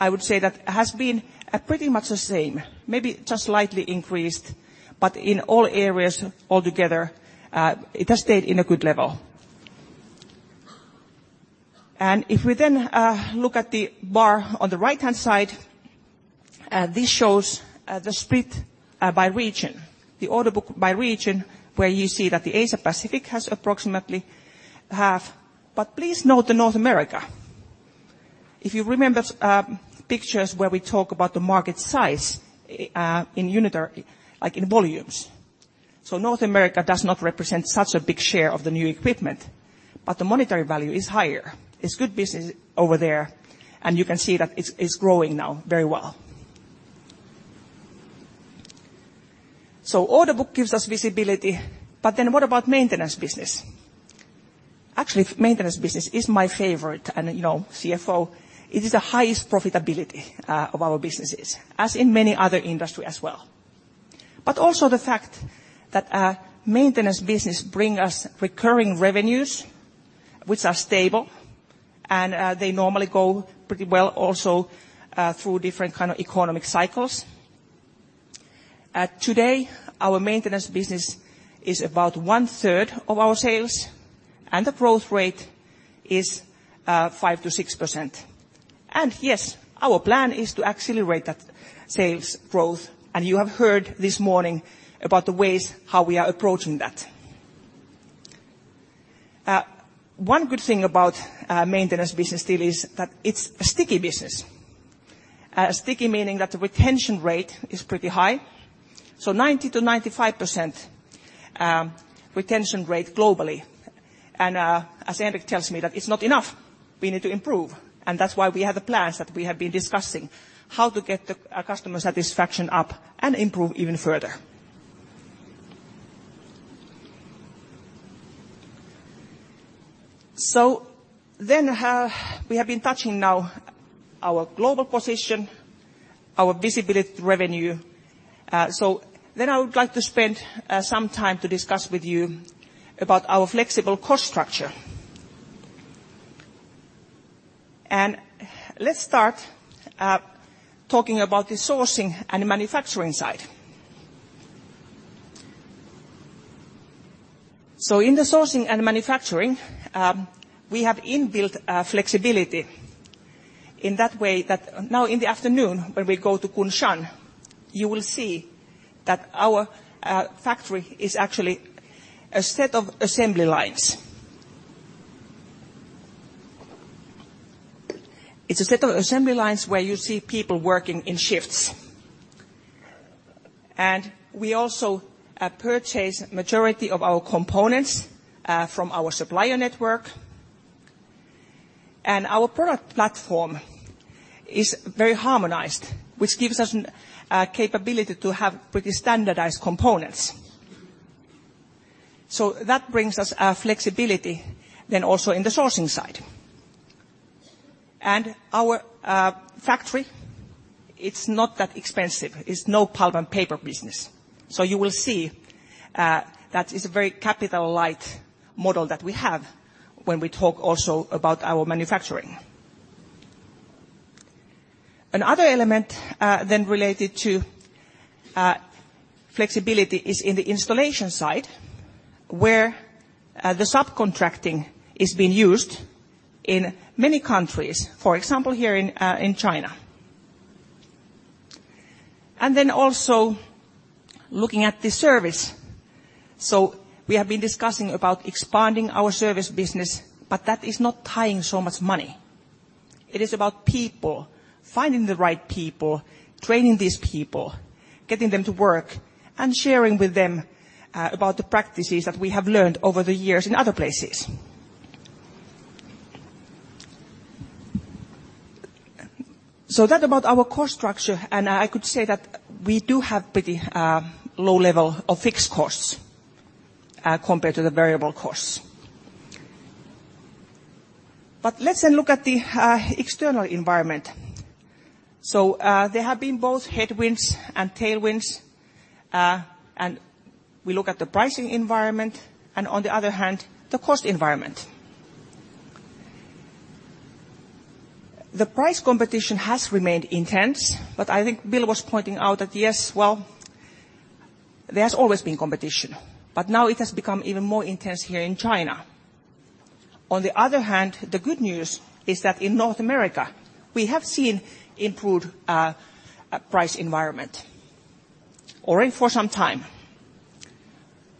I would say that has been pretty much the same, maybe just slightly increased, but in all areas altogether, it has stayed in a good level. If we then look at the bar on the right-hand side, this shows the split by region, the order book by region, where you see that the Asia Pacific has approximately half. Please note the North America. If you remember pictures where we talk about the market size, like in volumes. North America does not represent such a big share of the new equipment, but the monetary value is higher. It's good business over there, and you can see that it's growing now very well. Order book gives us visibility, what about maintenance business? Actually, maintenance business is my favorite, and CFO, it is the highest profitability of our businesses, as in many other industry as well. Also the fact that maintenance business bring us recurring revenues, which are stable, and they normally go pretty well also through different kind of economic cycles. Today, our maintenance business is about one-third of our sales, and the growth rate is 5%-6%. Yes, our plan is to accelerate that sales growth. You have heard this morning about the ways how we are approaching that. One good thing about maintenance business still is that it's a sticky business. Sticky meaning that the retention rate is pretty high, so 90%-95% retention rate globally. As Henrik tells me that it's not enough, we need to improve. That's why we have the plans that we have been discussing how to get the customer satisfaction up and improve even further. We have been touching now our global position, our visibility revenue. I would like to spend some time to discuss with you about our flexible cost structure. Let's start talking about the sourcing and manufacturing side. In the sourcing and manufacturing, we have inbuilt flexibility in that way that now in the afternoon, when we go to Kunshan, you will see that our factory is actually a set of assembly lines. It's a set of assembly lines where you see people working in shifts. We also purchase majority of our components from our supplier network. Our product platform is very harmonized, which gives us capability to have pretty standardized components. That brings us flexibility then also in the sourcing side. Our factory, it's not that expensive. It's no pulp and paper business. You will see that it's a very capital light model that we have when we talk also about our manufacturing. Another element then related to flexibility is in the installation side, where the subcontracting is being used in many countries, for example, here in China. Also looking at the service. We have been discussing about expanding our service business, but that is not tying so much money. It is about people, finding the right people, training these people, getting them to work, and sharing with them about the practices that we have learned over the years in other places. That about our cost structure, and I could say that we do have pretty low level of fixed costs compared to the variable costs. Let's then look at the external environment. There have been both headwinds and tailwinds, and we look at the pricing environment and on the other hand, the cost environment. The price competition has remained intense, but I think Bill was pointing out that, yes, well, there's always been competition, but now it has become even more intense here in China. On the other hand, the good news is that in North America, we have seen improved price environment or for some time.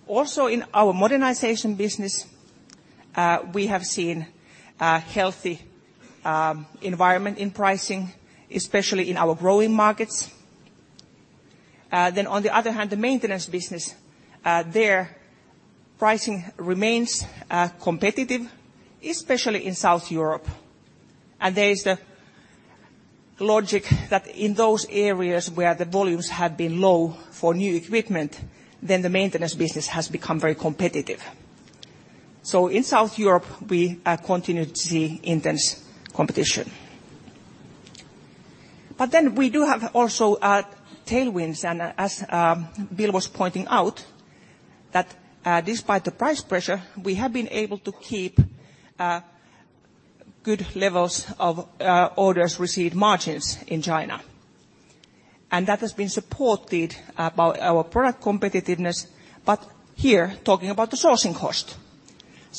Also in our modernization business, we have seen a healthy environment in pricing, especially in our growing markets. On the other hand, the maintenance business, there pricing remains competitive, especially in South Europe. There is the logic that in those areas where the volumes have been low for new equipment, then the maintenance business has become very competitive. In South Europe, we continue to see intense competition. We do have also tailwinds, and as Bill was pointing out, that despite the price pressure, we have been able to keep good levels of orders received margins in China. That has been supported by our product competitiveness, but here talking about the sourcing cost.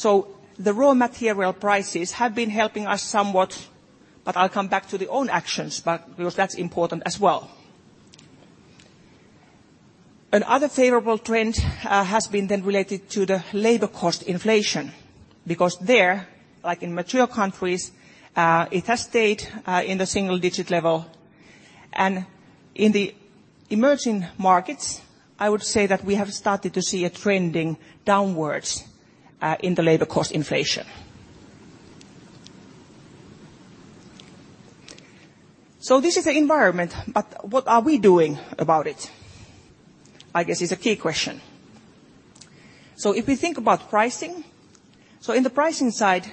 The raw material prices have been helping us somewhat, but I'll come back to the own actions because that's important as well. Another favorable trend has been then related to the labor cost inflation because there, like in mature countries, it has stayed in the single digit level. In the emerging markets, I would say that we have started to see a trending downwards in the labor cost inflation. This is the environment, but what are we doing about it? I guess is a key question. If we think about pricing, so in the pricing side,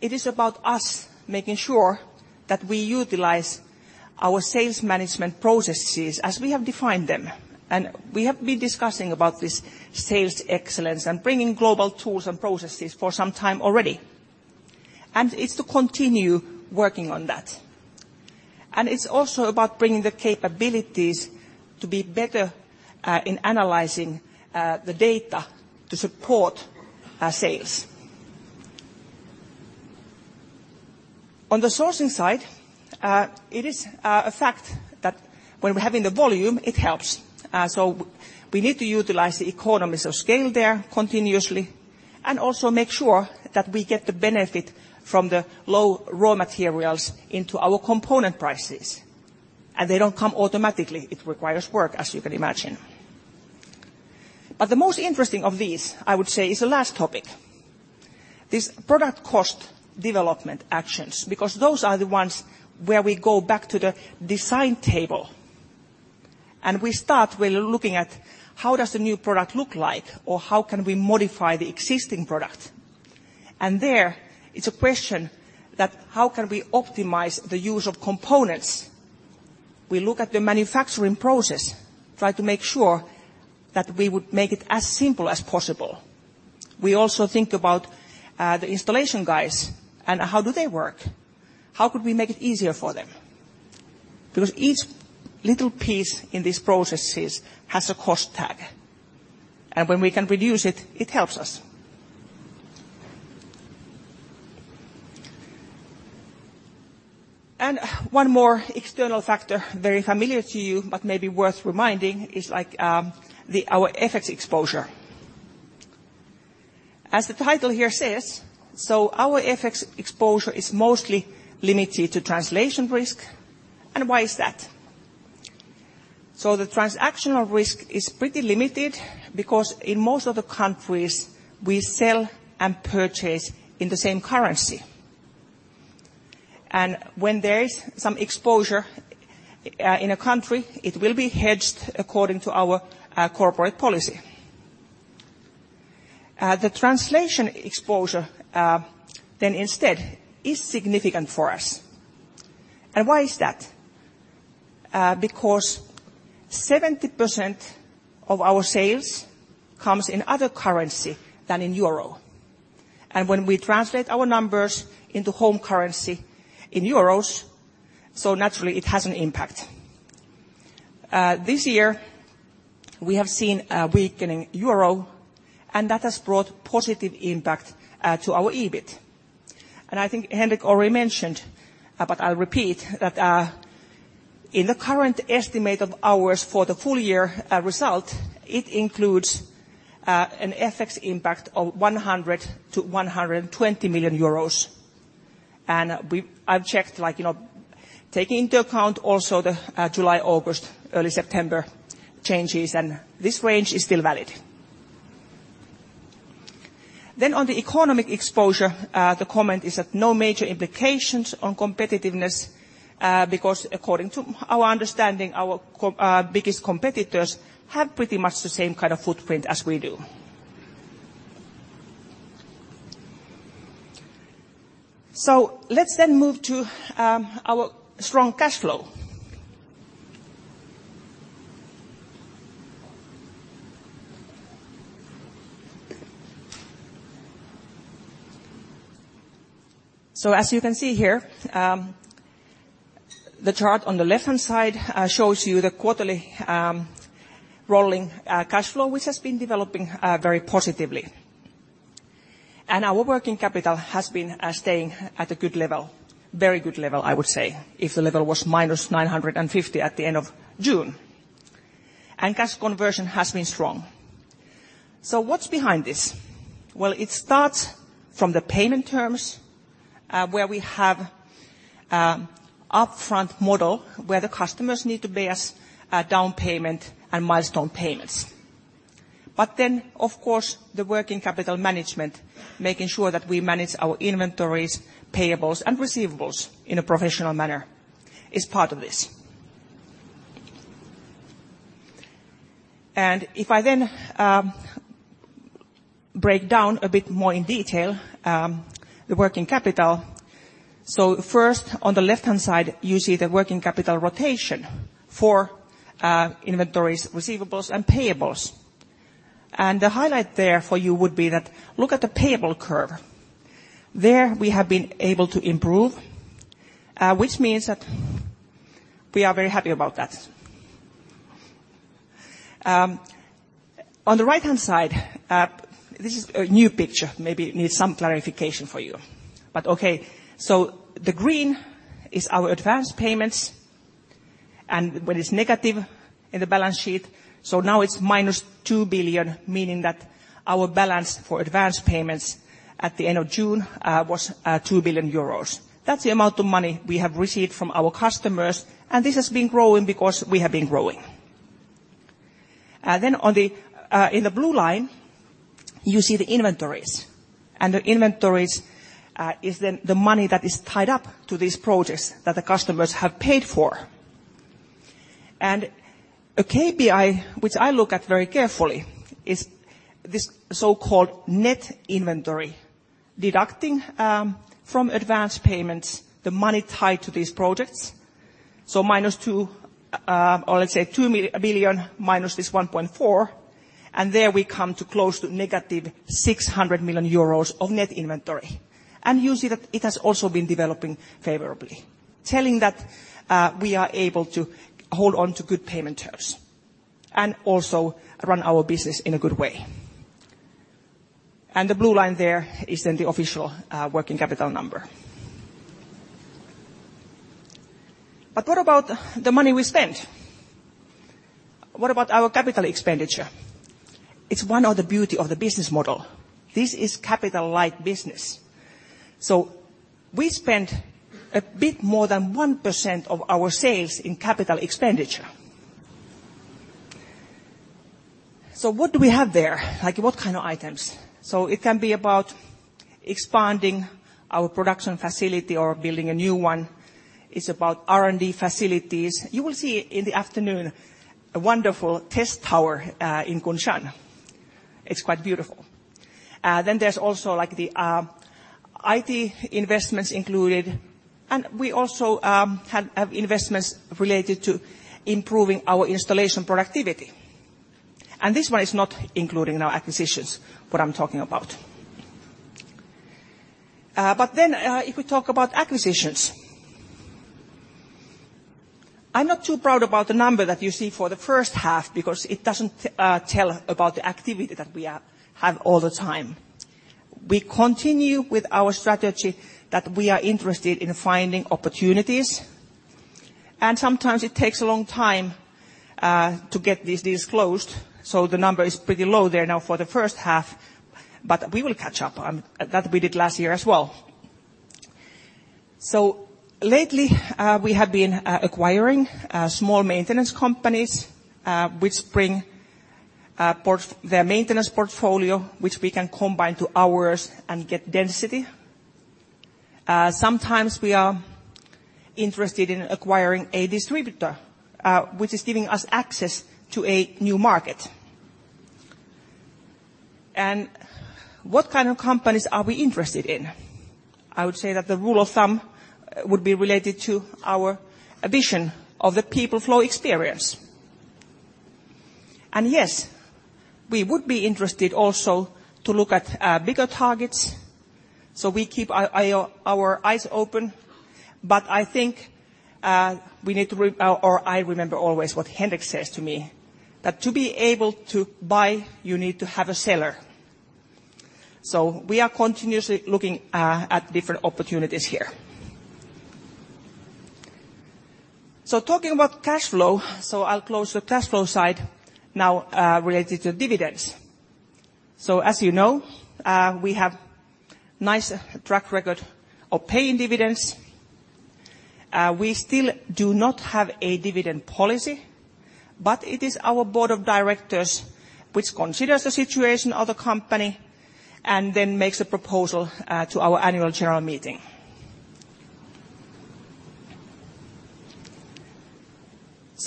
it is about us making sure that we utilize our sales management processes as we have defined them. We have been discussing about this sales excellence and bringing global tools and processes for some time already. It's to continue working on that. It's also about bringing the capabilities to be better at in analyzing the data to support our sales. On the sourcing side, it is a fact that when we're having the volume, it helps. We need to utilize the economies of scale there continuously and also make sure that we get the benefit from the low raw materials into our component prices. They don't come automatically. It requires work, as you can imagine. The most interesting of these, I would say, is the last topic. This product cost development actions, because those are the ones where we go back to the design table and we start with looking at how does the new product look like or how can we modify the existing product. There it's a question that how can we optimize the use of components. We look at the manufacturing process, try to make sure that we would make it as simple as possible. We also think about the installation guys and how do they work. How could we make it easier for them? Because each little piece in these processes has a cost tag, and when we can reduce it helps us. One more external factor, very familiar to you, but maybe worth reminding is our FX exposure. As the title here says, our FX exposure is mostly limited to translation risk. Why is that? The transactional risk is pretty limited because in most of the countries, we sell and purchase in the same currency. When there is some exposure in a country, it will be hedged according to our corporate policy. The translation exposure, instead, is significant for us. Why is that? 70% of our sales comes in other currency than in euro. When we translate our numbers into home currency in euros, naturally it has an impact. This year we have seen a weakening euro, that has brought positive impact to our EBIT. I think Henrik already mentioned, but I'll repeat that, in the current estimate of ours for the full year result, it includes an FX impact of 100 million-120 million euros. I've checked, taking into account also the July, August, early September changes, and this range is still valid. On the economic exposure, the comment is that no major implications on competitiveness, because according to our understanding, our biggest competitors have pretty much the same kind of footprint as we do. Let's move to our strong cash flow. As you can see here, the chart on the left-hand side shows you the quarterly rolling cashflow, which has been developing very positively. Our working capital has been staying at a good level. Very good level, I would say, if the level was -950 at the end of June. Cash conversion has been strong. What's behind this? Well, it starts from the payment terms, where we have upfront model where the customers need to pay us a down payment and milestone payments. Of course, the working capital management, making sure that we manage our inventories, payables and receivables in a professional manner is part of this. If I then break down a bit more in detail the working capital. First, on the left-hand side, you see the working capital rotation for inventories, receivables and payables. The highlight there for you would be that look at the payable curve. There we have been able to improve, which means that we are very happy about that. On the right-hand side, this is a new picture, maybe it needs some clarification for you. The green is our advanced payments, and when it's negative in the balance sheet, now it's minus 2 billion, meaning that our balance for advanced payments at the end of June was 2 billion euros. That's the amount of money we have received from our customers, and this has been growing because we have been growing. In the blue line, you see the inventories. The inventories is the money that is tied up to these projects that the customers have paid for. A KPI which I look at very carefully is this so-called net inventory, deducting from advanced payments the money tied to these projects. Minus 2, or let's say 2 billion minus this 1.4 billion, and there we come to close to negative 600 million euros of net inventory. You see that it has also been developing favorably, telling that we are able to hold on to good payment terms and also run our business in a good way. The blue line there is then the official working capital number. What about the money we spend? What about our capital expenditure? It's one of the beauty of the business model. This is capital-light business. We spent a bit more than 1% of our sales in capital expenditure. What do we have there? Like what kind of items? It can be about expanding our production facility or building a new one. It's about R&D facilities. You will see in the afternoon a wonderful test tower in Kunshan. It's quite beautiful. There's also the IT investments included, and we also have investments related to improving our installation productivity. This one is not including our acquisitions, what I'm talking about. If we talk about acquisitions, I'm not too proud about the number that you see for the first half because it doesn't tell about the activity that we have all the time. We continue with our strategy that we are interested in finding opportunities, and sometimes it takes a long time to get these deals closed, the number is pretty low there now for the first half. We will catch up. That we did last year as well. Lately, we have been acquiring small maintenance companies, which bring their maintenance portfolio, which we can combine to ours and get density. Sometimes we are interested in acquiring a distributor, which is giving us access to a new market. What kind of companies are we interested in? I would say that the rule of thumb would be related to our vision of the People Flow Experience. Yes, we would be interested also to look at bigger targets, we keep our eyes open. I think we need to-- or I remember always what Henrik says to me, that to be able to buy, you need to have a seller. We are continuously looking at different opportunities here. Talking about cash flow, I'll close the cash flow side now related to dividends. As you know, we have nice track record of paying dividends. We still do not have a dividend policy, it is our board of directors which considers the situation of the company then makes a proposal to our annual general meeting.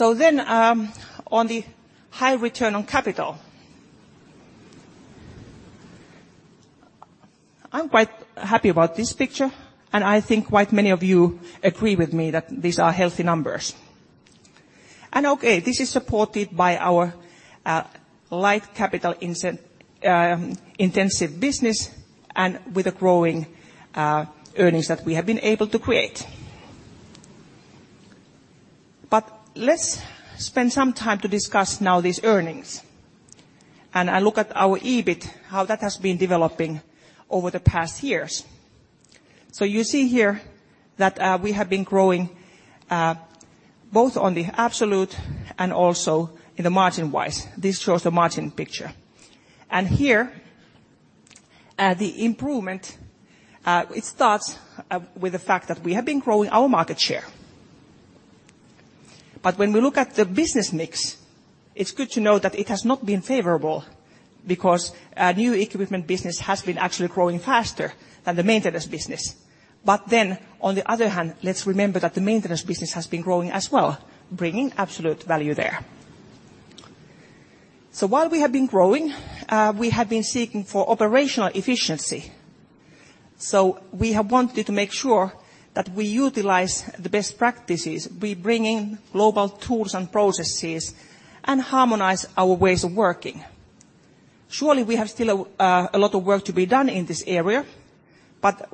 On the high return on capital. I'm quite happy about this picture, I think quite many of you agree with me that these are healthy numbers. This is supported by our light capital intensive business with the growing earnings that we have been able to create. Let's spend some time to discuss now these earnings. I look at our EBIT, how that has been developing over the past years. You see here that we have been growing both on the absolute also in the margin-wise. This shows the margin picture. Here the improvement, it starts with the fact that we have been growing our market share. When we look at the business mix, it's good to know that it has not been favorable because our new equipment business has been actually growing faster than the maintenance business. On the other hand, let's remember that the maintenance business has been growing as well, bringing absolute value there. While we have been growing, we have been seeking for operational efficiency. We have wanted to make sure that we utilize the best practices, we bring in global tools and processes, harmonize our ways of working. Surely, we have still a lot of work to be done in this area,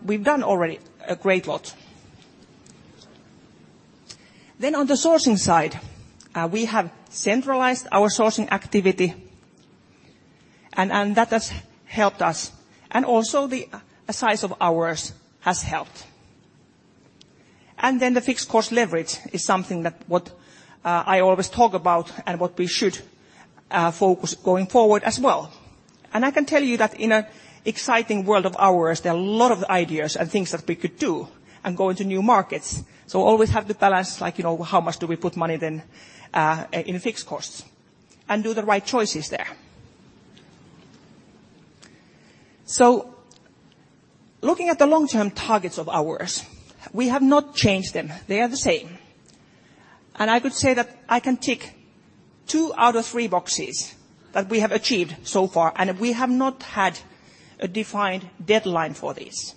we've done already a great lot. On the sourcing side, we have centralized our sourcing activity, that has helped us, also the size of ours has helped. The fixed cost leverage is something that what I always talk about what we should focus going forward as well. I can tell you that in an exciting world of ours, there are a lot of ideas things that we could do go into new markets. Always have the balance like, how much do we put money then in fixed costs? Do the right choices there. Looking at the long-term targets of ours, we have not changed them. They are the same. I could say that I can tick two out of three boxes that we have achieved so far, we have not had a defined deadline for this.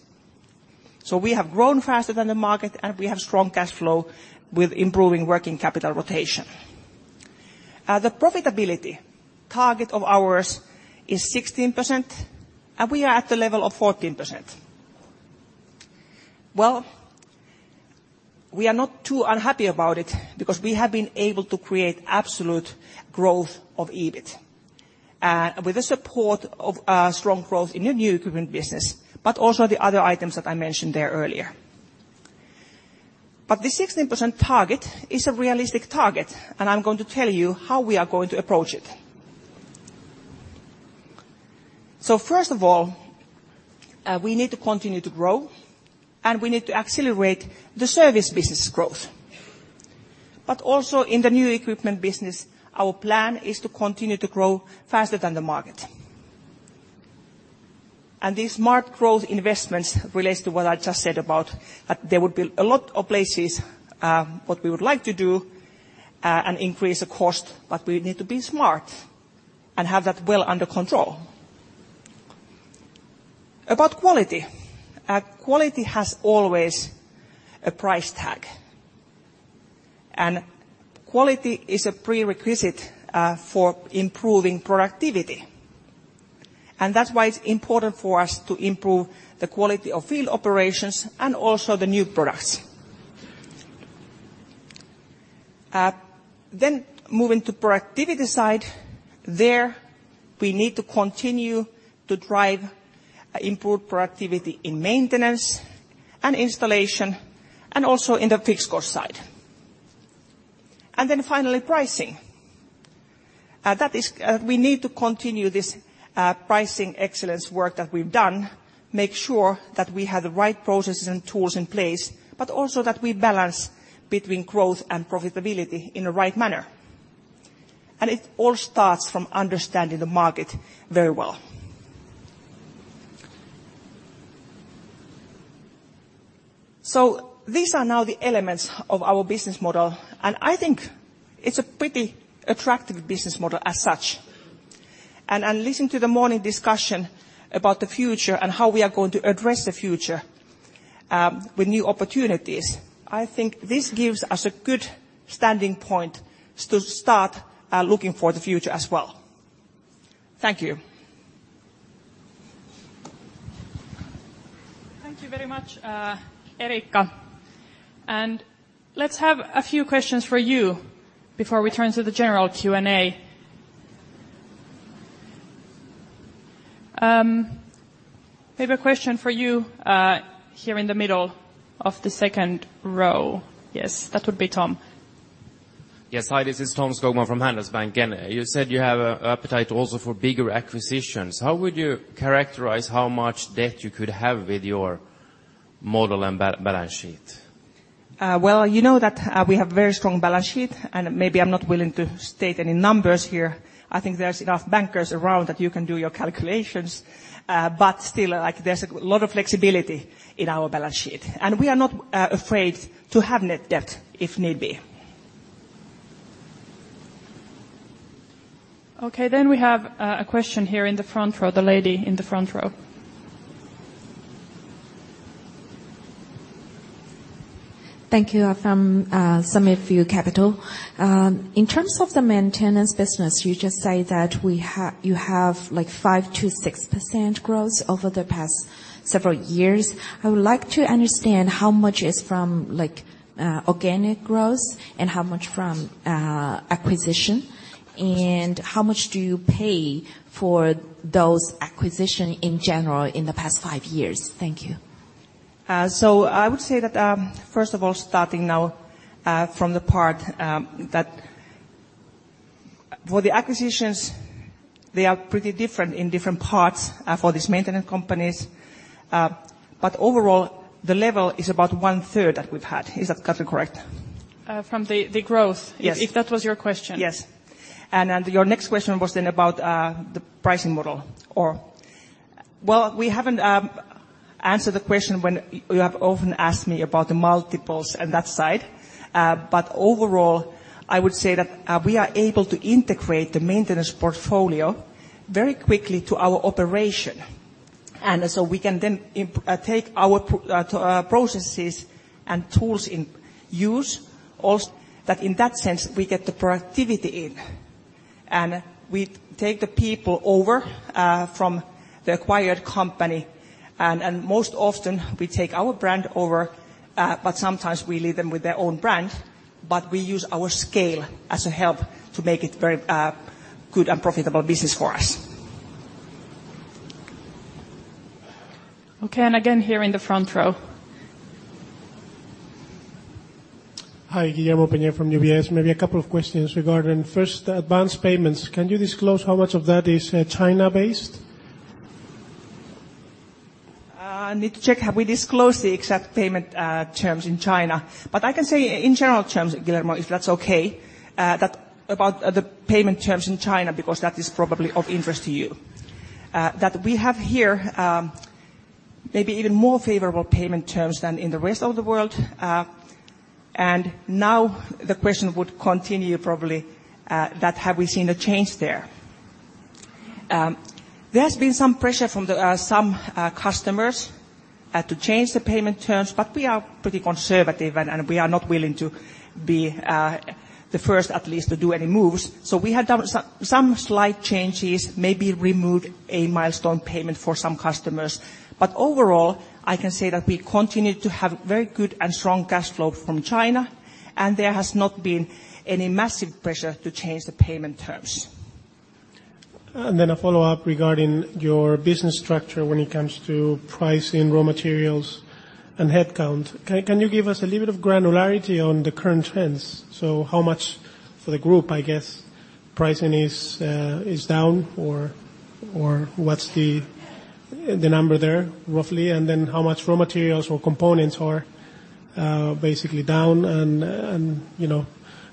We have grown faster than the market, we have strong cash flow with improving working capital rotation. The profitability target of ours is 16%. We are at the level of 14%. We are not too unhappy about it because we have been able to create absolute growth of EBIT, with the support of strong growth in the new equipment business, also the other items that I mentioned there earlier. The 16% target is a realistic target, I'm going to tell you how we are going to approach it. First of all, we need to continue to grow, we need to accelerate the service business growth. Also in the new equipment business, our plan is to continue to grow faster than the market. These smart growth investments relates to what I just said about that there would be a lot of places what we would like to do and increase the cost, but we need to be smart and have that well under control. About quality. Quality has always a price tag. Quality is a prerequisite for improving productivity. That's why it's important for us to improve the quality of field operations and also the new products. Moving to productivity side, there we need to continue to drive improved productivity in maintenance and installation and also in the fixed cost side. Finally, pricing. We need to continue this pricing excellence work that we've done, make sure that we have the right processes and tools in place, but also that we balance between growth and profitability in the right manner. It all starts from understanding the market very well. These are now the elements of our business model, and I think it's a pretty attractive business model as such. I listened to the morning discussion about the future and how we are going to address the future, with new opportunities. I think this gives us a good standing point to start looking for the future as well. Thank you. Thank you very much, Eriikka. Let's have a few questions for you before we turn to the general Q&A. Maybe a question for you, here in the middle of the second row. Yes, that would be Tomi. Yes. Hi, this is Tomi Skogman from Handelsbanken. You said you have appetite also for bigger acquisitions. How would you characterize how much debt you could have with your model and balance sheet? Well, you know that we have very strong balance sheet. Maybe I'm not willing to state any numbers here. I think there's enough bankers around that you can do your calculations. Still, there's a lot of flexibility in our balance sheet. We are not afraid to have net debt if need be. We have a question here in the front row, the lady in the front row. Thank you. I'm from SummitView Capital. In terms of the maintenance business, you just say that you have 5%-6% growth over the past several years. I would like to understand how much is from organic growth and how much from acquisitions, and how much do you pay for those acquisitions in general in the past 5 years. Thank you. I would say that, first of all, starting now from the part that for the acquisitions, they are pretty different in different parts for these maintenance companies. Overall, the level is about one-third that we've had. Is that category correct? From the growth- Yes if that was your question. Yes. Your next question was then about the pricing model or Well, we haven't answered the question when you have often asked me about the multiples and that side. Overall, I would say that we are able to integrate the maintenance portfolio very quickly to our operation, we can then take our processes and tools in use. That in that sense, we get the productivity in. We take the people over from the acquired company. Most often we take our brand over, sometimes we leave them with their own brand, we use our scale as a help to make it very good and profitable business for us. Okay. Again, here in the front row. Hi, Guillermo Peigneux-Lojo from UBS. Maybe a couple of questions regarding advanced payments. Can you disclose how much of that is China based? I need to check. Have we disclosed the exact payment terms in China? I can say in general terms, Guillermo, if that's okay, that about the payment terms in China, because that is probably of interest to you. We have here maybe even more favorable payment terms than in the rest of the world. Now the question would continue probably, that have we seen a change there? There's been some pressure from some customers to change the payment terms, we are pretty conservative, and we are not willing to be the first, at least, to do any moves. We have done some slight changes, maybe removed a milestone payment for some customers. Overall, I can say that we continue to have very good and strong cash flow from China, and there has not been any massive pressure to change the payment terms. A follow-up regarding your business structure when it comes to pricing raw materials and headcount. Can you give us a little bit of granularity on the current trends? How much for the group, I guess, pricing is down or what's the number there roughly, how much raw materials or components are basically down and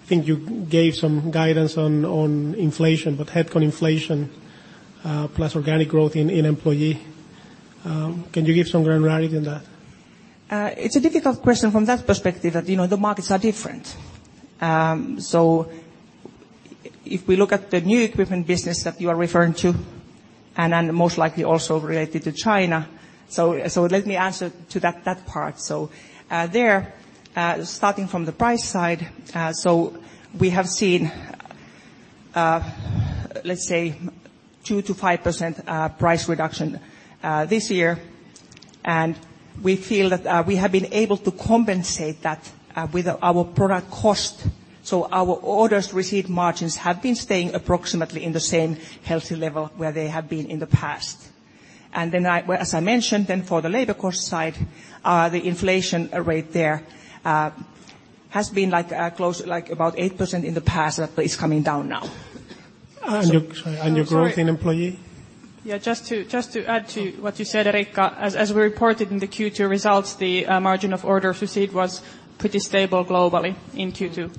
I think you gave some guidance on inflation, headcount inflation, plus organic growth in employee. Can you give some granularity on that? It's a difficult question from that perspective that, the markets are different. If we look at the new equipment business that you are referring to, most likely also related to China. Let me answer to that part. There, starting from the price side, we have seen, let's say, 2%-5% price reduction this year, we feel that we have been able to compensate that with our product cost. Our orders received margins have been staying approximately in the same healthy level where they have been in the past. As I mentioned, for the labor cost side, the inflation rate there has been close to about 8% in the past, it's coming down now. Your growth in employee? Yeah, just to add to what you said, Eriikka, as we reported in the Q2 results, the margin of orders received was pretty stable globally in Q2.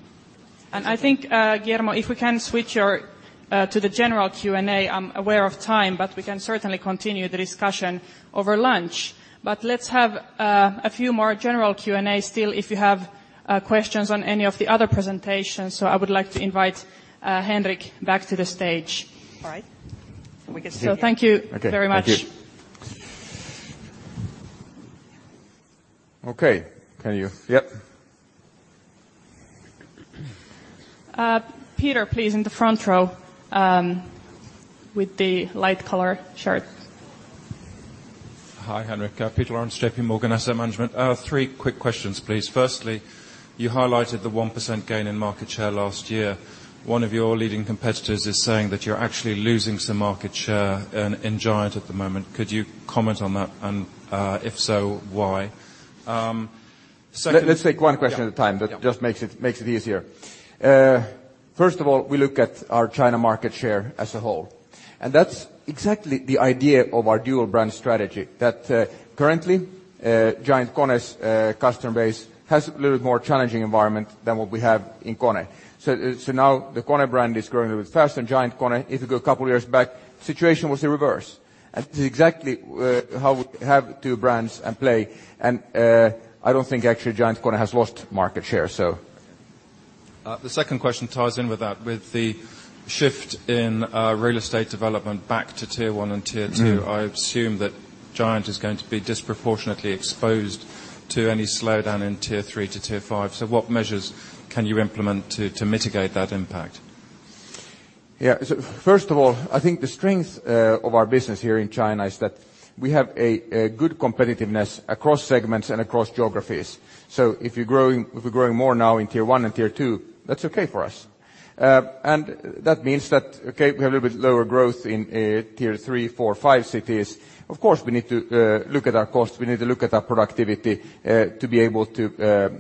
I think, Guillermo, if we can switch to the general Q&A, I'm aware of time, but we can certainly continue the discussion over lunch. Let's have a few more general Q&A still, if you have questions on any of the other presentations. I would like to invite Henrik back to the stage. All right. We can sit here. Thank you very much. Okay. Thank you. Okay. Can you Yep. Peter, please, in the front row with the light color shirt. Hi, Henrik. Peter Lawrence, JP Morgan Asset Management. Three quick questions, please. Firstly, you highlighted the 1% gain in market share last year. One of your leading competitors is saying that you're actually losing some market share in Giant at the moment. Could you comment on that, and if so, why? Secondly- Let's take one question at a time. Yeah. That just makes it easier. First of all, we look at our China market share as a whole, and that's exactly the idea of our dual brand strategy, that currently Giant KONE's customer base has a little more challenging environment than what we have in KONE. Now the KONE brand is growing a little bit faster than Giant KONE. If you go a couple of years back, the situation was the reverse, this is exactly how we have two brands and play, I don't think actually Giant KONE has lost market share. The second question ties in with that. With the shift in real estate development back to tier 1 and tier 2. I assume that Giant is going to be disproportionately exposed to any slowdown in tier 3 to tier 5. What measures can you implement to mitigate that impact? Yeah. First of all, I think the strength of our business here in China is that we have a good competitiveness across segments and across geographies. If we're growing more now in tier 1 and tier 2, that's okay for us. That means that, okay, we have a little bit lower growth in tier 3, 4, 5 cities. Of course, we need to look at our costs. We need to look at our productivity to be able to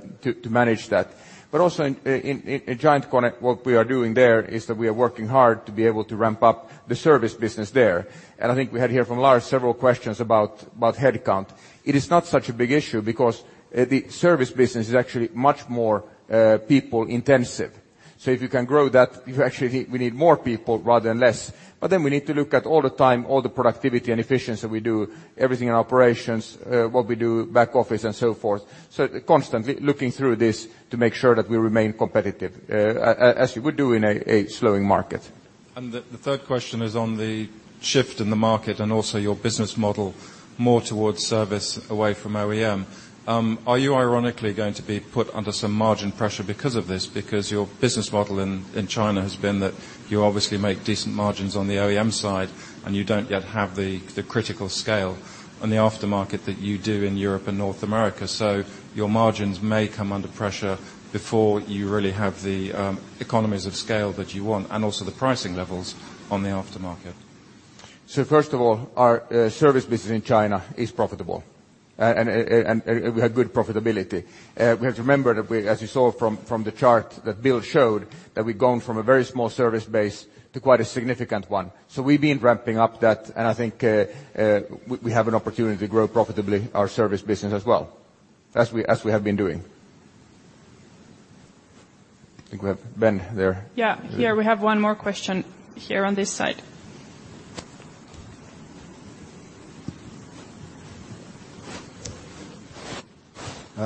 manage that. Also in Giant KONE, what we are doing there is that we are working hard to be able to ramp up the service business there. I think we had here from Lars several questions about headcount. It is not such a big issue because the service business is actually much more people intensive. If you can grow that, actually we need more people rather than less. We need to look at all the time, all the productivity and efficiency we do, everything in operations, what we do back office and so forth. Constantly looking through this to make sure that we remain competitive, as you would do in a slowing market. The third question is on the shift in the market and also your business model more towards service away from OEM. Are you ironically going to be put under some margin pressure because of this? Because your business model in China has been that you obviously make decent margins on the OEM side and you don't yet have the critical scale on the aftermarket that you do in Europe and North America. Your margins may come under pressure before you really have the economies of scale that you want, and also the pricing levels on the aftermarket. First of all, our service business in China is profitable, and we have good profitability. We have to remember that as you saw from the chart that Bill showed, that we've gone from a very small service base to quite a significant one. We've been ramping up that, and I think we have an opportunity to grow profitably our service business as well, as we have been doing. I think we have Ben there. Yeah. Here, we have one more question here on this side.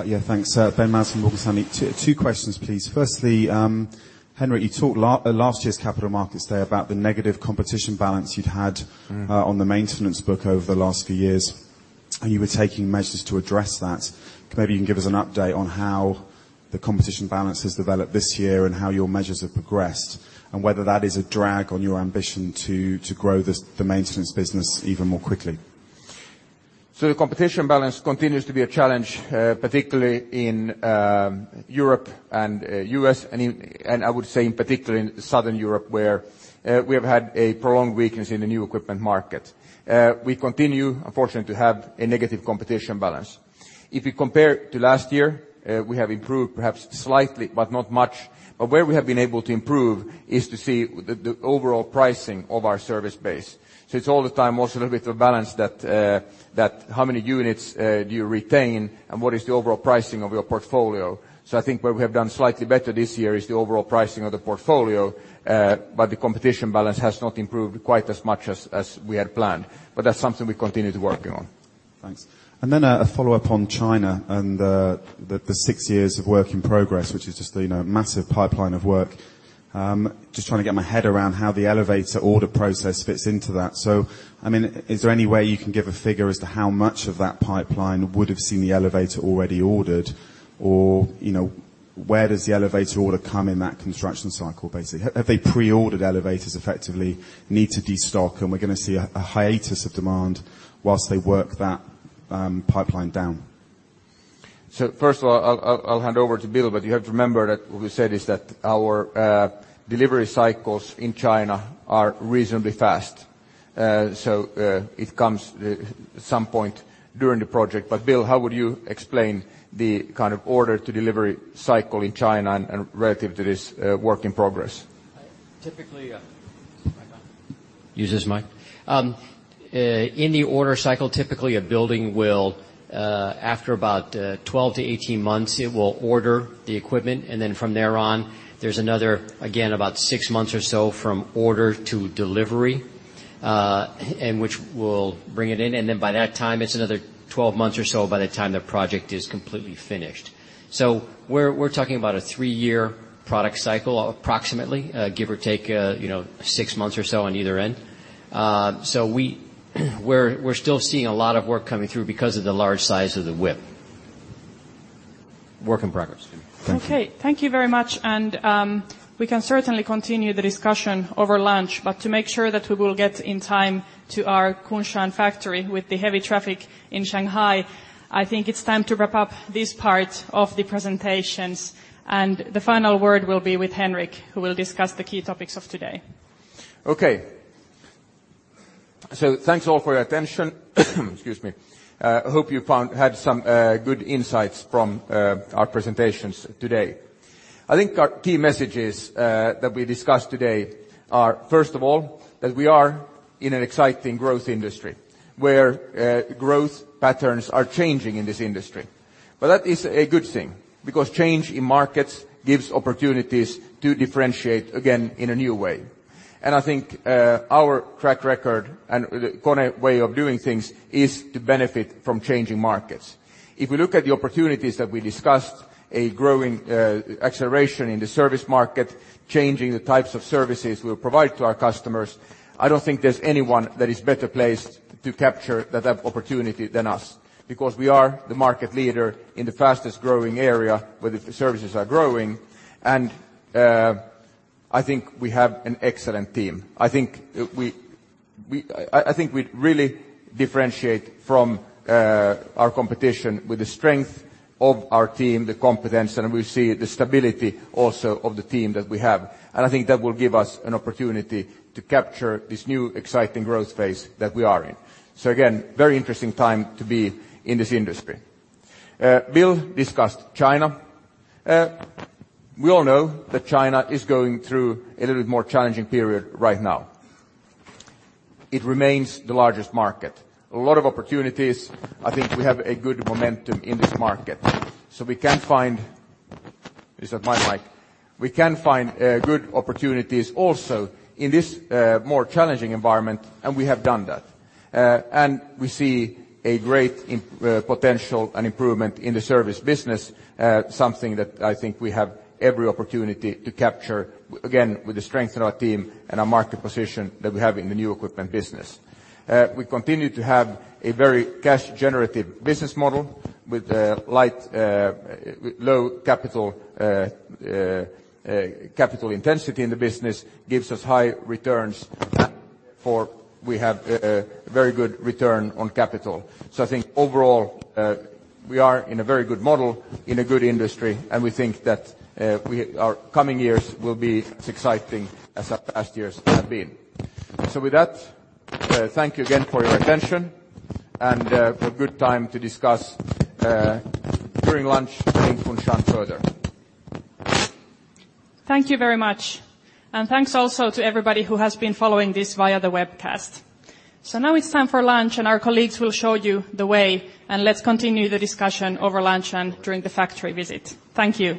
Yeah. Thanks. Ben Maitland, Morgan Stanley. Two questions, please. Firstly, Henrik, you talked at last year's Capital Markets Day about the negative competition balance you'd had on the maintenance book over the last few years. You were taking measures to address that. Maybe you can give us an update on how the competition balance has developed this year and how your measures have progressed, whether that is a drag on your ambition to grow the maintenance business even more quickly. The competition balance continues to be a challenge, particularly in Europe and U.S., I would say in particular in Southern Europe, where we have had a prolonged weakness in the new equipment market. We continue, unfortunately, to have a negative competition balance. If you compare to last year, we have improved perhaps slightly, but not much. Where we have been able to improve is to see the overall pricing of our service base. It's all the time also a little bit of a balance that how many units do you retain and what is the overall pricing of your portfolio. I think where we have done slightly better this year is the overall pricing of the portfolio. The competition balance has not improved quite as much as we had planned. That's something we continue to working on. Thanks. Then a follow-up on China and the six years of work in progress, which is just a massive pipeline of work. I'm just trying to get my head around how the elevator order process fits into that. Is there any way you can give a figure as to how much of that pipeline would've seen the elevator already ordered? Where does the elevator order come in that construction cycle, basically? Have they pre-ordered elevators effectively, need to de-stock, and we're going to see a hiatus of demand whilst they work that pipeline down? First of all, I'll hand over to Bill, you have to remember that what we said is that our delivery cycles in China are reasonably fast. It comes at some point during the project. Bill, how would you explain the kind of order-to-delivery cycle in China and relative to this work in progress? Typically Is this mic on? Use this mic. In the order cycle, typically, a building will, after about 12-18 months, it will order the equipment. Then from there on, there's another, again, about 6 months or so from order to delivery, which we'll bring it in. Then by that time, it's another 12 months or so by the time the project is completely finished. We're talking about a 3-year product cycle approximately, give or take 6 months or so on either end. We're still seeing a lot of work coming through because of the large size of the WIP. Work in progress. Thank you. Okay. Thank you very much, we can certainly continue the discussion over lunch, to make sure that we will get in time to our Kunshan factory with the heavy traffic in Shanghai, I think it's time to wrap up this part of the presentations. The final word will be with Henrik, who will discuss the key topics of today. Okay. Thanks all for your attention. Excuse me. I hope you had some good insights from our presentations today. I think our key messages that we discussed today are, first of all, that we are in an exciting growth industry, where growth patterns are changing in this industry. That is a good thing because change in markets gives opportunities to differentiate again in a new way. I think our track record and the KONE way of doing things is to benefit from changing markets. If we look at the opportunities that we discussed, a growing acceleration in the service market, changing the types of services we'll provide to our customers, I don't think there's anyone that is better placed to capture that opportunity than us because we are the market leader in the fastest growing area where the services are growing, and I think we have an excellent team. I think we really differentiate from our competition with the strength of our team, the competence, and we see the stability also of the team that we have. I think that will give us an opportunity to capture this new exciting growth phase that we are in. Again, very interesting time to be in this industry. Bill discussed China. We all know that China is going through a little bit more challenging period right now. It remains the largest market. A lot of opportunities. I think we have a good momentum in this market. We can find good opportunities also in this more challenging environment, and we have done that. We see a great potential and improvement in the service business, something that I think we have every opportunity to capture, again, with the strength in our team and our market position that we have in the new equipment business. We continue to have a very cash generative business model with low capital intensity in the business, gives us high returns, for we have a very good return on capital. I think overall, we are in a very good model, in a good industry, and we think that our coming years will be as exciting as our past years have been. With that, thank you again for your attention and for good time to discuss during lunch in Kunshan further. Thank you very much. Thanks also to everybody who has been following this via the webcast. Now it is time for lunch, and our colleagues will show you the way, and let us continue the discussion over lunch and during the factory visit. Thank you.